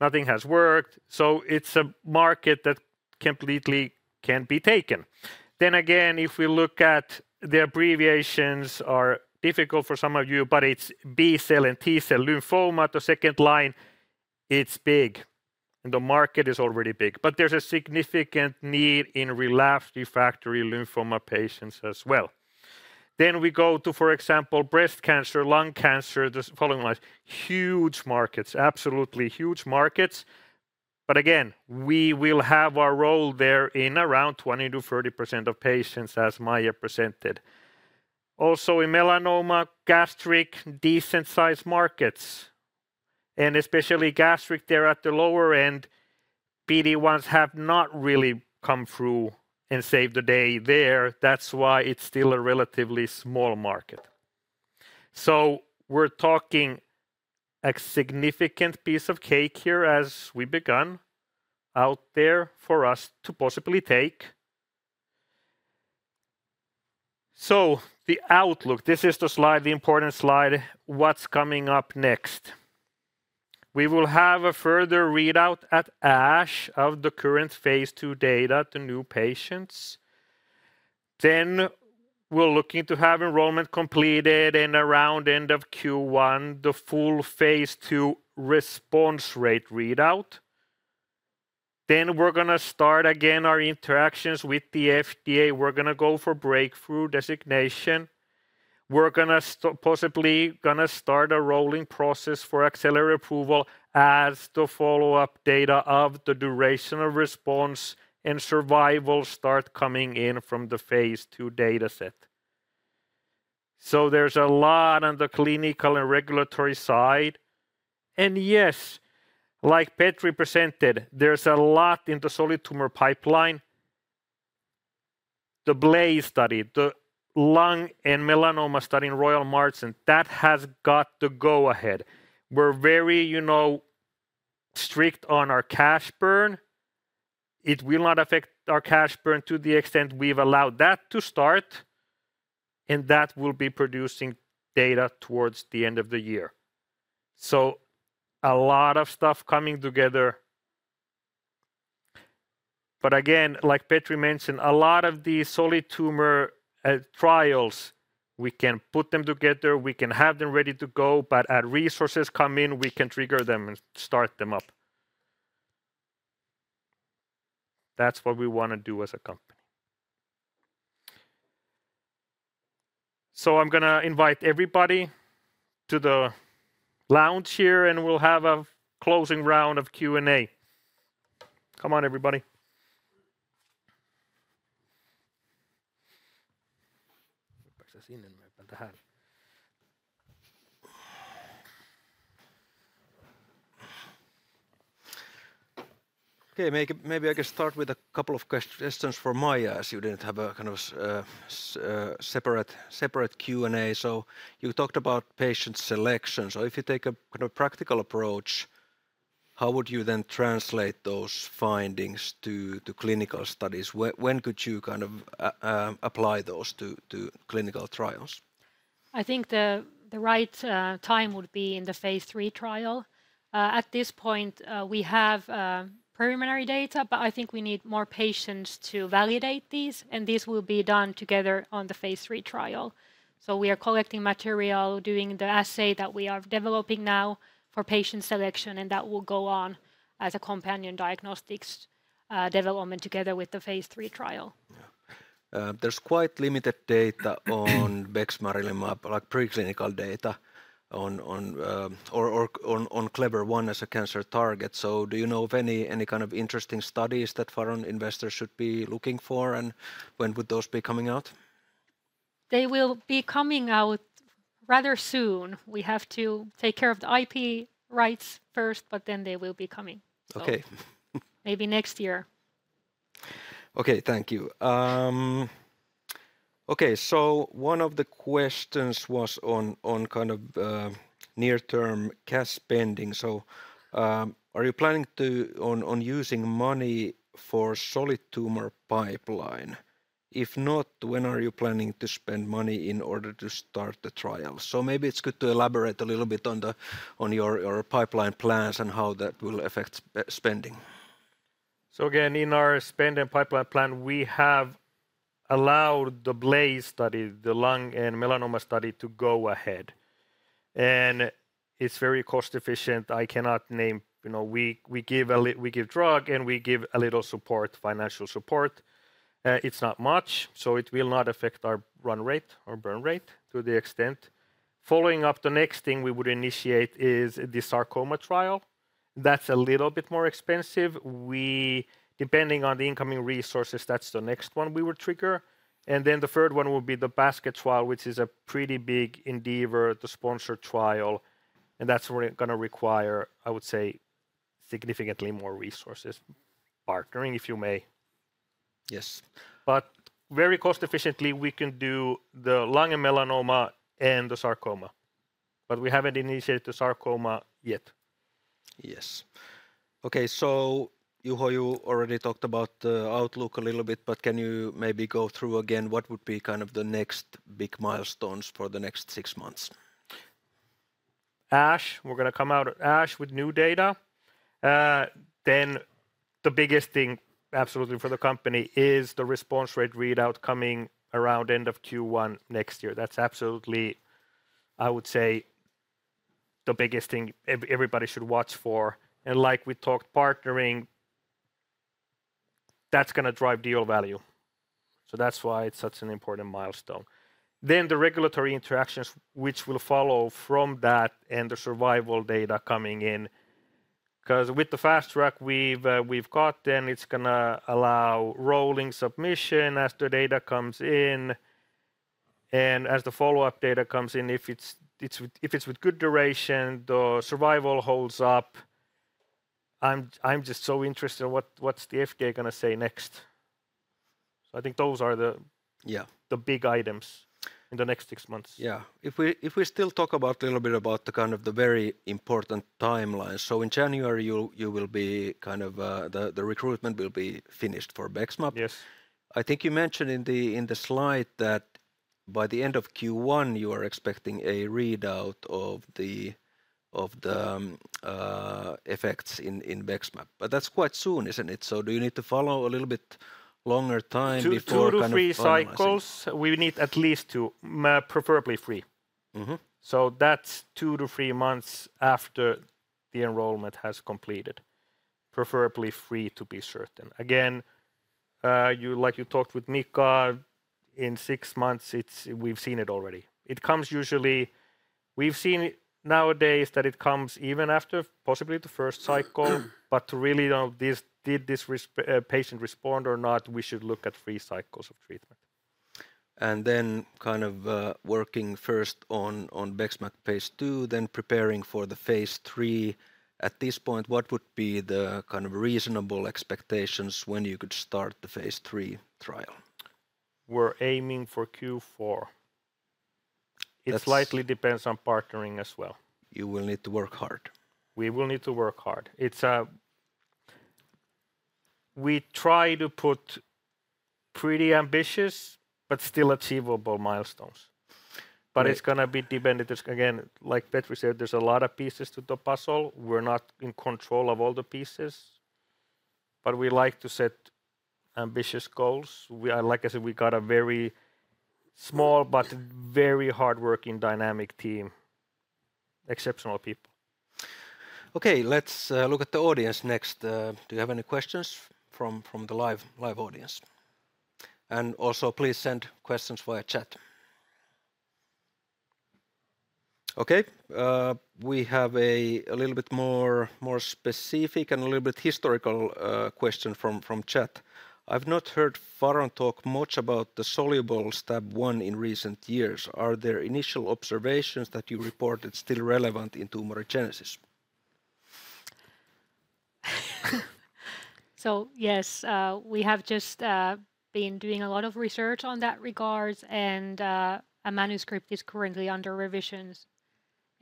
Nothing has worked. So it's a market that completely can be taken. Then again, if we look at the abbreviations are difficult for some of you, but it's B-cell and T-cell lymphoma, the second line, it's big, and the market is already big. But there's a significant need in relapsed/refractory lymphoma patients as well. Then we go to, for example, breast cancer, lung cancer, the following slides. Huge markets, absolutely huge markets. But again, we will have our role there in around 20% to 30% of patients, as Maija presented. Also, in melanoma, gastric, decent-sized markets... and especially gastric, they're at the lower end. PD-1s have not really come through and saved the day there. That's why it's still a relatively small market. So we're talking a significant piece of cake here, as we begun, out there for us to possibly take. So the outlook, this is the slide, the important slide. What's coming up next? We will have a further readout at ASH of the current phase II data to new patients. Then we're looking to have enrollment completed in around end of Q1, the full phase II response rate readout. Then we're gonna start again our interactions with the FDA. We're gonna go for breakthrough designation. We're gonna possibly gonna start a rolling process for accelerated approval as the follow-up data of the durational response and survival start coming in from the phase II data set. So there's a lot on the clinical and regulatory side, and yes, like Petri presented, there's a lot in the solid tumor pipeline. The BLAZE study, the lung and melanoma study in Royal Marsden, that has got the go-ahead. We're very, you know, strict on our cash burn. It will not affect our cash burn to the extent we've allowed that to start, and that will be producing data towards the end of the year. So a lot of stuff coming together. But again, like Petri mentioned, a lot of the solid tumor trials, we can put them together, we can have them ready to go, but as resources come in, we can trigger them and start them up. That's what we wanna do as a company. So I'm gonna invite everybody to the lounge here, and we'll have a closing round of Q&A. Come on, everybody. Okay, maybe I can start with a couple of questions for Maija, as you didn't have a kind of separate Q&A. So you talked about patient selection. So if you take a kind of practical approach, how would you then translate those findings to clinical studies? When could you kind of apply those to clinical trials? I think the right time would be in the phase III trial. At this point, we have preliminary data, but I think we need more patients to validate these, and this will be done together on the phase III trial. So we are collecting material, doing the assay that we are developing now for patient selection, and that will go on as a companion diagnostics development together with the phase III trial. Yeah. There's quite limited data on bexmarilimab, like, preclinical data on CLEVER-1 as a cancer target. So do you know of any kind of interesting studies that foreign investors should be looking for, and when would those be coming out? They will be coming out rather soon. We have to take care of the IP rights first, but then they will be coming. Okay. So maybe next year. Okay, thank you. Okay, so one of the questions was on kind of near-term cash spending. So, are you planning to on using money for solid tumor pipeline? If not, when are you planning to spend money in order to start the trials? So maybe it's good to elaborate a little bit on your pipeline plans and how that will affect spending. So again, in our spend and pipeline plan, we have allowed the BLAZE study, the lung and melanoma study, to go ahead, and it's very cost efficient. I cannot name. You know, we give drug, and we give a little support, financial support. It's not much, so it will not affect our run rate or burn rate to the extent. Following up, the next thing we would initiate is the sarcoma trial. That's a little bit more expensive. We, depending on the incoming resources, that's the next one we would trigger, and then the third one will be the basket trial, which is a pretty big endeavor to sponsor trial, and that's gonna require, I would say, significantly more resources. Partnering, if you may. Yes. But very cost efficiently, we can do the lung and melanoma and the sarcoma, but we haven't initiated the sarcoma yet. Yes. Okay, so Juho, you already talked about the outlook a little bit, but can you maybe go through again what would be kind of the next big milestones for the next six months? ASH, we're gonna come out at ASH with new data. Then the biggest thing, absolutely, for the company is the response rate readout coming around end of Q1 next year. That's absolutely, I would say, the biggest thing everybody should watch for, and like we talked, partnering, that's gonna drive deal value. So that's why it's such an important milestone. Then the regulatory interactions which will follow from that and the survival data coming in, 'cause with the Fast Track we've, we've got, then it's gonna allow rolling submission as the data comes in, and as the follow-up data comes in, if it's with good duration, the survival holds up, I'm just so interested in what, what's the FDA gonna say next? So I think those are the- Yeah. The big items in the next six months. Yeah. If we still talk about a little bit about the very important timeline. So in January, you will be kind of. The recruitment will be finished for BEXMAB. Yes. I think you mentioned in the slide that by the end of Q1, you are expecting a readout of the effects in BEXMAB. But that's quite soon, isn't it? So do you need to follow a little bit longer time before you kind of- Two to three cycles. We need at least two, preferably three. Mm-hmm. So that's two to three months after the enrollment has completed, preferably three to be certain. Again, you, like you talked with Mika, in six months, it's we've seen it already. It comes usually. We've seen nowadays that it comes even after possibly the first cycle. But to really know this, did this patient respond or not, we should look at three cycles of treatment. Then kind of working first on BEXMAB phase II, then preparing for the phase III, at this point, what would be the kind of reasonable expectations when you could start the phase III trial? We're aiming for Q4. That's- It slightly depends on partnering as well. You will need to work hard. We will need to work hard. It's... We try to put pretty ambitious but still achievable milestones. Yeah. But it's gonna be dependent. Again, like Petri said, there's a lot of pieces to the puzzle. We're not in control of all the pieces, but we like to set ambitious goals. Like I said, we got a very small but very hardworking, dynamic team. Exceptional people. Okay, let's look at the audience next. Do you have any questions from the live audience? And also, please send questions via chat. Okay, we have a little bit more specific and a little bit historical question from chat. "I've not heard Faron talk much about the soluble STAB1 in recent years. Are there initial observations that you reported still relevant in tumorigenesis? Yes, we have just been doing a lot of research in that regard, and a manuscript is currently under revision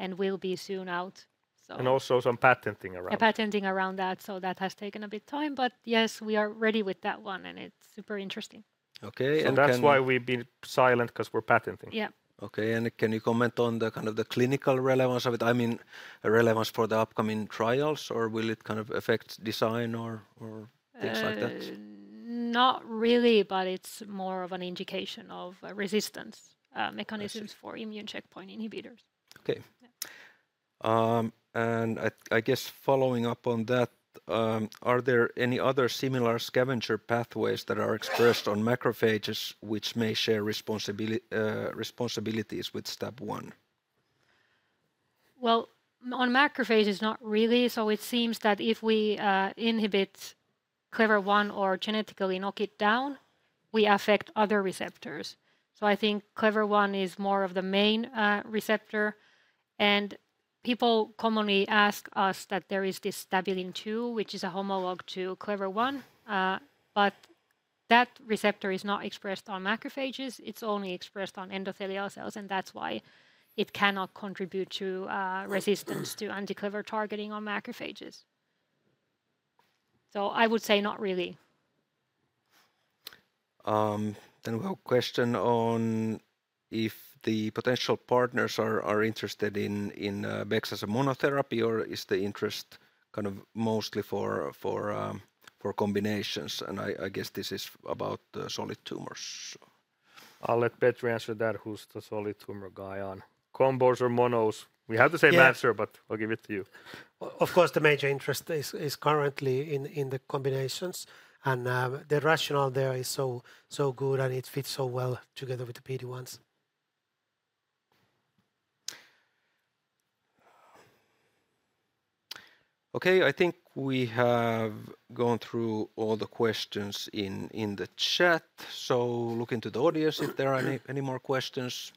and will soon be out, so- And also some patenting around. And patenting around that, so that has taken a bit time, but yes, we are ready with that one, and it's super interesting. Okay, and can- So that's why we've been silent, 'cause we're patenting. Yeah. Okay, and can you comment on the, kind of, the clinical relevance of it? I mean, relevance for the upcoming trials, or will it kind of affect design or, or things like that? Not really, but it's more of an indication of resistance. I see.... mechanisms for immune checkpoint inhibitors. Okay. Yeah. I guess following up on that, are there any other similar scavenger pathways that are expressed on macrophages, which may share responsibilities with STAB1? On macrophages, not really. So it seems that if we inhibit CLEVER-1 or genetically knock it down, we affect other receptors. So I think CLEVER-1 is more of the main receptor. And people commonly ask us that there is this Stabilin-2, which is a homolog to CLEVER-1, but that receptor is not expressed on macrophages. It's only expressed on endothelial cells, and that's why it cannot contribute to resistance to anti-CLEVER-1 targeting on macrophages. So I would say not really. Then we have a question on if the potential partners are interested in Bex as a monotherapy, or is the interest kind of mostly for combinations? And I guess this is about solid tumors, so. I'll let Petri answer that, who's the solid tumor guy on combos or monos. We have the same answer- Yeah.... but I'll give it to you. Of course, the major interest is currently in the combinations, and the rationale there is so good, and it fits so well together with the PD-1s. Okay, I think we have gone through all the questions in the chat, so looking to the audience if there are any more questions.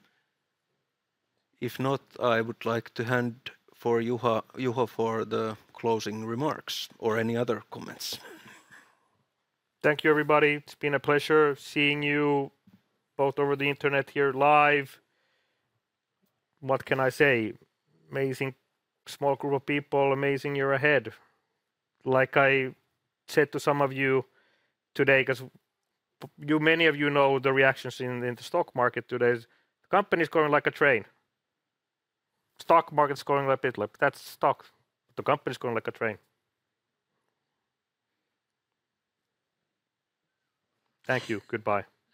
If not, I would like to hand over to Juho for the closing remarks or any other comments. Thank you, everybody. It's been a pleasure seeing you both over the internet here live. What can I say? Amazing small group of people, amazing year ahead. Like I said to some of you today, 'cause you, many of you know the reactions in the stock market today. The company's going like a train. Stock market's going a bit like that's stock, but the company's going like a train. Thank you. Goodbye.